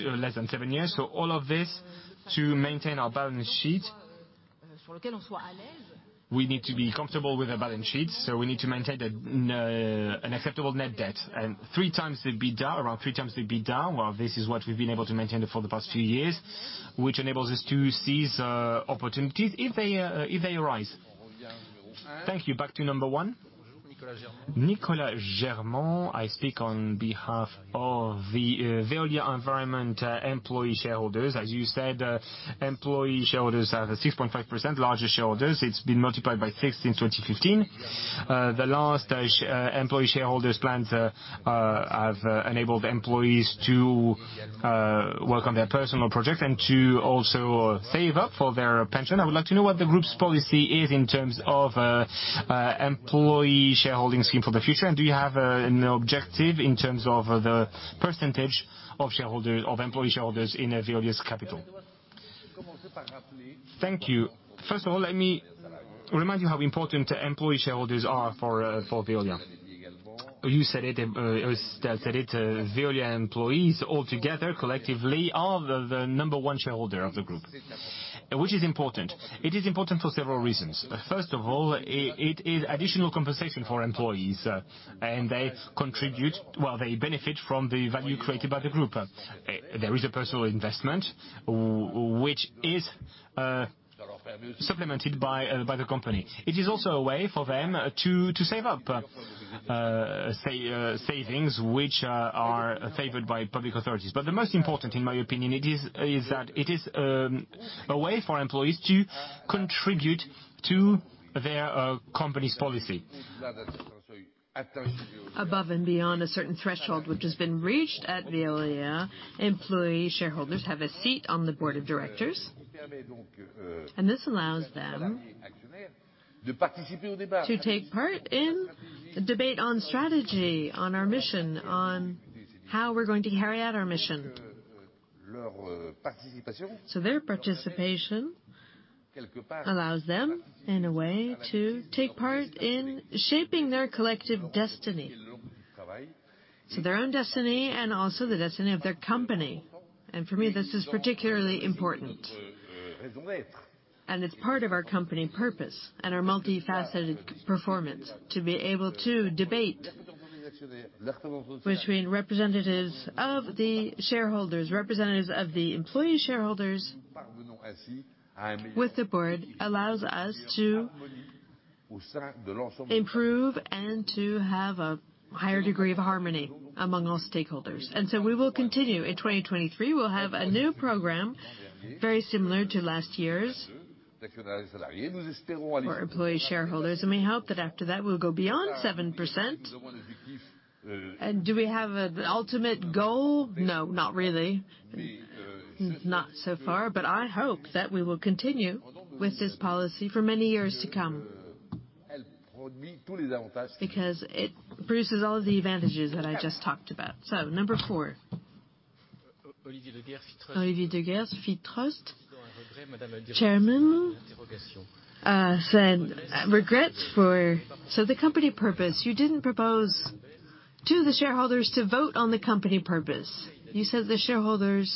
less than seven years. All of this to maintain our balance sheet. We need to be comfortable with the balance sheet, so we need to maintain an acceptable net debt. 3x the EBITDA, around 3x the EBITDA, well, this is what we've been able to maintain for the past few years, which enables us to seize opportunities if they arise. Thank you. Back to number one. Nicolas Germond. I speak on behalf of the Veolia Environnement employee shareholders. As you said, employee shareholders have a 6.5% largest shareholders. It's been multiplied by six since 2015. The last employee shareholders plans have enabled employees to work on their personal projects and to also save up for their pension. I would like to know what the group's policy is in terms of employee shareholding scheme for the future, and do you have an objective in terms of the percentage of shareholders, of employee shareholders in Veolia's capital? Thank you. First of all, let me remind you how important employee shareholders are for Veolia. You said it, as Estelle said it, Veolia employees all together collectively are the number one shareholder of the group, which is important. It is important for several reasons. First of all, it is additional compensation for employees. Well, they benefit from the value created by the group. There is a personal investment which is supplemented by the company. It is also a way for them to save up savings which are favored by public authorities. The most important, in my opinion, is that it is a way for employees to contribute to their company's policy. Above and beyond a certain threshold, which has been reached at Veolia, employee shareholders have a seat on the board of directors. This allows them to take part in debate on strategy, on our mission, on how we're going to carry out our mission. Their participation allows them, in a way, to take part in shaping their collective destiny, their own destiny, and also the destiny of their company. For me, this is particularly important, and it's part of our company purpose and our multifaceted performance to be able to debate between representatives of the shareholders, representatives of the employee shareholders with the board, allows us to improve and to have a higher degree of harmony among all stakeholders. We will continue. In 2023, we'll have a new program very similar to last year's for employee shareholders. We hope that after that we'll go beyond 7%. Do we have the ultimate goal? No, not really, not so far. I hope that we will continue with this policy for many years to come because it produces all of the advantages that I just talked about. Number 4. Olivier de Guerre, PhiTrust. Chairman said regrets for... The company purpose, you didn't propose to the shareholders to vote on the company purpose. You said the shareholders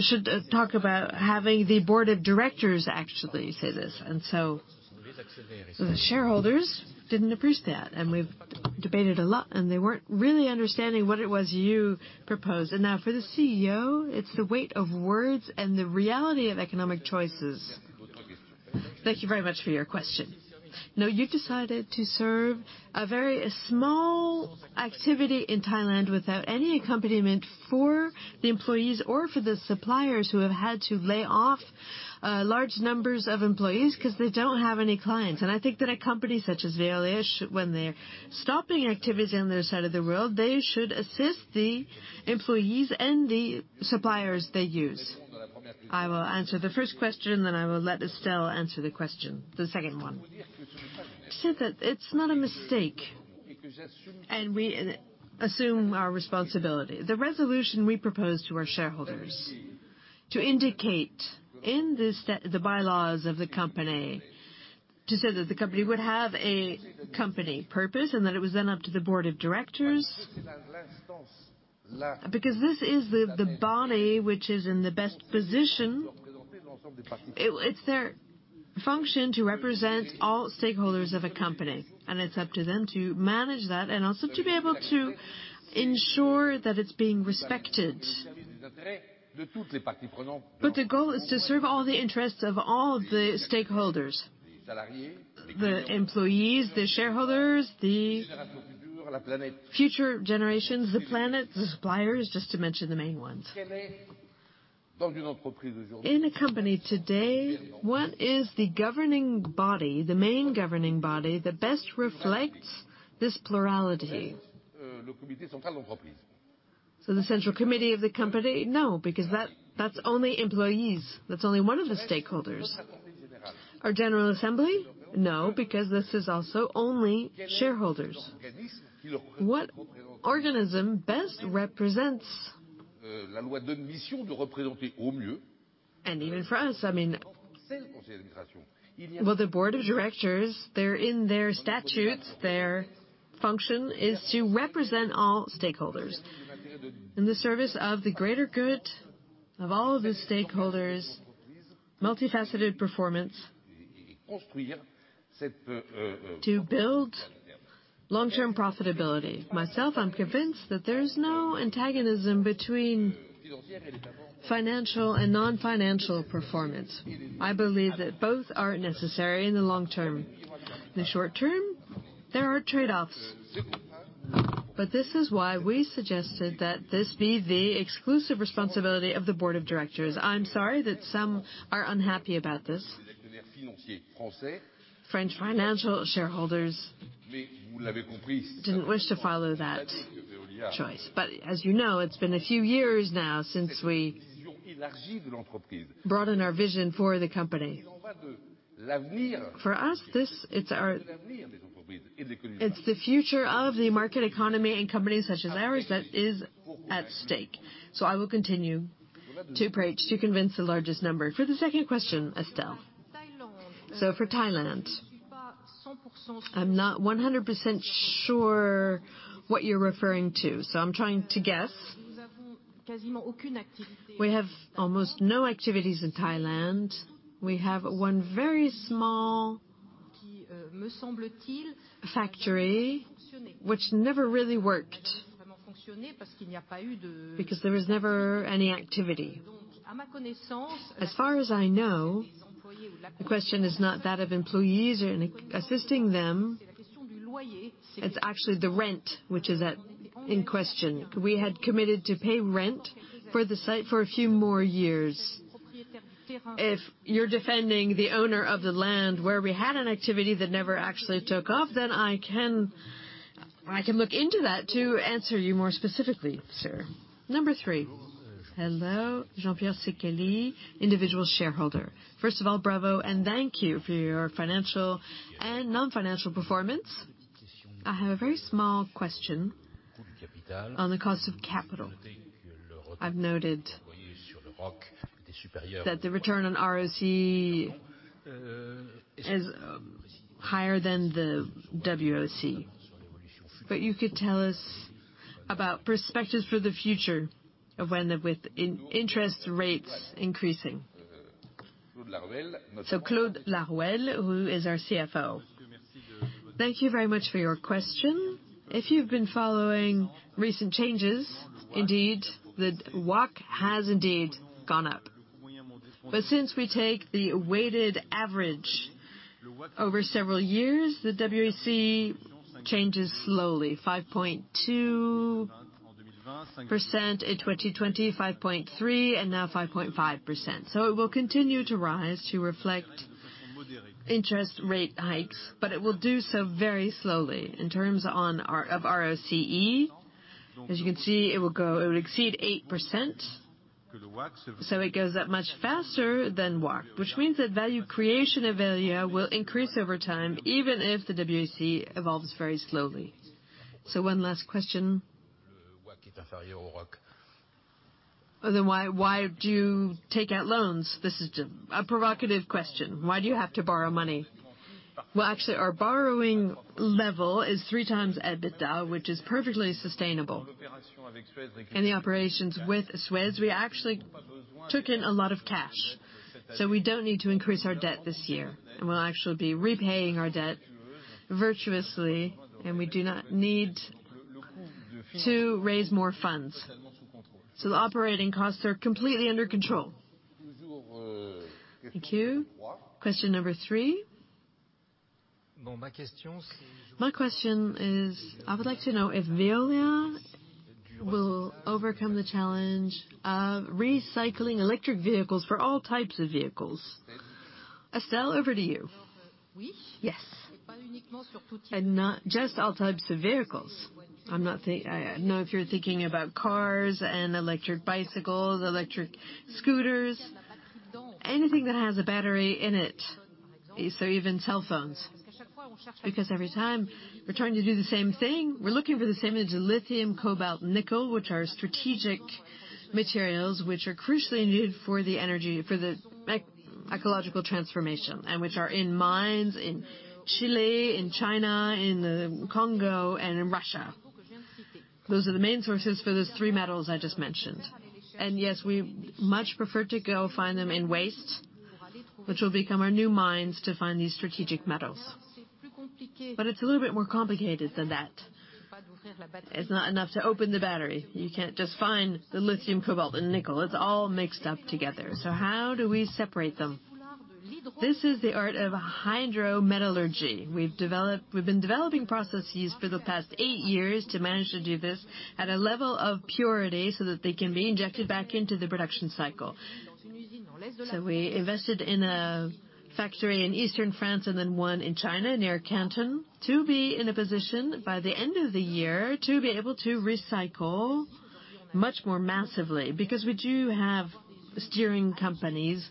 should talk about having the board of directors actually say this. The shareholders didn't appreciate that. We've debated a lot, and they weren't really understanding what it was you proposed. Now for the CEO, it's the weight of words and the reality of economic choices. Thank you very much for your question. No, you've decided to serve a very small activity in Thailand without any accompaniment for the employees or for the suppliers who have had to lay off, large numbers of employees 'cause they don't have any clients. I think that a company such as Veolia, when they're stopping activities on their side of the world, they should assist the employees and the suppliers they use. I will answer the first question, then I will let Estelle answer the question, the second one. Said that it's not a mistake, and we assume our responsibility. The Resolution we proposed to our shareholders to indicate in the bylaws of the company, to say that the company would have a company purpose and that it was then up to the board of directors, because this is the body which is in the best position. It's their function to represent all stakeholders of a company, and it's up to them to manage that and also to be able to ensure that it's being respected. The goal is to serve all the interests of all the stakeholders, the employees, the shareholders, the future generations, the planet, the suppliers, just to mention the main ones. In a company today, what is the governing body, the main governing body that best reflects this plurality? The central committee of the company? No, because that's only employees. That's only one of the stakeholders. Our general assembly? No, because this is also only shareholders. What organism best represents... Even for us, I mean... Well, the board of directors, they're in their statutes. Their function is to represent all stakeholders in the service of the greater good of all of the stakeholders' multifaceted performance to build long-term profitability. Myself, I'm convinced that there is no antagonism between financial and non-financial performance. I believe that both are necessary in the long term. In the short term, there are trade-offs, this is why we suggested that this be the exclusive responsibility of the board of directors. I'm sorry that some are unhappy about this. French financial shareholders didn't wish to follow that choice. As you know, it's been a few years now since we broadened our vision for the company. For us, this, it's our... It's the future of the market economy and companies such as ours that is at stake. I will continue to preach, to convince the largest number. For the second question, Estelle. For Thailand, I'm not 100% sure what you're referring to, so I'm trying to guess. We have almost no activities in Thailand. We have 1 very small factory which never really worked because there was never any activity. As far as I know, the question is not that of employees or assisting them. It's actually the rent which is in question. We had committed to pay rent for the site for a few more years. If you're defending the owner of the land where we had an activity that never actually took off, I can look into that to answer you more specifically, sir. Number 3. Hello, Jean-Pierre Seychelles, individual shareholder. First of all, bravo and thank you for your financial and non-financial performance. I have a very small question on the cost of capital. I've noted that the return on ROCE is higher than the WACC. You could tell us about prospectus for the future of with interest rates increasing. Claude Laruelle, who is our CFO. Thank you very much for your question. If you've been following recent changes, indeed, the WACC has indeed gone up. Since we take the weighted average over several years, the WACC changes slowly, 5.2% in 2020, 5.3%, and now 5.5%. It will continue to rise to reflect interest rate hikes, but it will do so very slowly. In terms of ROCE, as you can see, it will exceed 8%, so it goes up much faster than WACC, which means that value creation of Veolia will increase over time, even if the WACC evolves very slowly. One last question. Why do you take out loans? This is a provocative question. Why do you have to borrow money? Actually, our borrowing level is 3x EBITDA, which is perfectly sustainable. In the operations with Suez, we actually took in a lot of cash, so we don't need to increase our debt this year, and we'll actually be repaying our debt virtuously, and we do not need to raise more funds. The operating costs are completely under control. Thank you. Question number three. My question is, I would like to know if Veolia will overcome the challenge of recycling electric vehicles for all types of vehicles? Estelle, over to you. Yes, and not just all types of vehicles. I don't know if you're thinking about cars and electric bicycles, electric scooters, anything that has a battery in it. Is there even cell phones? Because every time we're trying to do the same thing, we're looking for the same image of lithium, cobalt, and nickel, which are strategic materials which are crucially needed for the energy, for the ecological transformation, and which are in mines in Chile, in China, in the Congo, and in Russia. Those are the main sources for those three metals I just mentioned. Yes, we much prefer to go find them in waste, which will become our new mines to find these strategic metals. It's a little bit more complicated than that. It's not enough to open the battery. You can't just find the lithium, cobalt, and nickel. It's all mixed up together. How do we separate them? This is the art of hydrometallurgy. We've been developing processes for the past eight years to manage to do this at a level of purity so that they can be injected back into the production cycle. We invested in a factory in Eastern France and then one in China, near Canton, to be in a position by the end of the year to be able to recycle much more massively because we do have steering companies,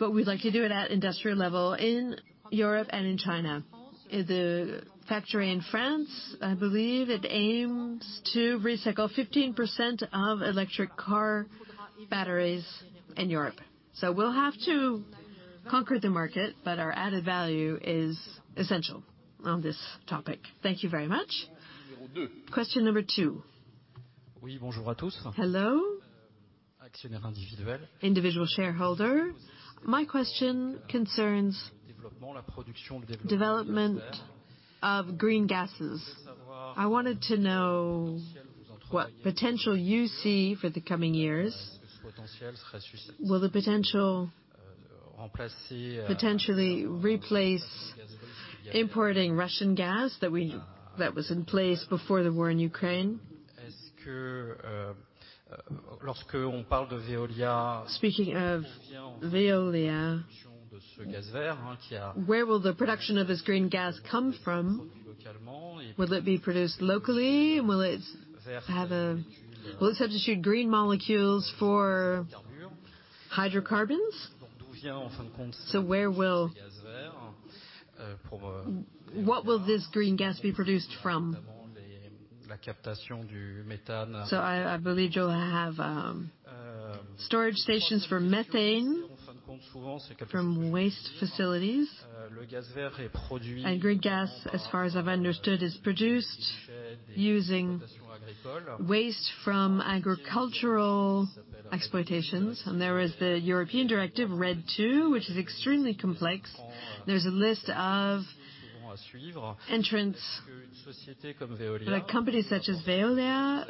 but we'd like to do it at industrial level in Europe and in China. The factory in France, I believe it aims to recycle 15% of electric car batteries in Europe. We'll have to conquer the market, but our added value is essential on this topic. Thank you very much. Question number two. Hello. Individual shareholder. My question concerns development of green gases. I wanted to know what potential you see for the coming years. Will the potential potentially replace importing Russian gas that was in place before the war in Ukraine? Speaking of Veolia, where will the production of this green gas come from? Will it be produced locally? Will it substitute green molecules for hydrocarbons? What will this green gas be produced from? I believe you'll have storage stations for methane from waste facilities. Green gas, as far as I've understood, is produced using waste from agricultural exploitations. There is the European directive RED II, which is extremely complex. There's a list of entrants. Like companies such as Veolia,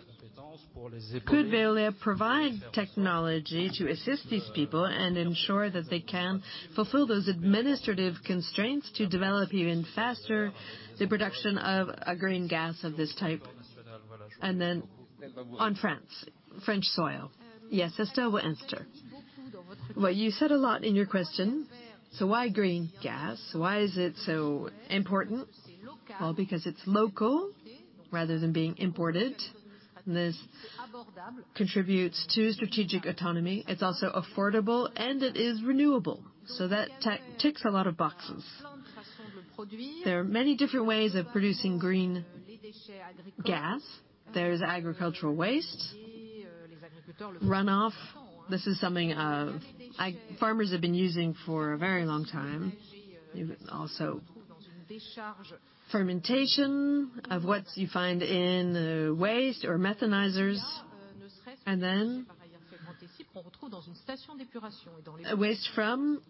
could Veolia provide technology to assist these people and ensure that they can fulfill those administrative constraints to develop even faster the production of a green gas of this type? Then on France, French soil. Yes, Estelle will answer. Well, you said a lot in your question. Why green gas? Why is it so important? Well, because it's local rather than being imported. This contributes to strategic autonomy. It's also affordable, and it is renewable, so that tech ticks a lot of boxes. There are many different ways of producing green gas. There's agricultural waste, runoff. This is something farmers have been using for a very long time. Also, fermentation of what you find in waste or methanizers, and then waste from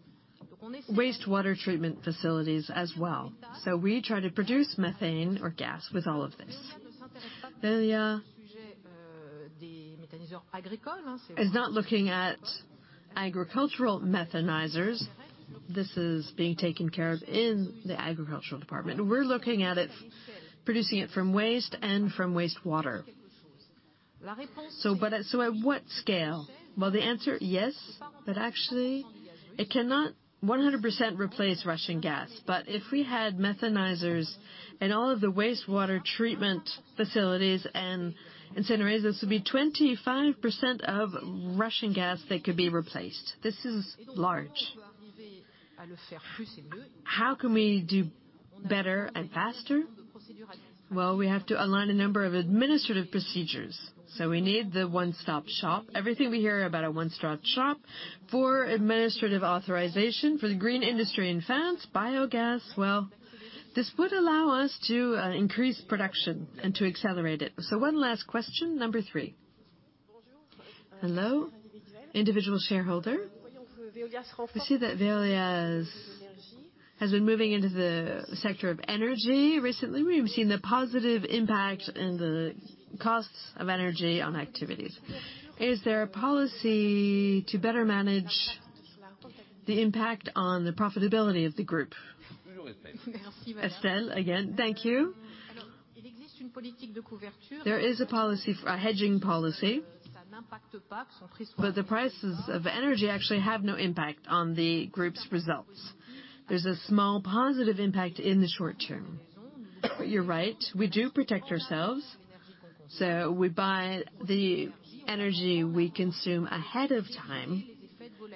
wastewater treatment facilities as well. We try to produce methane or gas with all of this. Veolia is not looking at agricultural methanizers. This is being taken care of in the agricultural department. We're looking at it, producing it from waste and from wastewater. At what scale? Well, the answer, yes, but actually, it cannot 100% replace Russian gas. If we had methanizers in all of the wastewater treatment facilities and incinerators, this would be 25% of Russian gas that could be replaced. This is large. How can we do better and faster? Well, we have to align a number of administrative procedures, we need the one-stop shop. Everything we hear about a one-stop shop for administrative authorization for the green industry in France, biogas, well, this would allow us to increase production and to accelerate it. One last question, number three. Hello, individual shareholder. We see that Veolia has been moving into the sector of energy recently. We have seen the positive impact in the costs of energy on activities. Is there a policy to better manage the impact on the profitability of the group? Estelle again. Thank you. There is a hedging policy, but the prices of energy actually have no impact on the group's results. There's a small positive impact in the short term. You're right, we do protect ourselves, so we buy the energy we consume ahead of time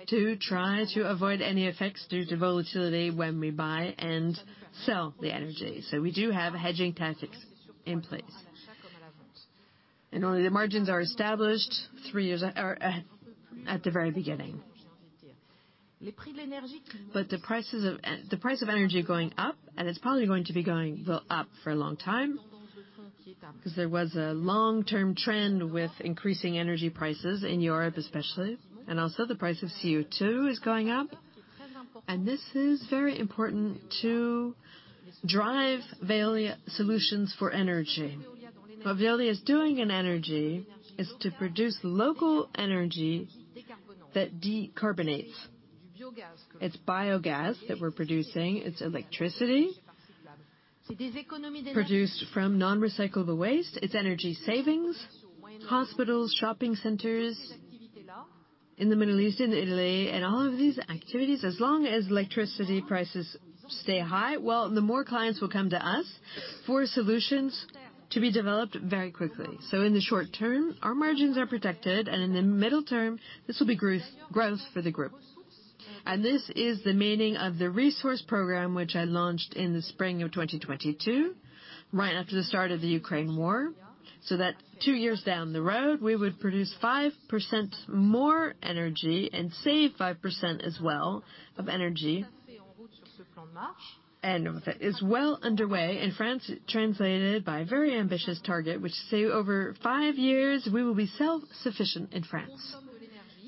to try to avoid any effects due to volatility when we buy and sell the energy. We do have hedging tactics in place. Only the margins are established three years at the very beginning. The price of energy going up, and it's probably going to be going up for a long time because there was a long-term trend with increasing energy prices in Europe especially, and also the price of CO2 is going up. This is very important to drive Veolia solutions for energy. What Veolia is doing in energy is to produce local energy that decarbonates. It's biogas that we're producing. It's electricity produced from non-recyclable waste. It's energy savings, hospitals, shopping centers in the Middle East and Italy and all of these activities as long as electricity prices stay high, well, the more clients will come to us for solutions to be developed very quickly. In the short term, our margins are protected, and in the middle term, this will be growth for the group. This is the meaning of the resource program, which I launched in the spring of 2022, right after the start of the Ukraine war, so that two years down the road, we would produce 5% more energy and save 5% as well of energy. It is well underway. In France, it translated by a very ambitious target, which say over five years, we will be self-sufficient in France.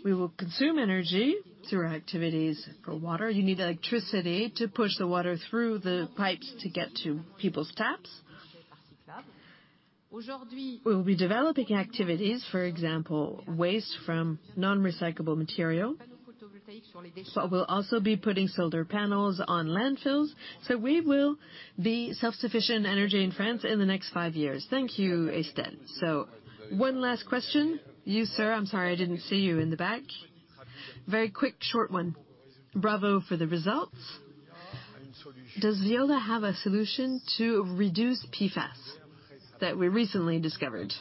We will consume energy through our activities. For water, you need electricity to push the water through the pipes to get to people's taps. We will be developing activities, for example, waste from non-recyclable material. We'll also be putting solar panels on landfills, so we will be self-sufficient in energy in France in the next five years. Thank you, Estelle. One last question. You, sir. I'm sorry, I didn't see you in the back. Very quick short one. Bravo for the results. Does Veolia have a solution to reduce PFAS that we recently discovered?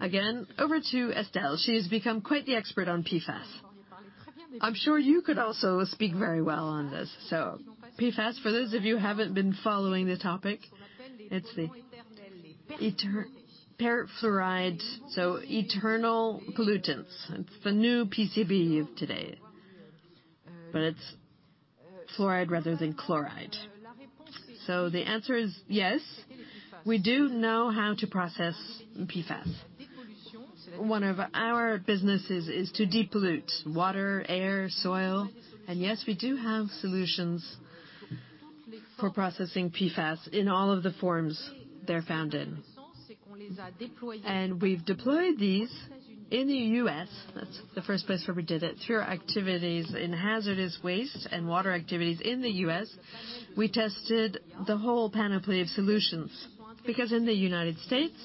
Again, over to Estelle. She has become quite the expert on PFAS. I'm sure you could also speak very well on this. PFAS, for those of you who haven't been following the topic, it's the perfluoride, so eternal pollutants. It's the new PCB of today, but it's fluoride rather than chloride. The answer is yes, we do know how to process PFAS. One of our businesses is to depollute water, air, soil, and yes, we do have solutions for processing PFAS in all of the forms they're found in. We've deployed these in the U.S., that's the first place where we did it, through our activities in hazardous waste and water activities in the U.S. We tested the whole panoply of solutions because in the United States,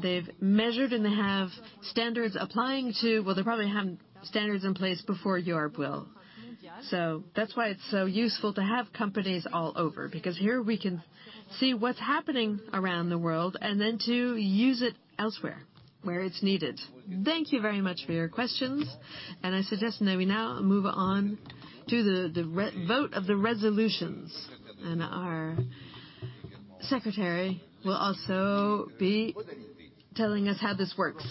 they've measured and they have standards applying to... Well, they probably have standards in place before Europe will. That's why it's so useful to have companies all over, because here we can see what's happening around the world and then to use it elsewhere where it's needed. Thank you very much for your questions, and I suggest that we now move on to the vote of the resolutions. Our secretary will also be telling us how this works.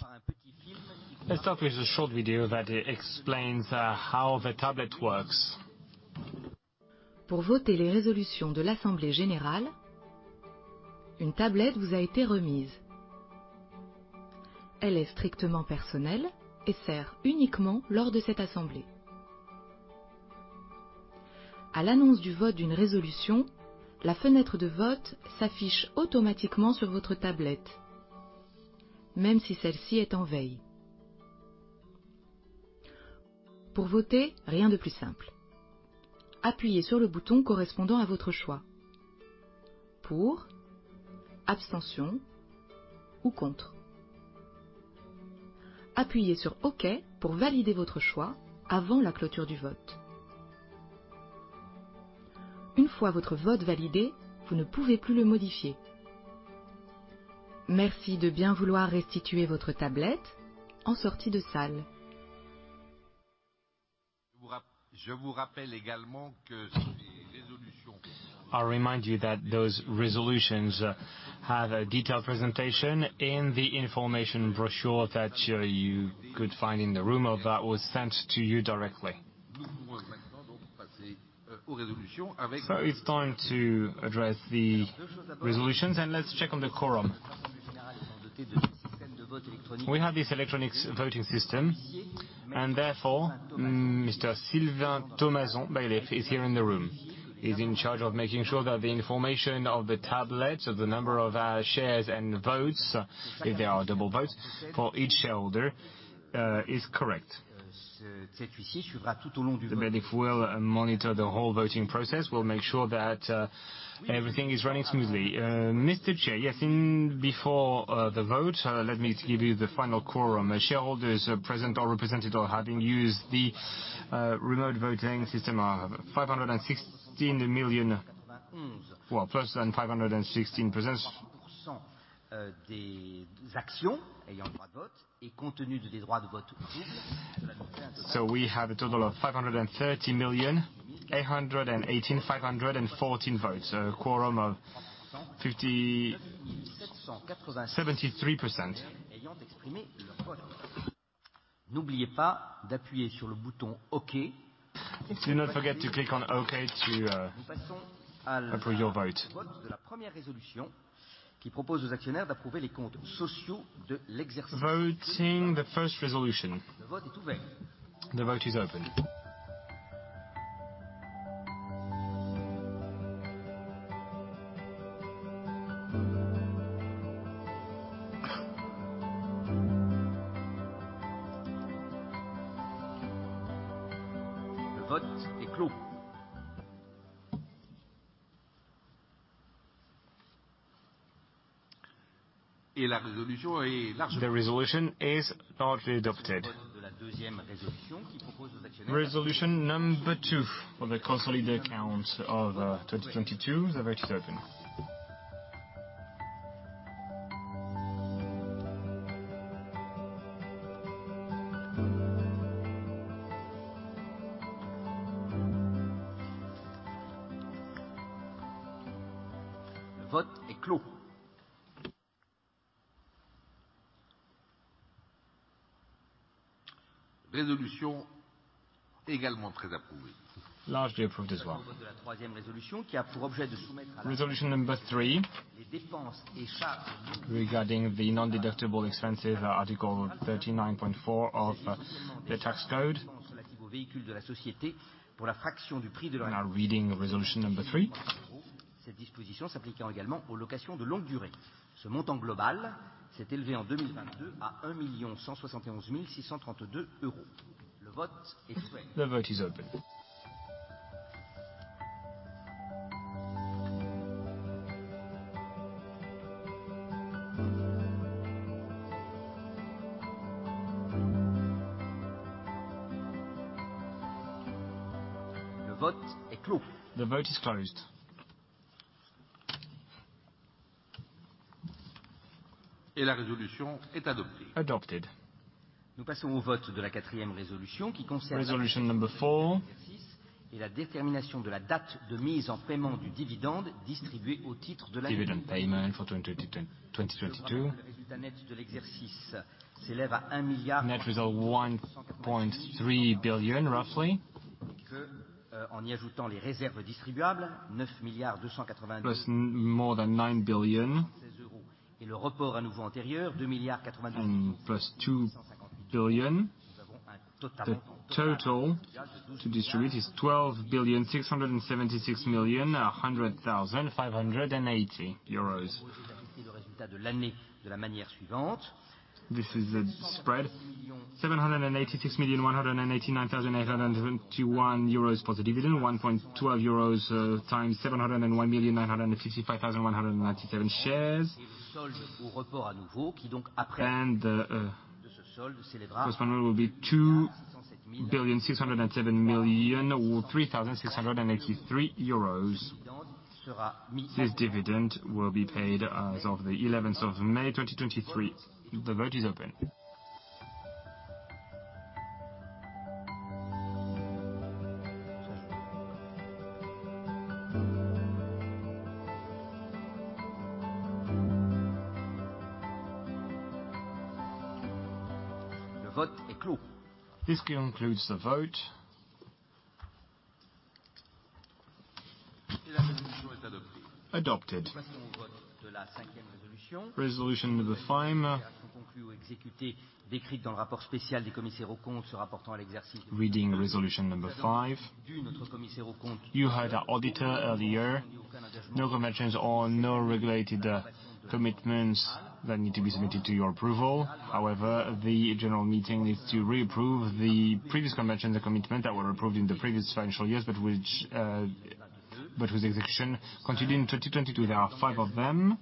Let's start with a short video that explains how the tablet works. I'll remind you that those Resolutions have a detailed presentation in the information brochure that you could find in the room or that was sent to you directly. It's time to address the Resolutions, and let's check on the quorum. We have this electronic voting system, and therefore, Mr. Sylvain Thomazon, Bailiff is here in the room. He's in charge of making sure that the information of the tablets, of the number of shares and votes, if there are double votes for each shareholder, is correct. The bailiff will monitor the whole voting process. We'll make sure that everything is running smoothly. Mr. Chair, yes, in before the vote, let me give you the final quorum. The shareholders present or represented or having used the remote voting system are 516 million 516%. We have a total of 530 million, 818,514 votes. A quorum of 73%. Do not forget to click on OK to approve your vote. Voting the first Resolution. The vote is open. The Resolution is largely adopted. Resolution number two for the consolidated accounts of 2022, the vote is open. Largely approved as well. Resolution number three regarding the non-deductible expenses, Article 39.4 of the tax code. We are now reading Resolution No. 3. The vote is open. The vote is closed. Adopted. Resolution number 4. Dividend payment for 2022. Net result 1.3 billion, roughly. Plus 9 billion + EUR 2 billion. The total to distribute is EUR 12 ,676,100,580. This is the spread. EUR 786,189,871 for the dividend. EUR 1.12 x EUR 701,955,197 shares. First one will be 2,607,003,683 euros. This dividend will be paid as of the 11th of May 2023. The vote is open. This concludes the vote. Adopted. Resolution number 5. Reading Resolution No. 5. You heard our auditor earlier. No conventions or no regulated commitments that need to be submitted to your approval. The general meeting is to reapprove the previous convention, the commitment that were approved in the previous financial years, but whose execution continued in 2022. There are 5 of them.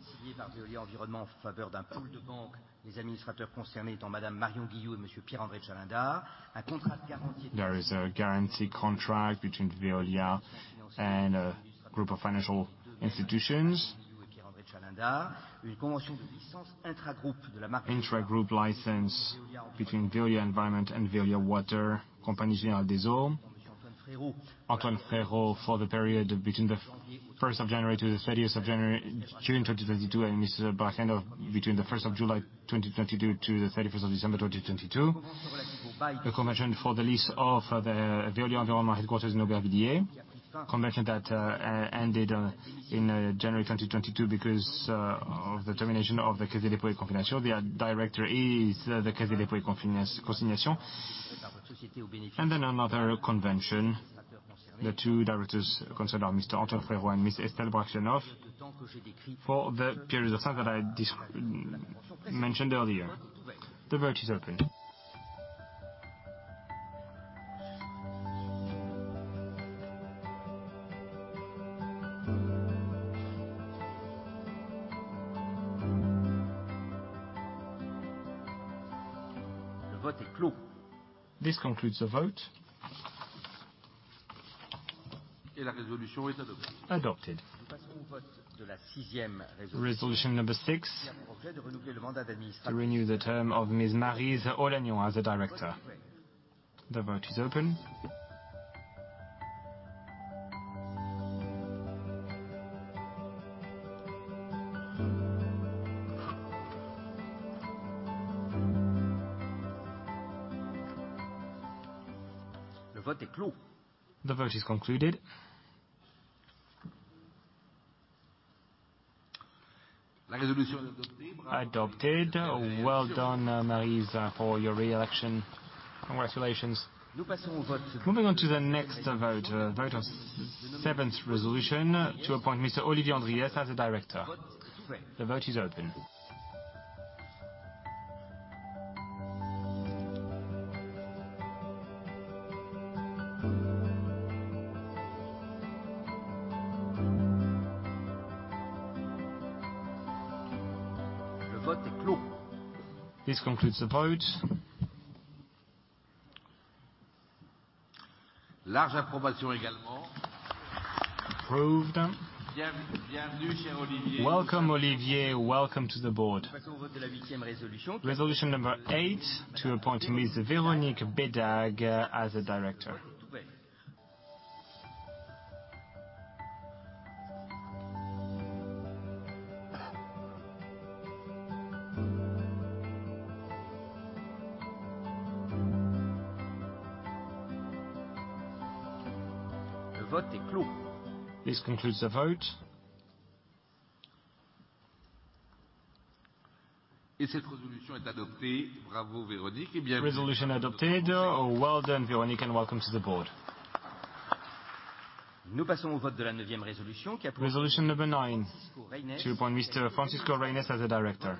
There is a guarantee contract between Veolia and a group of financial institutions. Intra-group license between Veolia Environnement and Veolia Water, Compagnie Générale des Eaux. Antoine Frérot for the period between the 1st of January to the 30th of June 2022, and Mrs. Brachlianoff between the 1st of July 2022 to the 31st of December 2022. The convention for the lease of the Veolia Environnement headquarters in Aubervilliers. Convention that ended in January 2022 because of the termination of the Caisse des Dépôts et Consignations. The director is the Caisse des Dépôts et Consignations. Another convention. The two directors concerned are Mr. Antoine Frérot and Ms. Estelle Brachlianoff for the periods of time that I mentioned earlier. The vote is open. This concludes the vote. Adopted. Resolution number six to renew the term of Ms. Maryse Aulagnon as a director. The vote is open. The vote is concluded. Adopted. Well done, Maryse, for your re-election. Congratulations. Moving on to the next vote. Vote of seventh Resolution to appoint Mr. Olivier Andriès as a director. The vote is open. This concludes the vote. Approved. Welcome, Olivier. Welcome to the board. Resolution number eight to appoint Ms. Véronique Bédague as a director. This concludes the vote. Resolution adopted. Well done, Véronique, and welcome to the board. Resolution number nine to appoint Mr. Francisco Reynés as a director.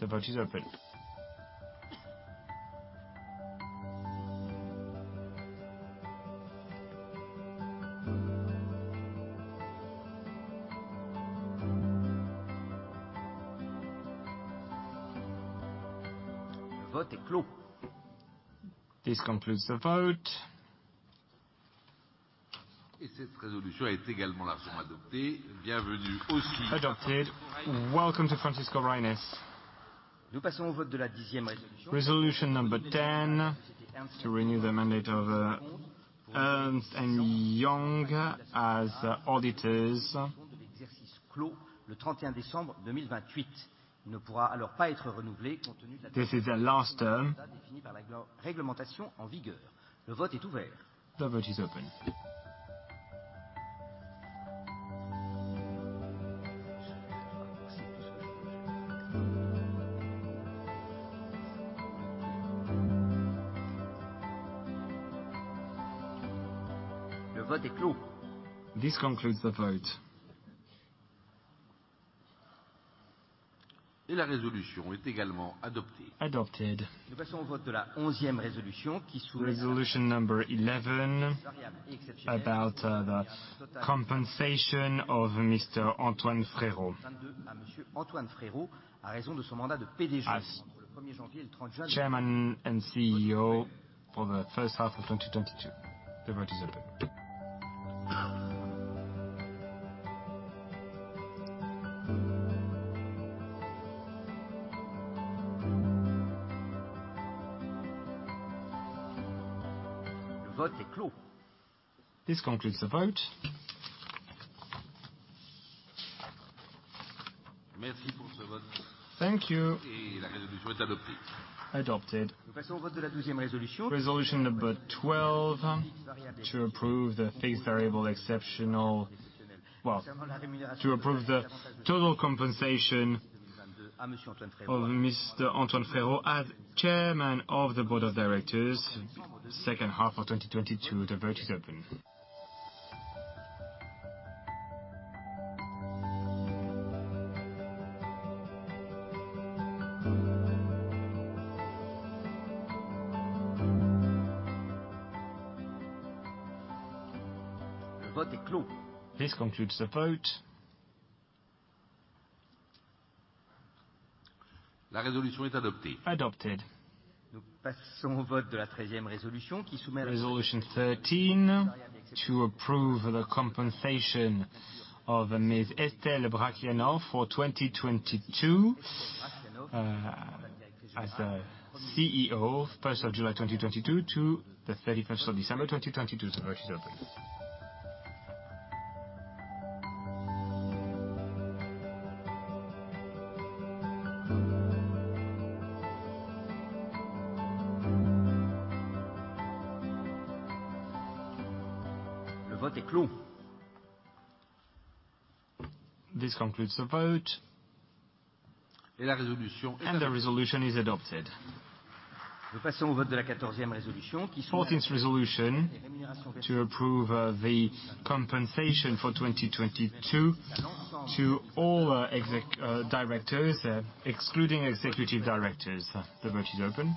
The vote is open. This concludes the vote. Adopted. Welcome to Francisco Reynés. Resolution number one0 to renew the mandate of Ernst & Young as auditors. This is their last term. The vote is open. This concludes the vote. Adopted. Resolution number one1 about the compensation of Mr. Antoine Frérot as Chairman and CEO for the 1st half of 2022. The vote is open. The vote is closed. This concludes the vote. Thank you. Adopted. Resolutiont number 12 to approve the fixed variable exceptional... Well, to approve the total compensation of Mr. Antoine Frérot as Chairman of the Board of Directors 2nd half of 2022. The vote is open. The vote is closed. This concludes the vote. Adopted. Resolution 13 to approve the compensation of Ms. Estelle Brachlianoff for 2022, as the CEO 1st of July, 2022 to the 31st of December, 2022. The vote is open. The vote is closed. This concludes the vote. The Resolution is adopted. 14th Resolution to approve the compensation for 2022 to all exec directors, excluding executive directors. The vote is open.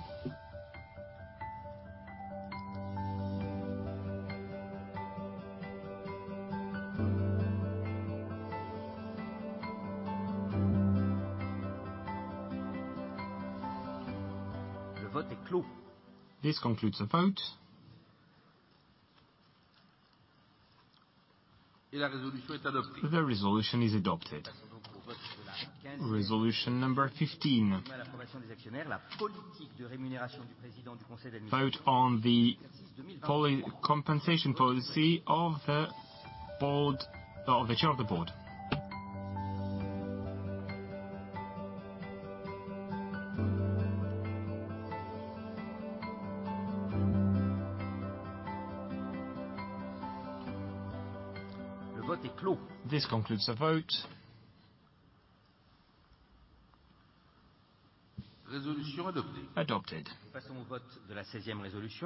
The vote is closed. This concludes the vote. The Resolution is adopted. Resolution 15. Vote on the compensation policy of the chair of the board. This concludes the vote. Adopted.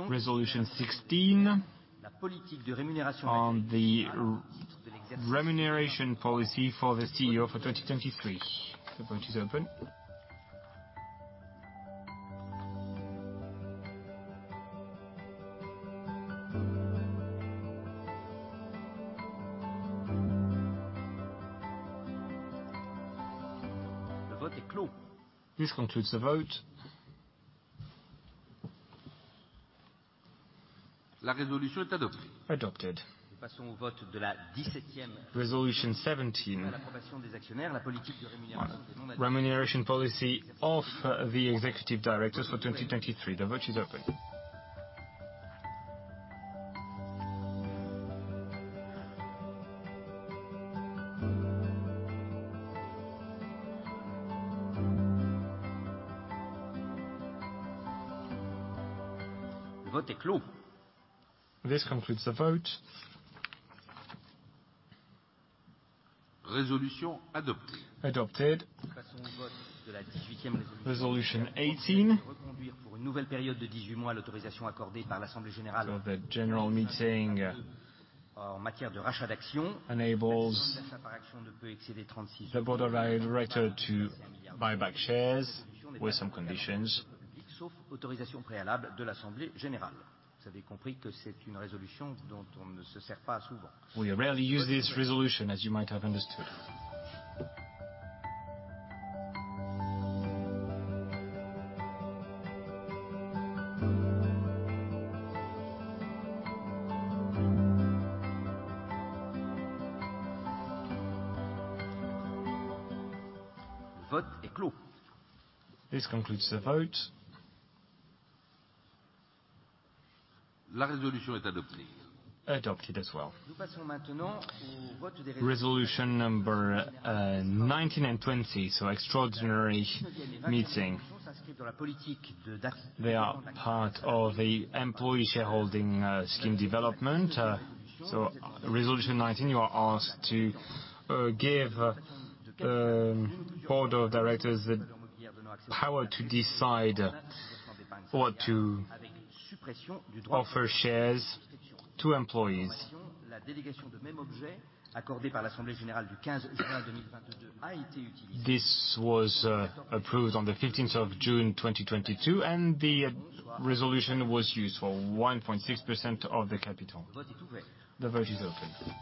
Resolution 16 on the remuneration policy for the CEO for 2023. The vote is open. This concludes the vote. Adopted. Resolution 17. Remuneration policy of the executive directors for 2023. The vote is open. This concludes the vote. Adopted. Resolution 18. The general meeting enables the board of directors to buy back shares with some conditions. We rarely use this Resolution, as you might have understood. The vote is closed. This concludes the vote. Adopted as well. Resolution number one9 and 20. Extraordinary meeting. They are part of the employee shareholding scheme development. Resolution 19, you are asked to give Board of Directors the power to decide what to offer shares to employees. This was approved on the 15th of June, 2022, and the Resolution was used for 1.6% of the capital. The vote is open.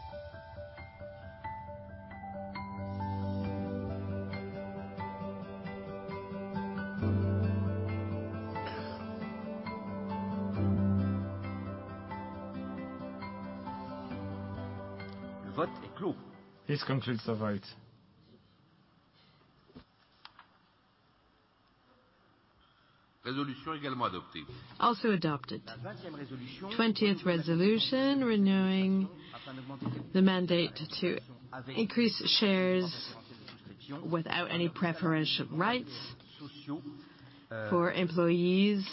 This concludes the vote. Also adopted. 20th Resolution, renewing the mandate to increase shares without any preferential rights for employees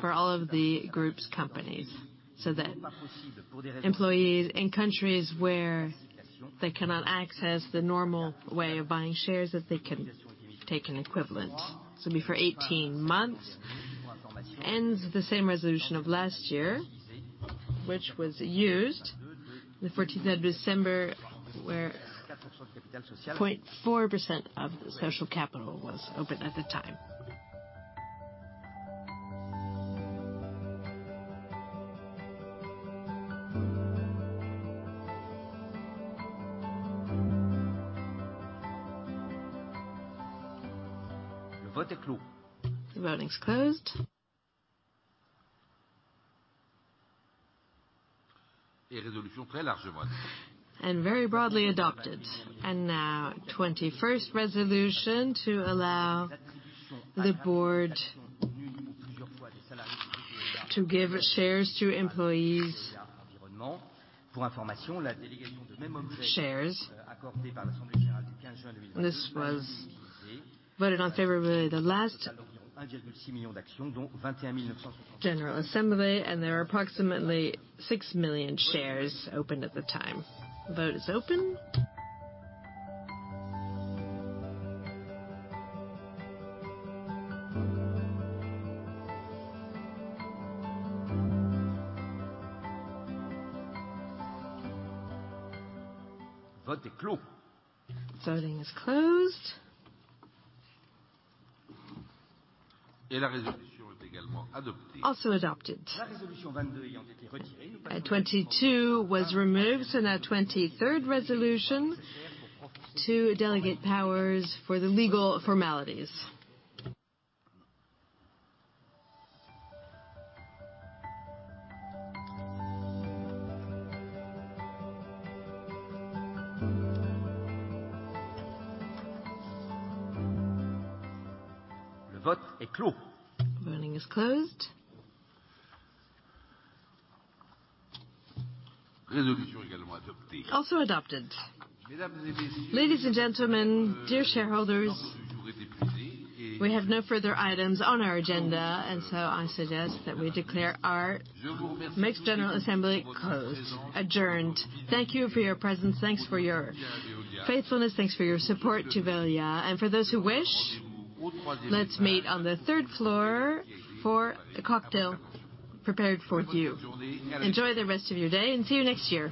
for all of the group's companies, so that employees in countries where they cannot access the normal way of buying shares, that they can take an equivalent. This will be for 18 months, ends the same Resolution of last year, which was used the 14th of December, where 0.4% of the social capital was open at the time. The voting is closed. Very broadly adopted. Now, 21st Resolution to allow the board to give shares to employees. Shares. This was voted on favorably at the last general assembly, and there are approximately 6 million shares opened at the time. The vote is open. Voting is closed. Also adopted. 22 was removed, and now 23rd Resolution to delegate powers for the legal formalities. Voting is closed. Also adopted. Ladies and gentlemen, dear shareholders, we have no further items on our agenda. I suggest that we declare our mixed general assembly adjourned. Thank you for your presence. Thanks for your faithfulness. Thanks for your support to Veolia. For those who wish, let's meet on the third floor for a cocktail prepared for you. Enjoy the rest of your day, and see you next year.